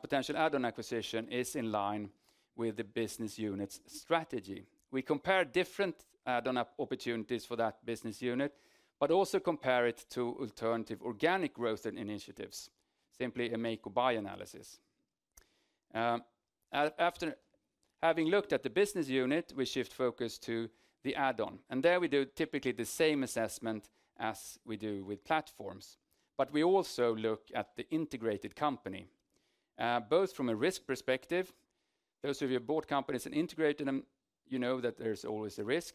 potential add-on acquisition is in line with the business unit's strategy. We compare different add-on opportunities for that business unit, but also compare it to alternative organic growth and initiatives, simply a make or buy analysis. After having looked at the business unit, we shift focus to the add-on, and there we do typically the same assessment as we do with platforms, but we also look at the integrated company. Both from a risk perspective, those of you who bought companies and integrated them, you know that there's always a risk,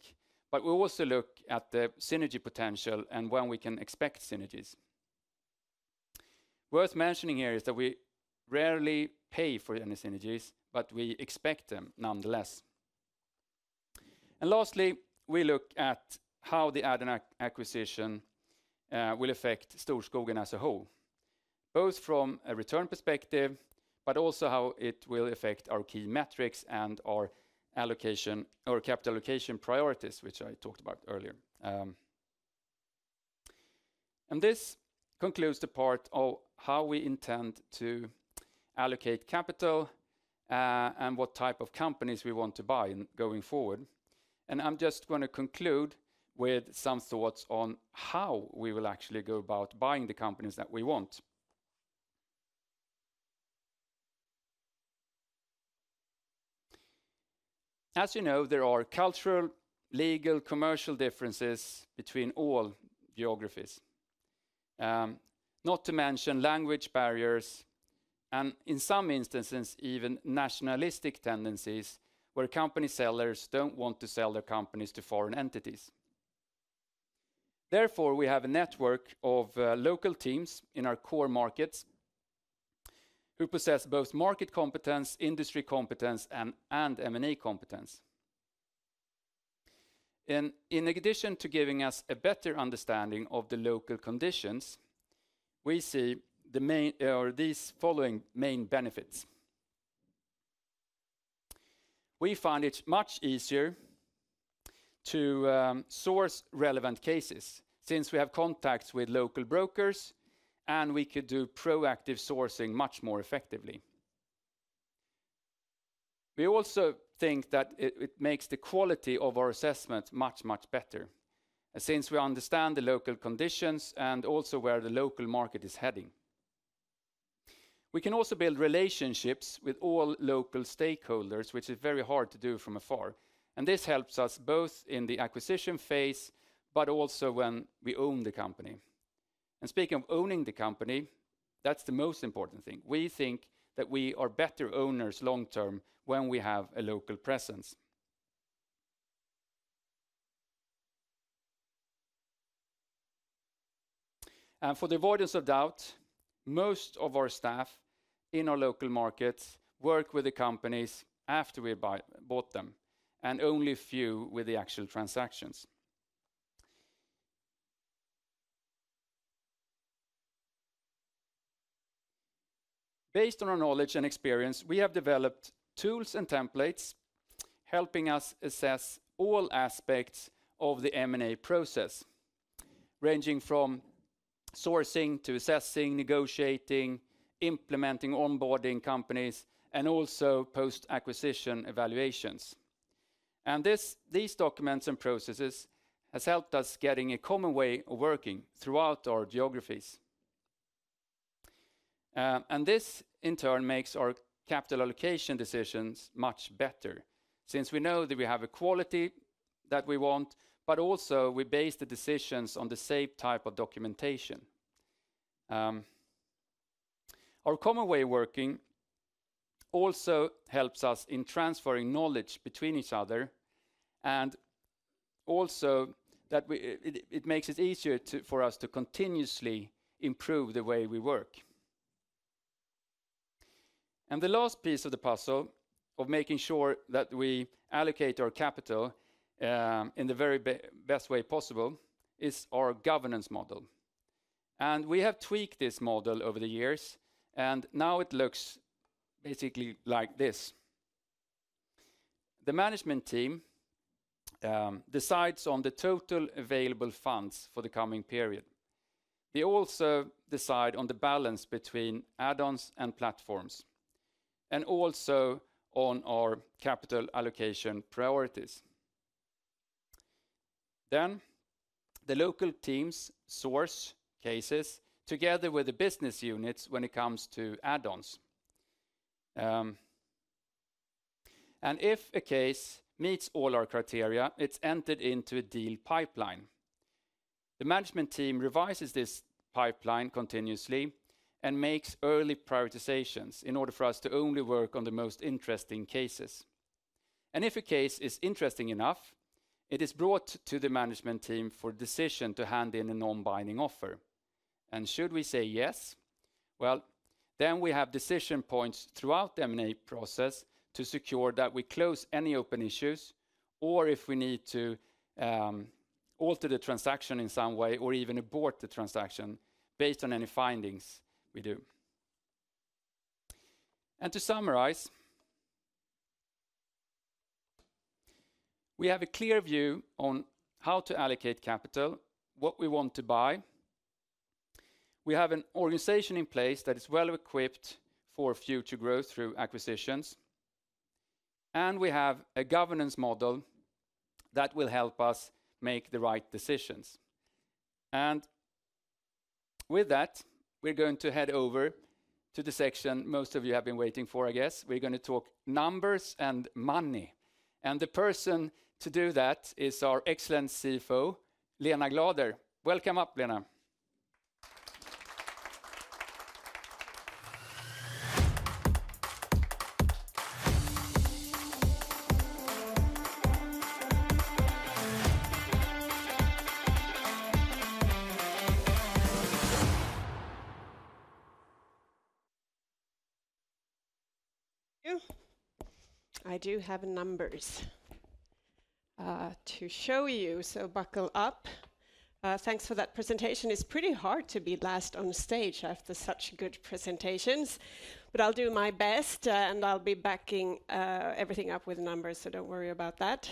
but we also look at the synergy potential and when we can expect synergies. Worth mentioning here is that we rarely pay for any synergies, but we expect them nonetheless, and lastly, we look at how the add-on acquisition will affect Storskogen as a whole, both from a return perspective, but also how it will affect our key metrics and our capital allocation priorities, which I talked about earlier, and this concludes the part of how we intend to allocate capital and what type of companies we want to buy going forward. I'm just going to conclude with some thoughts on how we will actually go about buying the companies that we want. As you know, there are cultural, legal, commercial differences between all geographies, not to mention language barriers and in some instances, even nationalistic tendencies where company sellers don't want to sell their companies to foreign entities. Therefore, we have a network of local teams in our core markets who possess both market competence, industry competence, and M&A competence. In addition to giving us a better understanding of the local conditions, we see these following main benefits. We find it much easier to source relevant cases since we have contacts with local brokers and we could do proactive sourcing much more effectively. We also think that it makes the quality of our assessment much, much better since we understand the local conditions and also where the local market is heading. We can also build relationships with all local stakeholders, which is very hard to do from afar. And this helps us both in the acquisition phase, but also when we own the company. And speaking of owning the company, that's the most important thing. We think that we are better owners long term when we have a local presence. And for the avoidance of doubt, most of our staff in our local markets work with the companies after we bought them and only a few with the actual transactions. Based on our knowledge and experience, we have developed tools and templates helping us assess all aspects of the M&A process, ranging from sourcing to assessing, negotiating, implementing, onboarding companies, and also post-acquisition evaluations. And these documents and processes have helped us get a common way of working throughout our geographies. And this, in turn, makes our capital allocation decisions much better since we know that we have a quality that we want, but also we base the decisions on the same type of documentation. Our common way of working also helps us in transferring knowledge between each other and also that it makes it easier for us to continuously improve the way we work. And the last piece of the puzzle of making sure that we allocate our capital in the very best way possible is our governance model. We have tweaked this model over the years, and now it looks basically like this. The management team decides on the total available funds for the coming period. They also decide on the balance between add-ons and platforms and also on our capital allocation priorities. The local teams source cases together with the business units when it comes to add-ons. If a case meets all our criteria, it's entered into a deal pipeline. The management team revises this pipeline continuously and makes early prioritizations in order for us to only work on the most interesting cases. If a case is interesting enough, it is brought to the management team for decision to hand in a non-binding offer. Should we say yes, well, then we have decision points throughout the M&A process to secure that we close any open issues or if we need to alter the transaction in some way or even abort the transaction based on any findings we do. To summarize, we have a clear view on how to allocate capital, what we want to buy. We have an organization in place that is well equipped for future growth through acquisitions. We have a governance model that will help us make the right decisions. With that, we're going to head over to the section most of you have been waiting for, I guess. We're going to talk numbers and money. The person to do that is our excellent CFO, Lena Glader. Welcome up, Lena. I do have numbers to show you, so buckle up. Thanks for that presentation. It's pretty hard to be last on stage after such good presentations, but I'll do my best and I'll be backing everything up with numbers, so don't worry about that.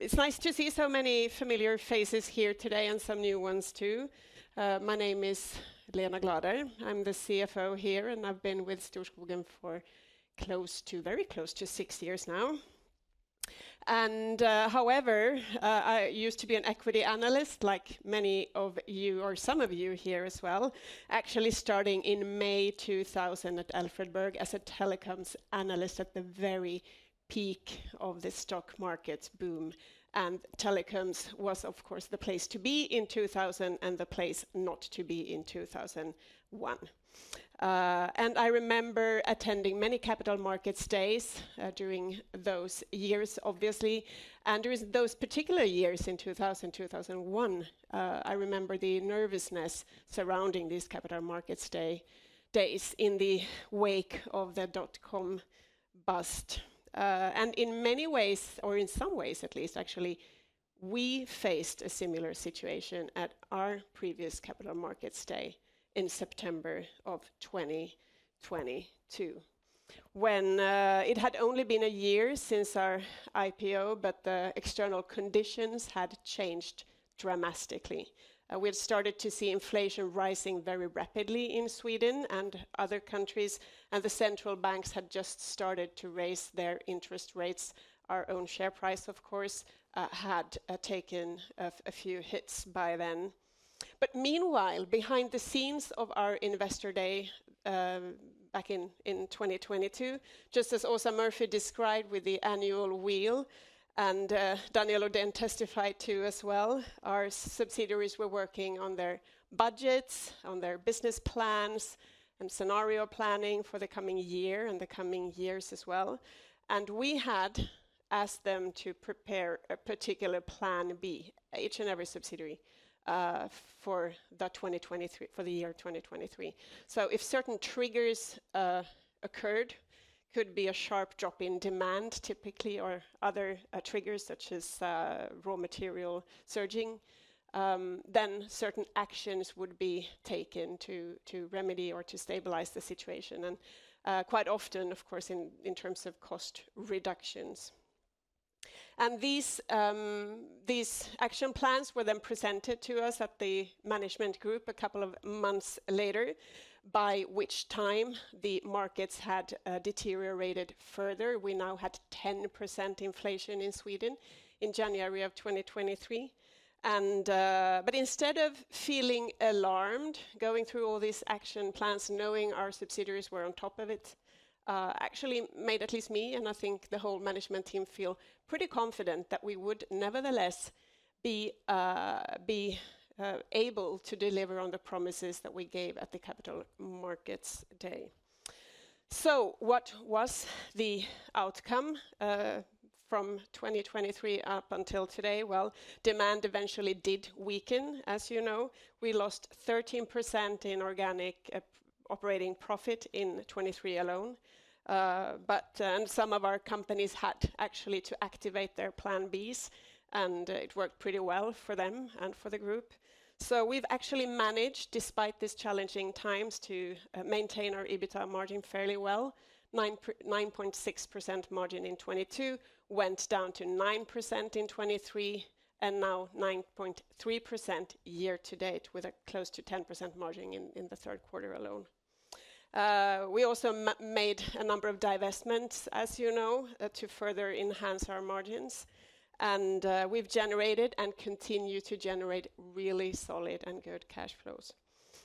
It's nice to see so many familiar faces here today and some new ones too. My name is Lena Glader. I'm the CFO here and I've been with Storskogen for very close to six years now, and however, I used to be an equity analyst like many of you or some of you here as well, actually starting in May 2000 at Alfred Berg as a telecoms analyst at the very peak of the stock market's boom. And telecoms was, of course, the place to be in 2000 and the place not to be in 2001. And I remember attending many Capital Markets Days during those years, obviously. There were those particular years in 2000, 2001. I remember the nervousness surrounding these Capital Markets Days in the wake of the dot-com bust. In many ways, or in some ways at least, actually, we faced a similar situation at our previous Capital Markets Day in September of 2022 when it had only been a year since our IPO, but the external conditions had changed drastically. We had started to see inflation rising very rapidly in Sweden and other countries, and the central banks had just started to raise their interest rates. Our own share price, of course, had taken a few hits by then. Meanwhile, behind the scenes of our Investor Day back in 2022, just as Åsa Murphy described with the annual wheel, and Daniel Ödehn testified to as well, our subsidiaries were working on their budgets, on their business plans and scenario planning for the coming year and the coming years as well. We had asked them to prepare a particular plan B, each and every subsidiary for the year 2023. If certain triggers occurred, could be a sharp drop in demand typically or other triggers such as raw material surging, then certain actions would be taken to remedy or to stabilize the situation. Quite often, of course, in terms of cost reductions. These action plans were then presented to us at the management group a couple of months later by which time the markets had deteriorated further. We now had 10% inflation in Sweden in January of 2023. But instead of feeling alarmed, going through all these action plans, knowing our subsidiaries were on top of it, actually made at least me and I think the whole management team feel pretty confident that we would nevertheless be able to deliver on the promises that we gave at the Capital Markets Day. So what was the outcome from 2023 up until today? Well, demand eventually did weaken, as you know. We lost 13% in organic operating profit in 2023 alone. And some of our companies had actually to activate their plan Bs, and it worked pretty well for them and for the group. So we've actually managed, despite these challenging times, to maintain our EBITDA margin fairly well. 9.6% margin in 2022 went down to 9% in 2023 and now 9.3% year to date with a close to 10% margin in the third quarter alone. We also made a number of divestments, as you know, to further enhance our margins. And we've generated and continue to generate really solid and good cash flows.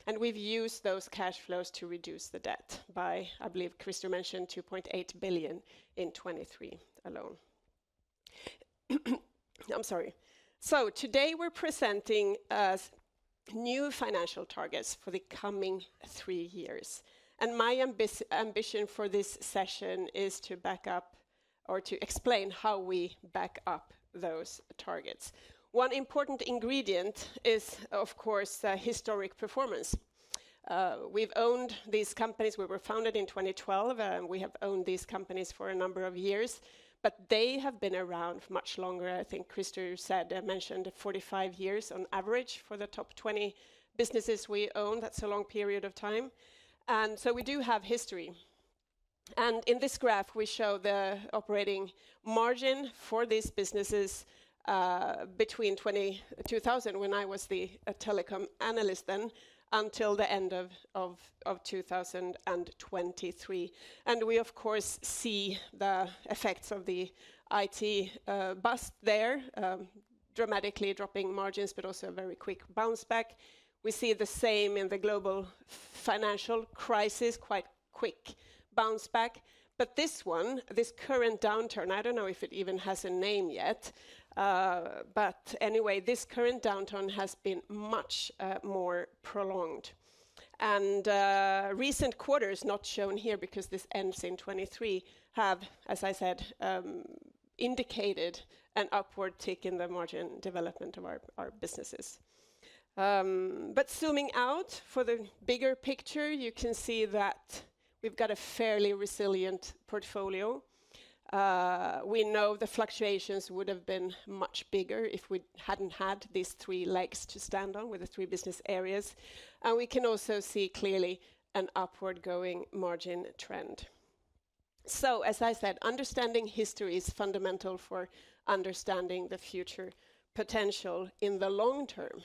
And we've used those cash flows to reduce the debt by, I believe Christer mentioned, 2.8 billion in 2023 alone. I'm sorry. So today we're presenting new financial targets for the coming three years. And my ambition for this session is to back up or to explain how we back up those targets. One important ingredient is, of course, historic performance. We've owned these companies. We were founded in 2012, and we have owned these companies for a number of years, but they have been around much longer. I think Christer mentioned 45 years on average for the top 20 businesses we owned. That's a long period of time. We do have history. In this graph, we show the operating margin for these businesses between 2000, when I was the telecom analyst then, until the end of 2023. We, of course, see the effects of the IT bust there, dramatically dropping margins, but also a very quick bounce back. We see the same in the global financial crisis, quite quick bounce back. This one, this current downturn, I don't know if it even has a name yet, but anyway, this current downturn has been much more prolonged. Recent quarters, not shown here because this ends in 2023, have, as I said, indicated an upward tick in the margin development of our businesses. But zooming out for the bigger picture, you can see that we've got a fairly resilient portfolio. We know the fluctuations would have been much bigger if we hadn't had these three legs to stand on with the three business areas. And we can also see clearly an upward going margin trend. So, as I said, understanding history is fundamental for understanding the future potential in the long term.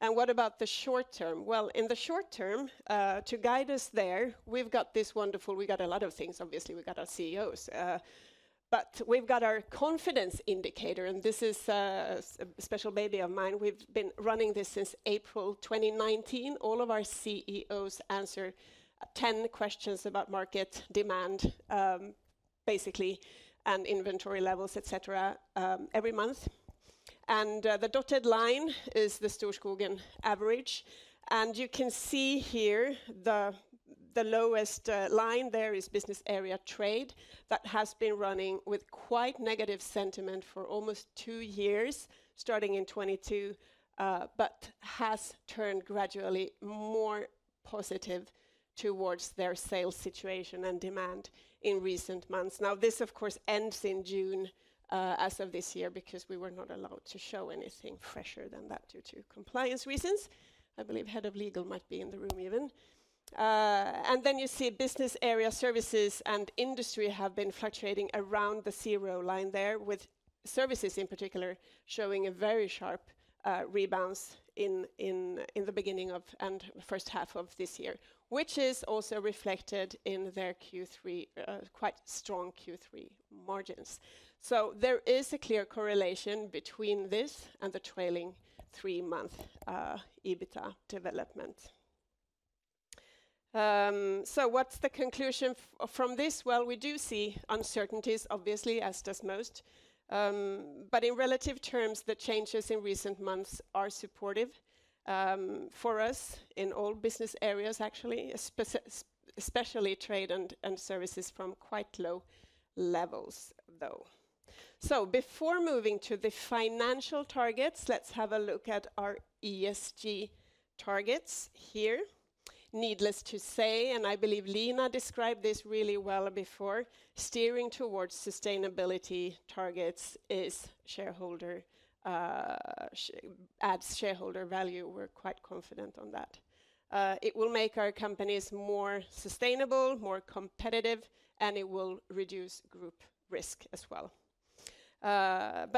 And what about the short term? Well, in the short term, to guide us there, we've got this wonderful, we've got a lot of things, obviously, we've got our CEOs, but we've got our confidence indicator, and this is a special baby of mine. We've been running this since April 2019. All of our CEOs answer 10 questions about market demand, basically, and inventory levels, etc., every month. And the dotted line is the Storskogen average. You can see here the lowest line there is business area trade that has been running with quite negative sentiment for almost two years, starting in 2022, but has turned gradually more positive towards their sales situation and demand in recent months. Now, this, of course, ends in June as of this year because we were not allowed to show anything fresher than that due to compliance reasons. I believe head of legal might be in the room even. Then you see Business Area Services and Industry have been fluctuating around the zero line there, with services in particular showing a very sharp rebound in the beginning of and first half of this year, which is also reflected in their quite strong Q3 margins. There is a clear correlation between this and the trailing three-month EBITDA development. What's the conclusion from this? We do see uncertainties, obviously, as does most. In relative terms, the changes in recent months are supportive for us in all business areas, actually, especially trade and services from quite low levels, though. Before moving to the financial targets, let's have a look at our ESG targets here. Needless to say, and I believe Lena described this really well before, steering towards sustainability targets adds shareholder value. We're quite confident on that. It will make our companies more sustainable, more competitive, and it will reduce group risk as well.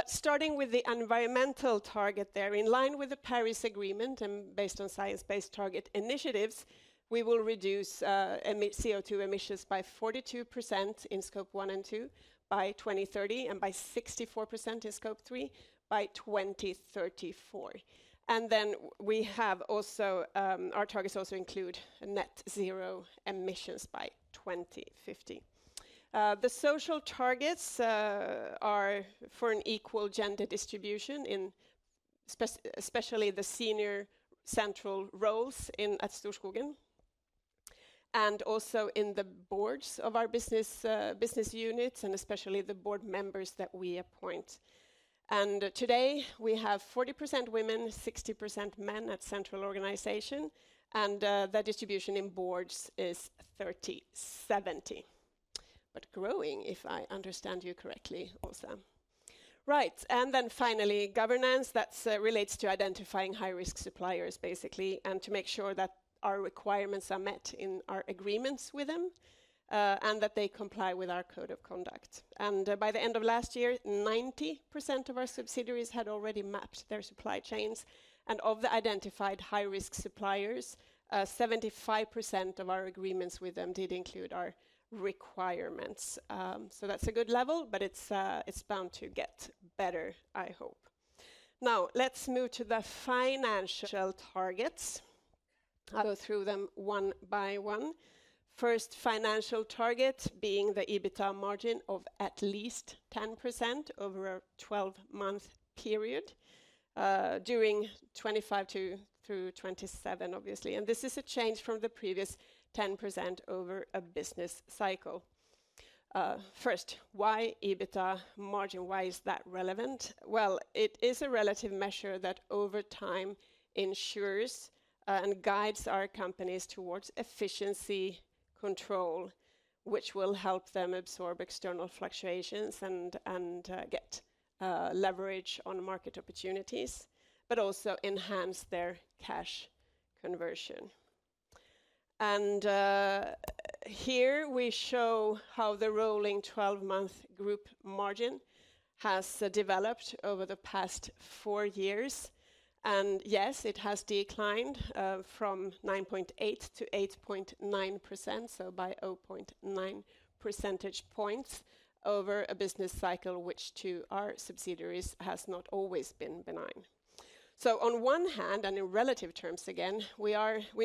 Starting with the environmental target there, in line with the Paris Agreement and based on Science Based Targets initiatives, we will reduce CO2 emissions by 42% in Scope 1 and 2 by 2030 and by 64% in Scope 3 by 2034. Then we have also our targets include net zero emissions by 2050. The social targets are for an equal gender distribution, especially the senior central roles at Storskogen and also in the boards of our business units and especially the board members that we appoint, and today we have 40% women, 60% men at central organization, and the distribution in boards is 30%-70%, but growing, if I understand you correctly, Åsa, right, and then finally, governance, that relates to identifying high-risk suppliers, basically, and to make sure that our requirements are met in our agreements with them and that they comply with our code of conduct, and by the end of last year, 90% of our subsidiaries had already mapped their supply chains, and of the identified high-risk suppliers, 75% of our agreements with them did include our requirements, so that's a good level, but it's bound to get better, I hope. Now, let's move to the financial targets. I'll go through them one by one. First financial target being the EBITDA margin of at least 10% over a 12-month period during 2025 through 2027, obviously. And this is a change from the previous 10% over a business cycle. First, why EBITDA margin? Why is that relevant? Well, it is a relative measure that over time ensures and guides our companies towards efficiency control, which will help them absorb external fluctuations and get leverage on market opportunities, but also enhance their cash conversion. And here we show how the rolling 12-month group margin has developed over the past four years. And yes, it has declined from 9.8% to 8.9%, so by 0.9 percentage points over a business cycle, which to our subsidiaries has not always been benign. So on one hand, and in relative terms again, we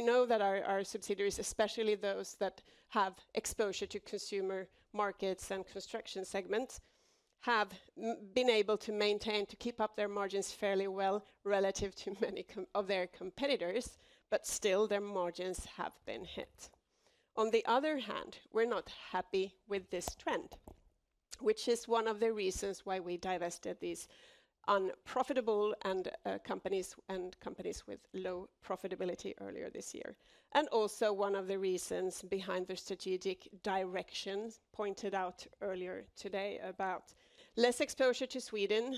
know that our subsidiaries, especially those that have exposure to consumer markets and construction segments, have been able to maintain, to keep up their margins fairly well relative to many of their competitors, but still their margins have been hit. On the other hand, we're not happy with this trend, which is one of the reasons why we divested these unprofitable companies and companies with low profitability earlier this year, and also one of the reasons behind the strategic directions pointed out earlier today about less exposure to Sweden,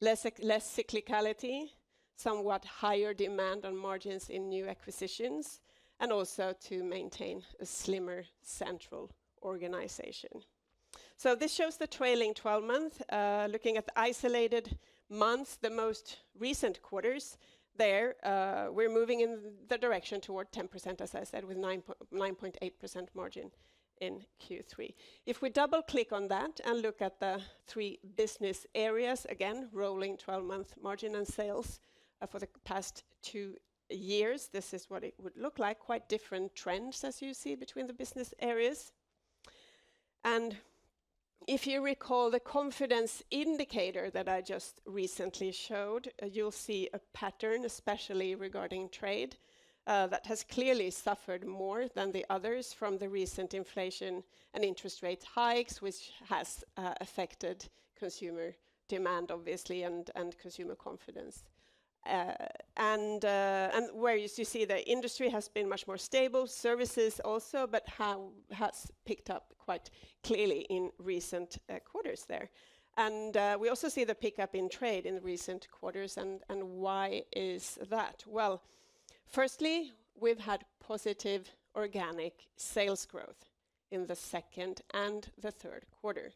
less cyclicality, somewhat higher demand on margins in new acquisitions, and also to maintain a slimmer central organization, so this shows the trailing 12 months. Looking at isolated months, the most recent quarters there, we're moving in the direction toward 10%, as I said, with 9.8% margin in Q3. If we double-click on that and look at the three business areas, again, rolling 12-month margin and sales for the past two years, this is what it would look like. Quite different trends, as you see, between the business areas. And if you recall the confidence indicator that I just recently showed, you'll see a pattern, especially regarding trade, that has clearly suffered more than the others from the recent inflation and interest rate hikes, which has affected consumer demand, obviously, and consumer confidence. And where you see the industry has been much more stable, services also, but has picked up quite clearly in recent quarters there. And we also see the pickup in trade in recent quarters. And why is that? Well, firstly, we've had positive organic sales growth in the second and the third quarter.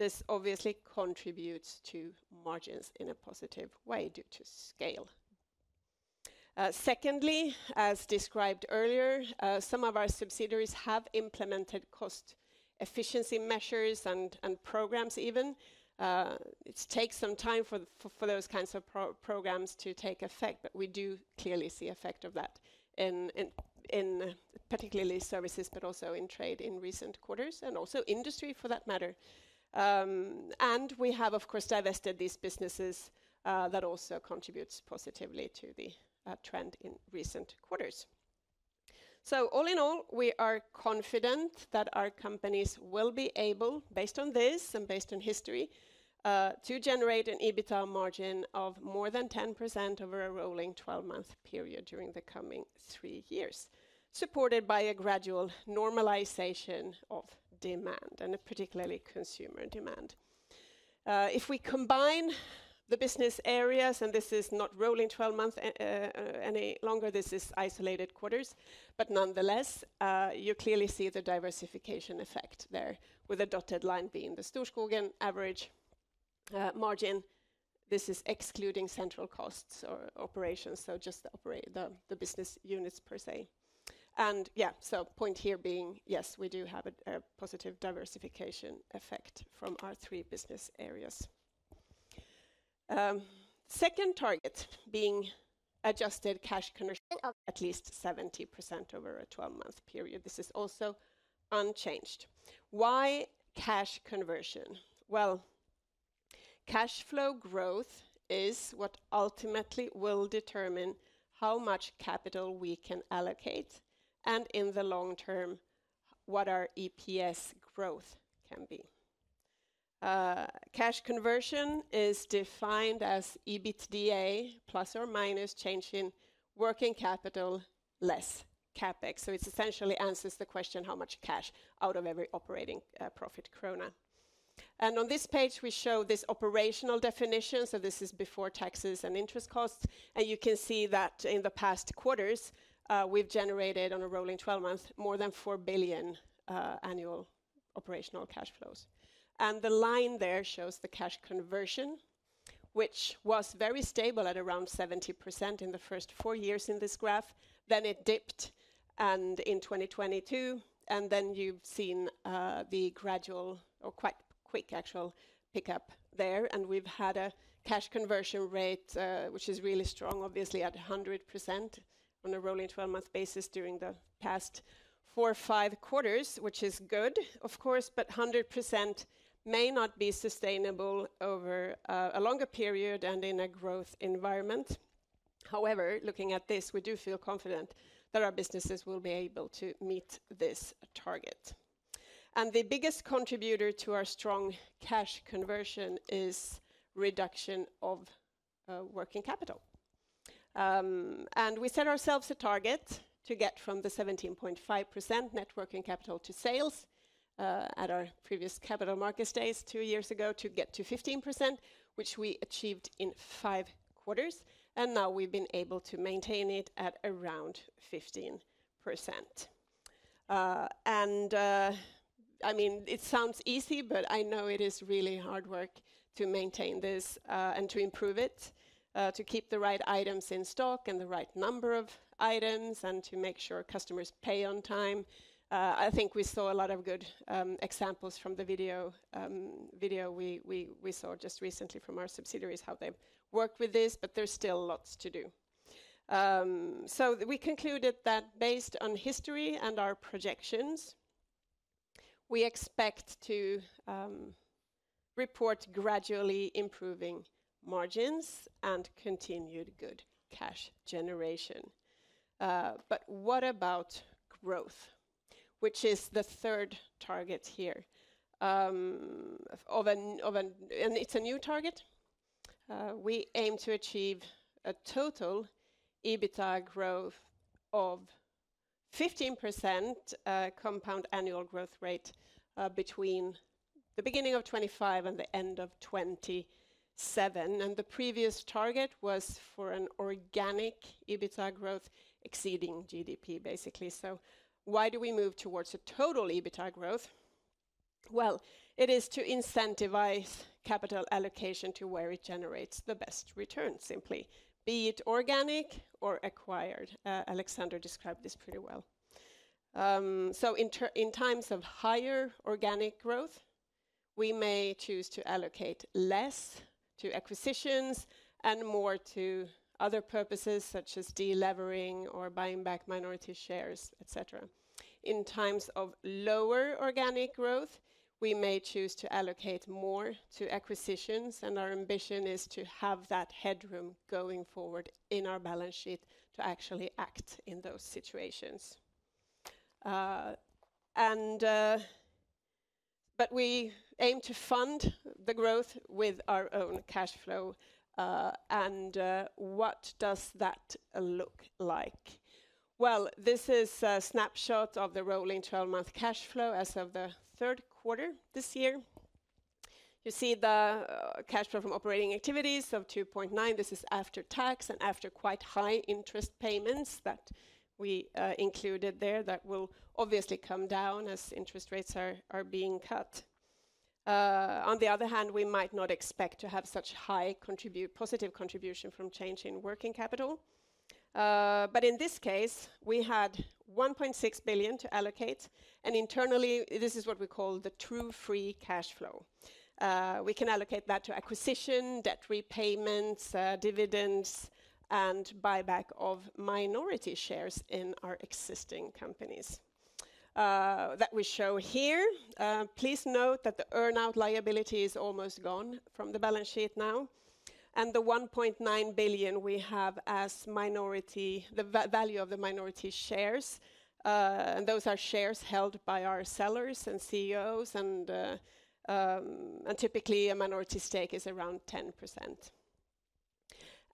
This obviously contributes to margins in a positive way due to scale. Secondly, as described earlier, some of our subsidiaries have implemented cost efficiency measures and programs even. It takes some time for those kinds of programs to take effect, but we do clearly see the effect of that, particularly in services, but also in trade in recent quarters and also industry for that matter. And we have, of course, divested these businesses that also contributes positively to the trend in recent quarters. So all in all, we are confident that our companies will be able, based on this and based on history, to generate an EBITDA margin of more than 10% over a rolling 12-month period during the coming three years, supported by a gradual normalization of demand and particularly consumer demand. If we combine the business areas, and this is not rolling 12 months any longer, this is isolated quarters, but nonetheless, you clearly see the diversification effect there with a dotted line being the Storskogen average margin. This is excluding central costs or operations, so just the business units per se. And yeah, so point here being, yes, we do have a positive diversification effect from our three business areas. Second target being adjusted cash conversion of at least 70% over a 12-month period. This is also unchanged. Why cash conversion? Well, cash flow growth is what ultimately will determine how much capital we can allocate and in the long term what our EPS growth can be. Cash conversion is defined as EBITDA plus or minus change in working capital less CapEx. So it essentially answers the question how much cash out of every operating profit krona. On this page, we show this operational definition. This is before taxes and interest costs. You can see that in the past quarters, we've generated on a rolling 12 months more than 4 billion annual operational cash flows. The line there shows the cash conversion, which was very stable at around 70% in the first four years in this graph. It dipped in 2022, and then you've seen the gradual or quite quick actual pickup there. We've had a cash conversion rate, which is really strong, obviously at 100% on a rolling 12-month basis during the past four or five quarters, which is good, of course, but 100% may not be sustainable over a longer period and in a growth environment. However, looking at this, we do feel confident that our businesses will be able to meet this target. And the biggest contributor to our strong cash conversion is reduction of working capital. And we set ourselves a target to get from the 17.5% net working capital to sales at our previous Capital Markets Days two years ago to get to 15%, which we achieved in five quarters. And now we've been able to maintain it at around 15%. And I mean, it sounds easy, but I know it is really hard work to maintain this and to improve it, to keep the right items in stock and the right number of items and to make sure customers pay on time. I think we saw a lot of good examples from the video we saw just recently from our subsidiaries how they've worked with this, but there's still lots to do. We concluded that based on history and our projections, we expect to report gradually improving margins and continued good cash generation. But what about growth, which is the third target here? And it's a new target. We aim to achieve a total EBITDA growth of 15% compound annual growth rate between the beginning of 2025 and the end of 2027. And the previous target was for an organic EBITDA growth exceeding GDP, basically. So why do we move towards a total EBITDA growth? Well, it is to incentivize capital allocation to where it generates the best returns, simply, be it organic or acquired. Alexander described this pretty well. So in times of higher organic growth, we may choose to allocate less to acquisitions and more to other purposes such as deleveraging or buying back minority shares, etc. In times of lower organic growth, we may choose to allocate more to acquisitions, and our ambition is to have that headroom going forward in our balance sheet to actually act in those situations, but we aim to fund the growth with our own cash flow, and what does that look like? Well, this is a snapshot of the rolling 12-month cash flow as of the third quarter this year. You see the cash flow from operating activities of 2.9. This is after tax and after quite high interest payments that we included there that will obviously come down as interest rates are being cut. On the other hand, we might not expect to have such high positive contribution from change in working capital, but in this case, we had 1.6 billion to allocate, and internally, this is what we call the true free cash flow. We can allocate that to acquisition, debt repayments, dividends, and buyback of minority shares in our existing companies that we show here. Please note that the earn-out liability is almost gone from the balance sheet now, and the 1.9 billion we have as the value of the minority shares, and those are shares held by our sellers and CEOs, and typically a minority stake is around 10%,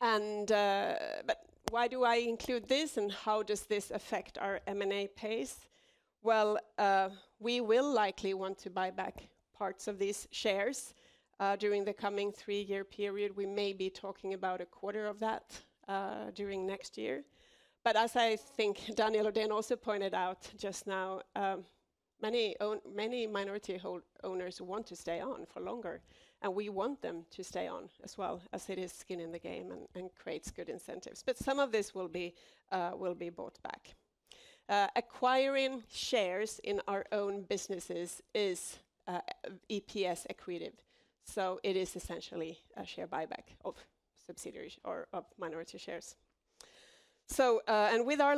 but why do I include this and how does this affect our M&A pace? Well, we will likely want to buy back parts of these shares during the coming three-year period. We may be talking about a quarter of that during next year, but as I think Daniel Ödehn also pointed out just now, many minority owners want to stay on for longer, and we want them to stay on as well as it is skin in the game and creates good incentives. But some of this will be bought back. Acquiring shares in our own businesses is EPS accretive, so it is essentially a share buyback of subsidiaries or of minority shares, and with our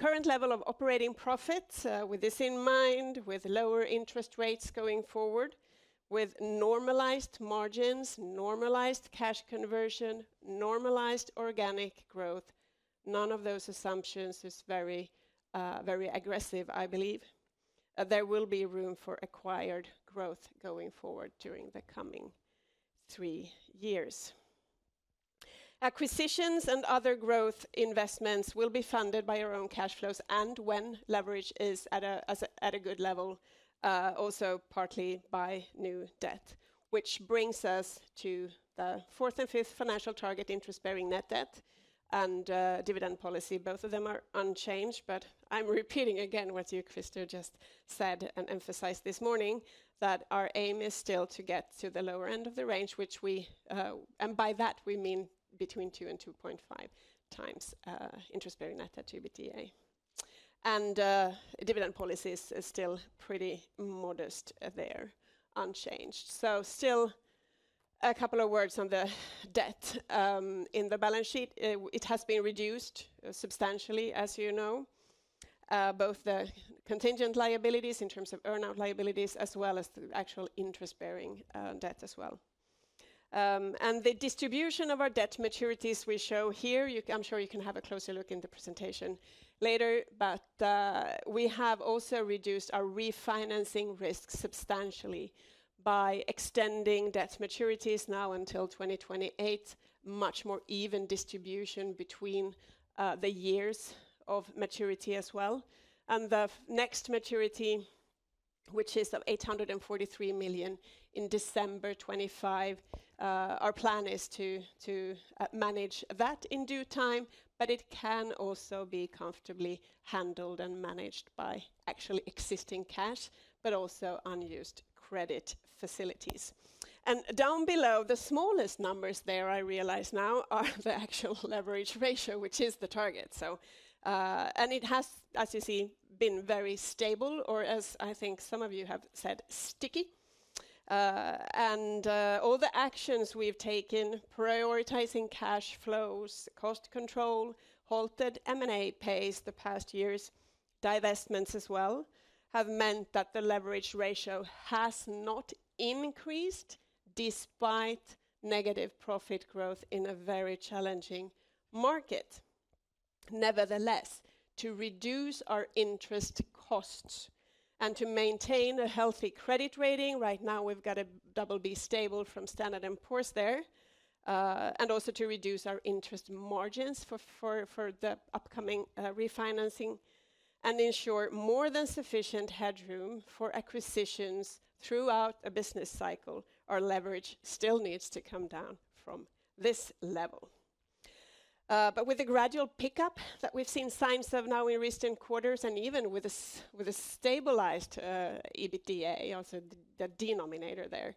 current level of operating profits, with this in mind, with lower interest rates going forward, with normalized margins, normalized cash conversion, normalized organic growth, none of those assumptions is very aggressive, I believe. There will be room for acquired growth going forward during the coming three years. Acquisitions and other growth investments will be funded by our own cash flows and when leverage is at a good level, also partly by new debt, which brings us to the fourth and fifth financial target, interest-bearing net debt and dividend policy. Both of them are unchanged, but I'm repeating again what you, Christer, just said and emphasized this morning, that our aim is still to get to the lower end of the range, which we, and by that we mean between 2 and 2.5 times interest-bearing net debt to EBITDA. And dividend policy is still pretty modest there, unchanged. So still a couple of words on the debt in the balance sheet. It has been reduced substantially, as you know, both the contingent liabilities in terms of earn-out liabilities as well as the actual interest-bearing debt as well. And the distribution of our debt maturities we show here, I'm sure you can have a closer look in the presentation later, but we have also reduced our refinancing risk substantially by extending debt maturities now until 2028, much more even distribution between the years of maturity as well. The next maturity, which is of 843 million in December 2025, our plan is to manage that in due time, but it can also be comfortably handled and managed by actually existing cash, but also unused credit facilities. Down below, the smallest numbers there, I realize now, are the actual leverage ratio, which is the target. It has, as you see, been very stable or, as I think some of you have said, sticky. All the actions we've taken, prioritizing cash flows, cost control, halted M&A pace the past years, divestments as well, have meant that the leverage ratio has not increased despite negative profit growth in a very challenging market. Nevertheless, to reduce our interest costs and to maintain a healthy credit rating, right now we've got a double B stable from Standard & Poor's there, and also to reduce our interest margins for the upcoming refinancing and ensure more than sufficient headroom for acquisitions throughout a business cycle, our leverage still needs to come down from this level. But with the gradual pickup that we've seen signs of now in recent quarters and even with a stabilized EBITDA, also the denominator there,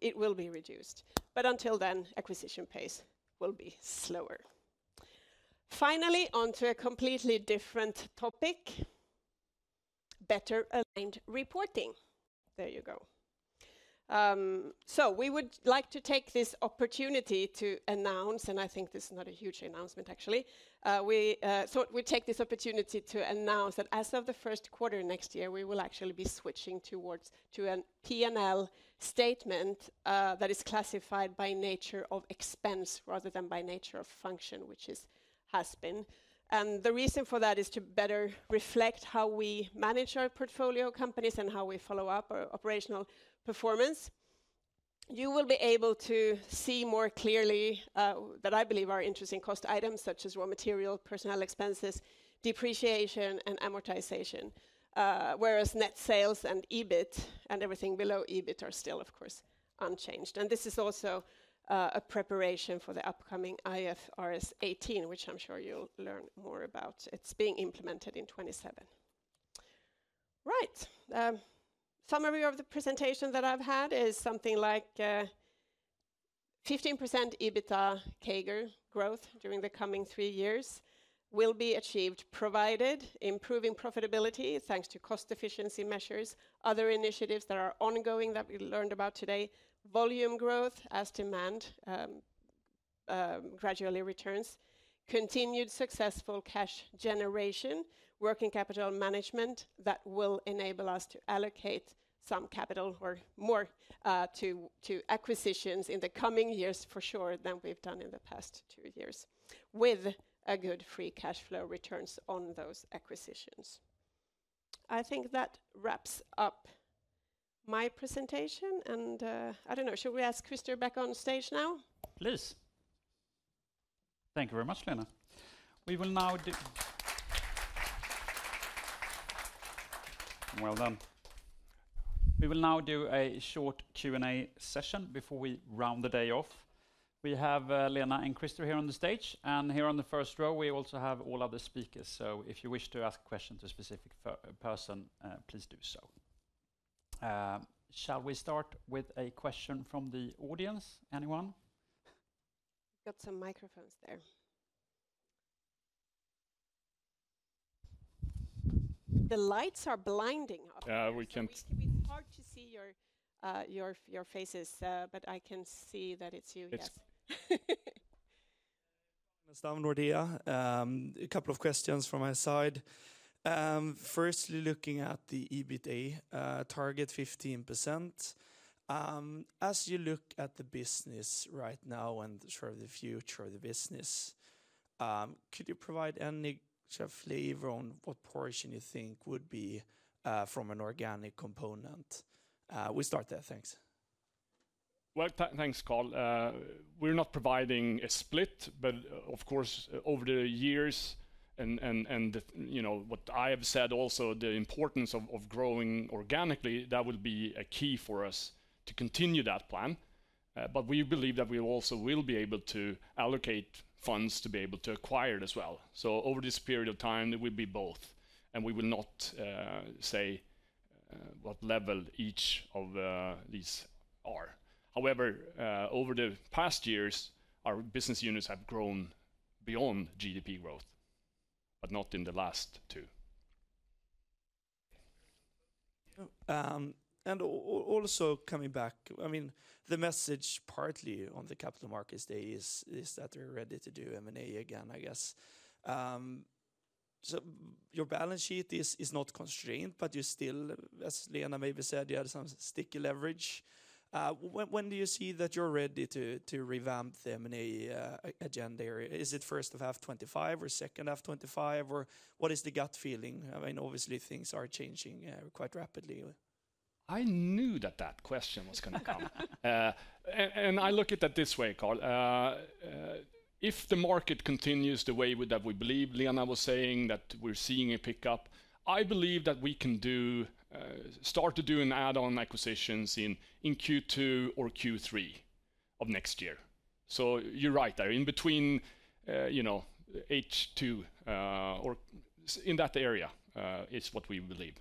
it will be reduced. But until then, acquisition pace will be slower. Finally, onto a completely different topic, better aligned reporting. There you go. So we would like to take this opportunity to announce, and I think this is not a huge announcement, actually. We take this opportunity to announce that as of the first quarter next year, we will actually be switching towards a P&L statement that is classified by nature of expense rather than by nature of function, which has been. And the reason for that is to better reflect how we manage our portfolio companies and how we follow up our operational performance. You will be able to see more clearly that I believe our interesting cost items such as raw material, personnel expenses, depreciation, and amortization, whereas net sales and EBIT and everything below EBIT are still, of course, unchanged. And this is also a preparation for the upcoming IFRS 18, which I'm sure you'll learn more about. It's being implemented in 2027. Right. Summary of the presentation that I've had is something like 15% EBITDA CAGR growth during the coming three years will be achieved, provided improving profitability thanks to cost efficiency measures, other initiatives that are ongoing that we learned about today, volume growth as demand gradually returns, continued successful cash generation, working capital management that will enable us to allocate some capital or more to acquisitions in the coming years for sure than we've done in the past two years, with a good free cash flow returns on those acquisitions. I think that wraps up my presentation. And I don't know, should we ask Christer back on stage now? Please. Thank you very much, Lena. We will now do. Well done. We will now do a short Q&A session before we round the day off. We have Lena and Christer here on the stage. And here on the first row, we also have all other speakers. So if you wish to ask questions to a specific person, please do so. Shall we start with a question from the audience? Anyone? We've got some microphones there. The lights are blinding. Yeah, we can. It's hard to see your faces, but I can see that it's you. It's fine. A couple of questions from my side. Firstly, looking at the EBITDA target, 15%. As you look at the business right now and sort of the future of the business, could you provide any kind of flavor on what portion you think would be from an organic component? We'll start there. Thanks. Well, thanks, Carl. We're not providing a split, but of course, over the years and what I have said also, the importance of growing organically. That will be a key for us to continue that plan. But we believe that we also will be able to allocate funds to be able to acquire it as well. So over this period of time, it will be both. And we will not say what level each of these are. However, over the past years, our business units have grown beyond GDP growth, but not in the last two. And also coming back, I mean, the message partly on the Capital Markets Day is that we're ready to do M&A again, I guess. So your balance sheet is not constrained, but you still, as Lena maybe said, you had some sticky leverage. When do you see that you're ready to revamp the M&A agenda area? Is it first of 2025 or second of 2025? Or what is the gut feeling? I mean, obviously, things are changing quite rapidly. I knew that that question was going to come. And I look at that this way, Carl. If the market continues the way that we believe, Lena was saying that we're seeing a pickup. I believe that we can start to do add-on acquisitions in Q2 or Q3 of next year. So you're right there. In between H2 or in that area is what we believe.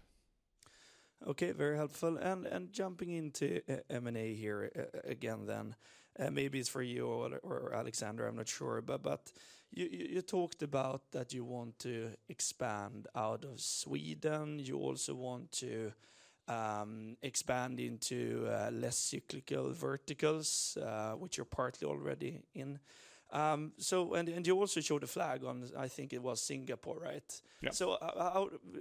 Okay, very helpful. And jumping into M&A here again then, maybe it's for you or Alexander, I'm not sure, but you talked about that you want to expand out of Sweden. You also want to expand into less cyclical verticals, which you're partly already in. And you also showed a flag on, I think it was Singapore, right? Yeah. So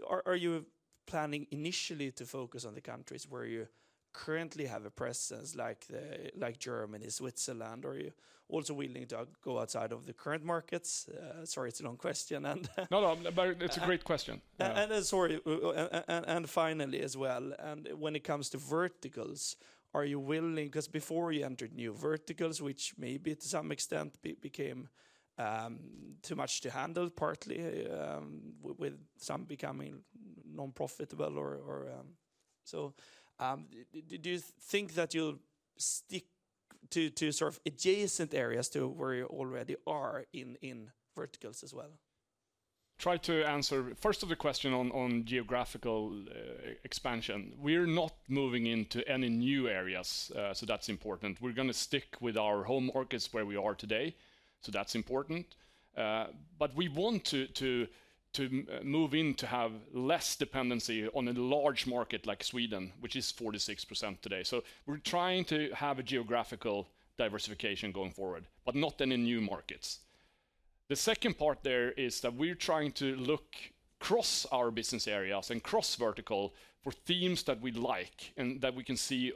are you planning initially to focus on the countries where you currently have a presence like Germany, Switzerland? Are you also willing to go outside of the current markets? Sorry, it's a long question. No, no, but it's a great question. And finally as well, when it comes to verticals, are you willing? Because before you entered new verticals, which maybe to some extent became too much to handle, partly with some becoming non-profitable or so. Do you think that you'll stick to sort of adjacent areas to where you already are in verticals as well? Try to answer first of the question on geographical expansion. We're not moving into any new areas, so that's important. We're going to stick with our home markets where we are today, so that's important. But we want to move in to have less dependency on a large market like Sweden, which is 46% today. So we're trying to have a geographical diversification going forward, but not any new markets. The second part there is that we're trying to look across our business areas and cross-vertical for themes that we like and that we can see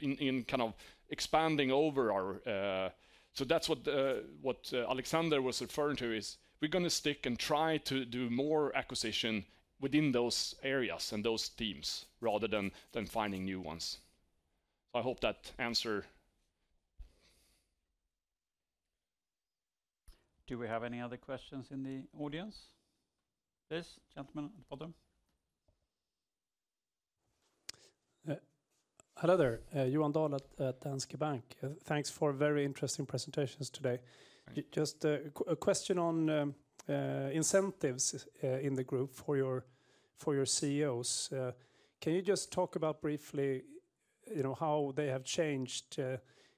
in kind of expanding over our. So that's what Alexander was referring to is we're going to stick and try to do more acquisition within those areas and those themes rather than finding new ones. So I hope that answers. Do we have any other questions in the audience? This gentleman at the bottom. Hello there, Johan Dahl at Danske Bank. Thanks for very interesting presentations today. Just a question on incentives in the group for your CEOs. Can you just talk about briefly how they have changed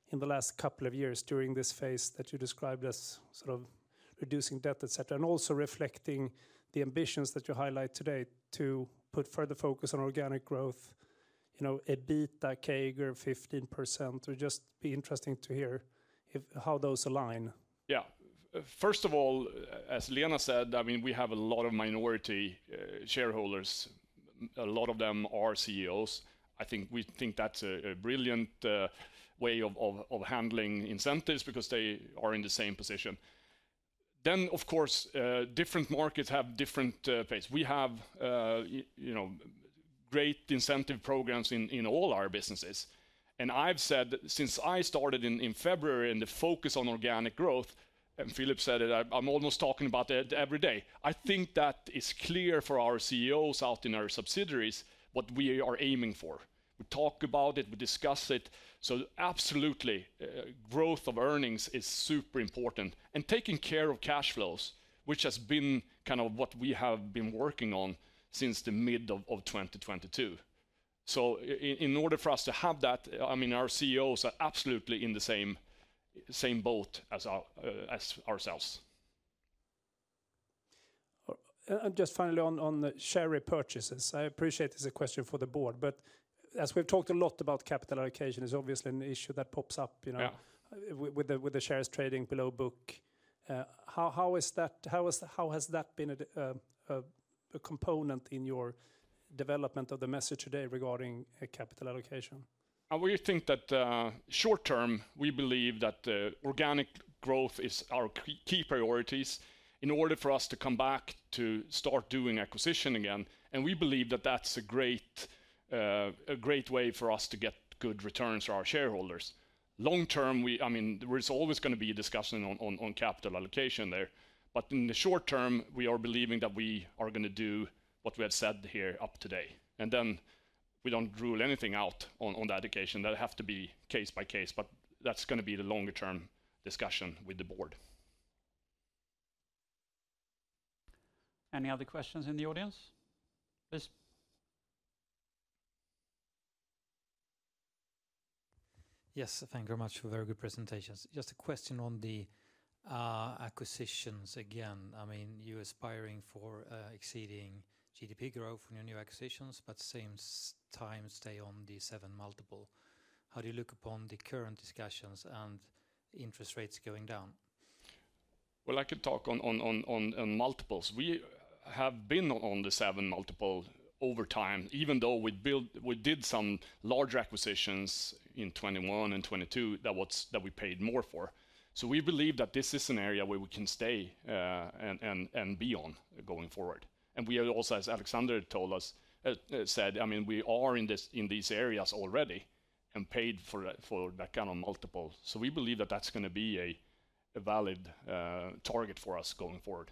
in the last couple of years during this phase that you described as sort of reducing debt, etc., and also reflecting the ambitions that you highlight today to put further focus on organic growth, EBITDA, CAGR, 15%? It would just be interesting to hear how those align. Yeah. First of all, as Lena said, I mean, we have a lot of minority shareholders. A lot of them are CEOs. I think we think that's a brilliant way of handling incentives because they are in the same position. Then, of course, different markets have different pace. We have great incentive programs in all our businesses, and I've said since I started in February and the focus on organic growth, and Philip said it, I'm almost talking about it every day. I think that is clear for our CEOs out in our subsidiaries what we are aiming for. We talk about it, we discuss it. So absolutely, growth of earnings is super important. And taking care of cash flows, which has been kind of what we have been working on since the mid of 2022. So in order for us to have that, I mean, our CEOs are absolutely in the same boat as ourselves. And just finally on the share repurchases, I appreciate it's a question for the board, but as we've talked a lot about capital allocation, it's obviously an issue that pops up with the shares trading below book. How has that been a component in your development of the message today regarding capital allocation? We think that short-term, we believe that organic growth is our key priorities in order for us to come back to start doing acquisitions again. And we believe that that's a great way for us to get good returns for our shareholders. Long-term, I mean, there's always going to be a discussion on capital allocation there. But in the short-term, we are believing that we are going to do what we have said here today. And then we don't rule anything out on that occasion. That has to be case-by-case, but that's going to be the longer-term discussion with the board. Any other questions in the audience? Yes, thank you very much for very good presentations. Just a question on the acquisitions again. I mean, you're aspiring for exceeding GDP growth on your new acquisitions, but at the same time, stay on the seven multiple. How do you look upon the current discussions and interest rates going down? Well, I could talk on multiples. We have been on the seven multiple over time, even though we did some large acquisitions in 2021 and 2022 that we paid more for. So we believe that this is an area where we can stay and be on going forward. And we also, as Alexander told us, said, I mean, we are in these areas already and paid for that kind of multiple. So we believe that that's going to be a valid target for us going forward.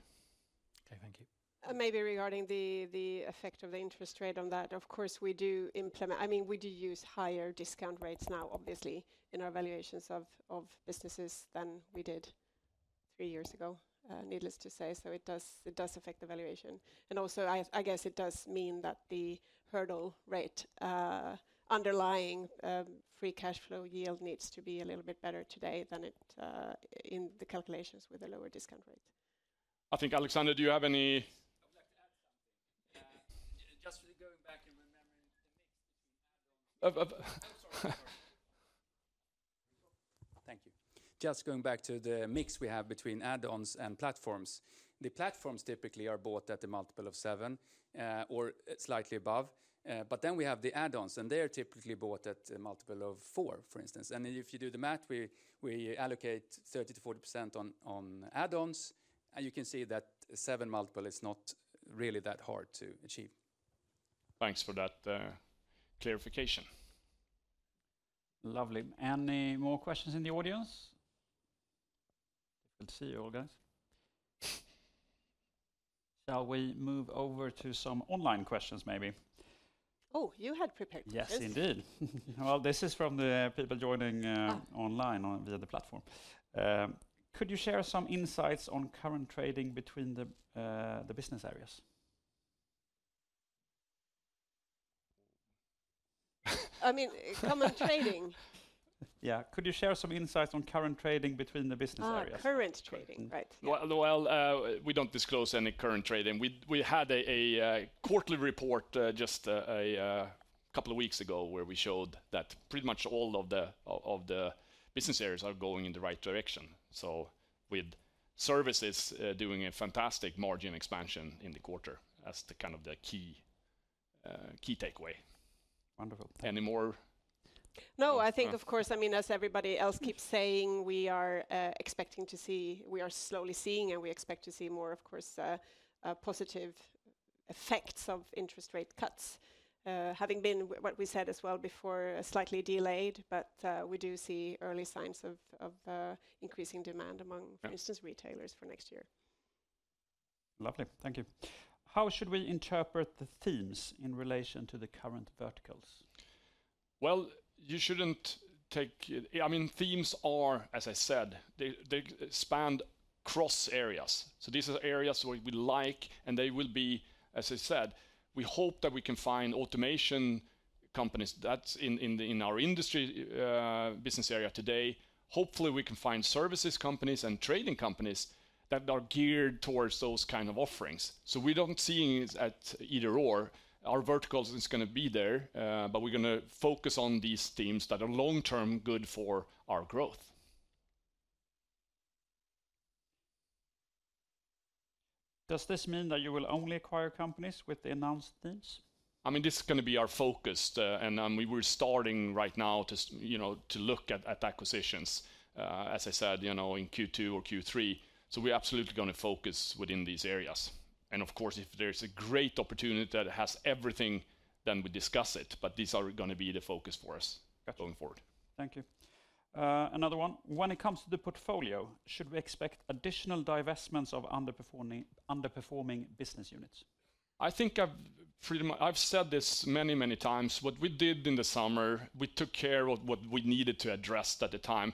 Okay, thank you. Maybe regarding the effect of the interest rate on that, of course, we do implement. I mean, we do use higher discount rates now, obviously, in our valuations of businesses than we did three years ago, needless to say. So it does affect the valuation, and also, I guess it does mean that the hurdle rate underlying free cash flow yield needs to be a little bit better today than it in the calculations with a lower discount rate. I think, Alexander, do you have any? I would like to add something. Just going back to the mix we have between add-ons and platforms. The platforms typically are bought at a multiple of seven or slightly above. But then we have the add-ons, and they are typically bought at a multiple of four, for instance. And if you do the math, we allocate 30%-40% on add-ons. And you can see that seven multiple is not really that hard to achieve. Thanks for that clarification. Lovely. Any more questions in the audience? Difficult to see your audience. Shall we move over to some online questions maybe? Oh, you had prepared questions. Yes, indeed. Well, this is from the people joining online via the platform. Could you share some insights on current trading between the business areas? I mean, common trading. Yeah, could you share some insights on current trading between the business areas? Oh, current trading, right. Well, we don't disclose any current trading. We had a quarterly report just a couple of weeks ago where we showed that pretty much all of the business areas are going in the right direction. So, with services doing a fantastic margin expansion in the quarter as the kind of the key takeaway. Wonderful. Any more? No, I think, of course, I mean, as everybody else keeps saying, we are expecting to see, we are slowly seeing, and we expect to see more, of course, positive effects of interest rate cuts. Having been what we said as well before, slightly delayed, but we do see early signs of increasing demand among, for instance, retailers for next year. Lovely, thank you. How should we interpret the themes in relation to the current verticals? Well, you shouldn't take, I mean, themes are, as I said, they span cross areas. So these are areas where we like, and they will be, as I said, we hope that we can find automation companies that's in our industry business area today. Hopefully, we can find services companies and trading companies that are geared towards those kinds of offerings, so we don't see it as either/or. Our verticals is going to be there, but we're going to focus on these themes that are long-term good for our growth. Does this mean that you will only acquire companies with the announced themes? I mean, this is going to be our focus, and we were starting right now to look at acquisitions, as I said, in Q2 or Q3, so we're absolutely going to focus within these areas, and of course, if there's a great opportunity that has everything, then we discuss it, but these are going to be the focus for us going forward. Thank you. Another one. When it comes to the portfolio, should we expect additional divestments of underperforming business units? I think I've said this many, many times. What we did in the summer, we took care of what we needed to address at the time.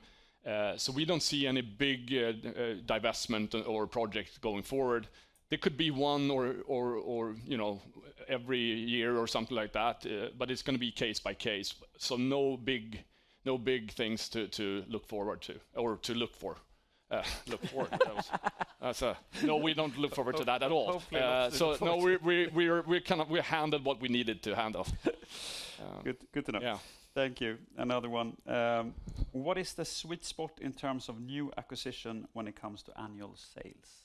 So we don't see any big divestment or project going forward. There could be one or every year or something like that, but it's going to be case by case. So no big things to look forward to or to look for. No, we don't look forward to that at all. So no, we handled what we needed to handle. Good to know. Thank you. Another one. What is the sweet spot in terms of new acquisition when it comes to annual sales?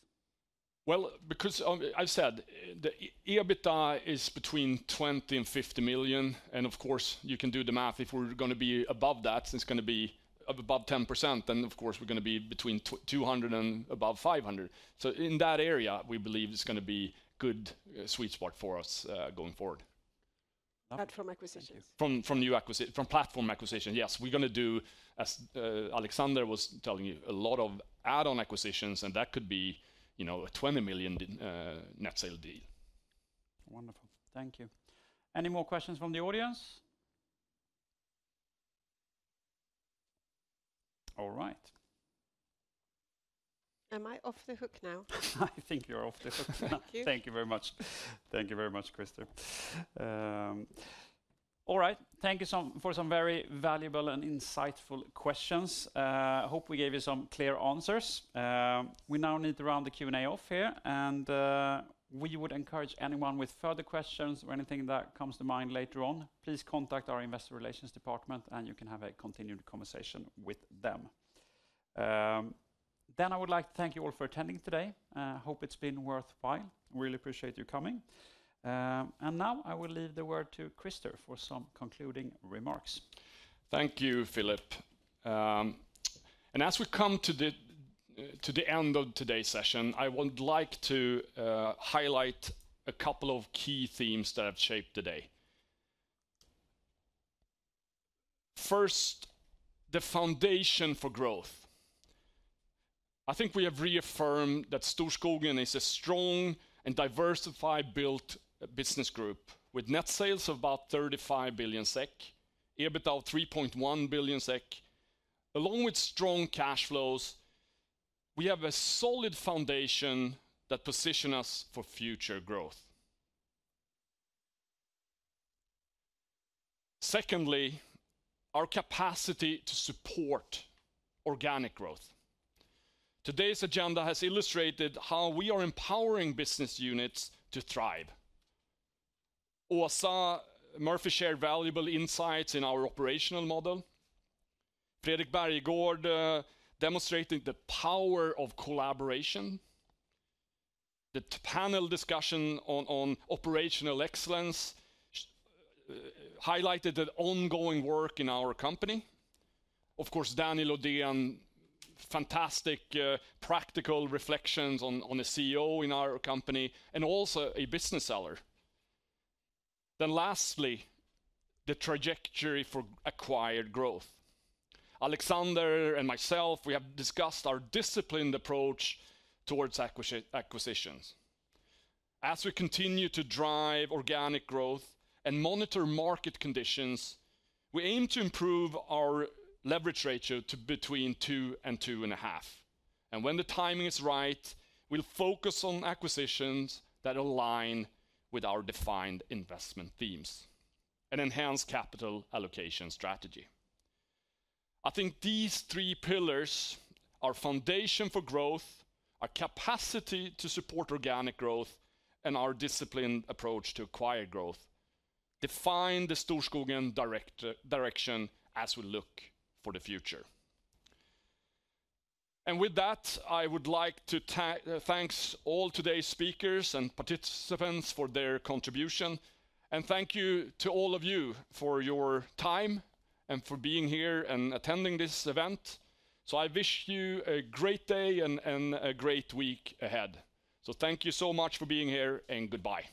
Well, because I've said the EBITDA is between 20 million and 50 million. And of course, you can do the math. If we're going to be above that, it's going to be above 10%. And of course, we're going to be between 200 million and above 500 million. So in that area, we believe it's going to be a good sweet spot for us going forward. Not from acquisitions. From platform acquisition, yes. We're going to do, as Alexander was telling you, a lot of add-on acquisitions, and that could be a 20 million net sales deal. Wonderful. Thank you. Any more questions from the audience? All right. Am I off the hook now? I think you're off the hook. Thank you. Thank you very much. Thank you very much, Christer. All right. Thank you for some very valuable and insightful questions. I hope we gave you some clear answers. We now need to round the Q&A off here, and we would encourage anyone with further questions or anything that comes to mind later on, please contact our investor relations department, and you can have a continued conversation with them. Then I would like to thank you all for attending today. I hope it's been worthwhile. Really appreciate you coming. And now I will leave the word to Christer for some concluding remarks. Thank you, Philip. And as we come to the end of today's session, I would like to highlight a couple of key themes that have shaped the day. First, the foundation for growth. I think we have reaffirmed that Storskogen is a strong and diversified-built business group with net sales of about 35 billion SEK, EBITDA of 3.1 billion SEK, along with strong cash flows. We have a solid foundation that positions us for future growth. Secondly, our capacity to support organic growth. Today's agenda has illustrated how we are empowering business units to thrive. Åsa Murphy shared valuable insights in our operational model. Fredrik Bergegård demonstrated the power of collaboration. The panel discussion on operational excellence highlighted the ongoing work in our company. Of course, Daniel Ödehn [gave] fantastic practical reflections on a CEO in our company and also a business seller. Then lastly, the trajectory for acquired growth. Alexander and myself, we have discussed our disciplined approach towards acquisitions. As we continue to drive organic growth and monitor market conditions, we aim to improve our leverage ratio to between two and two and a half. And when the timing is right, we'll focus on acquisitions that align with our defined investment themes and enhance capital allocation strategy. I think these three pillars, our foundation for growth, our capacity to support organic growth, and our disciplined approach to acquired growth define the Storskogen direction as we look for the future, and with that, I would like to thank all today's speakers and participants for their contribution. Thank you to all of you for your time and for being here and attending this event. I wish you a great day and a great week ahead. Thank you so much for being here and goodbye.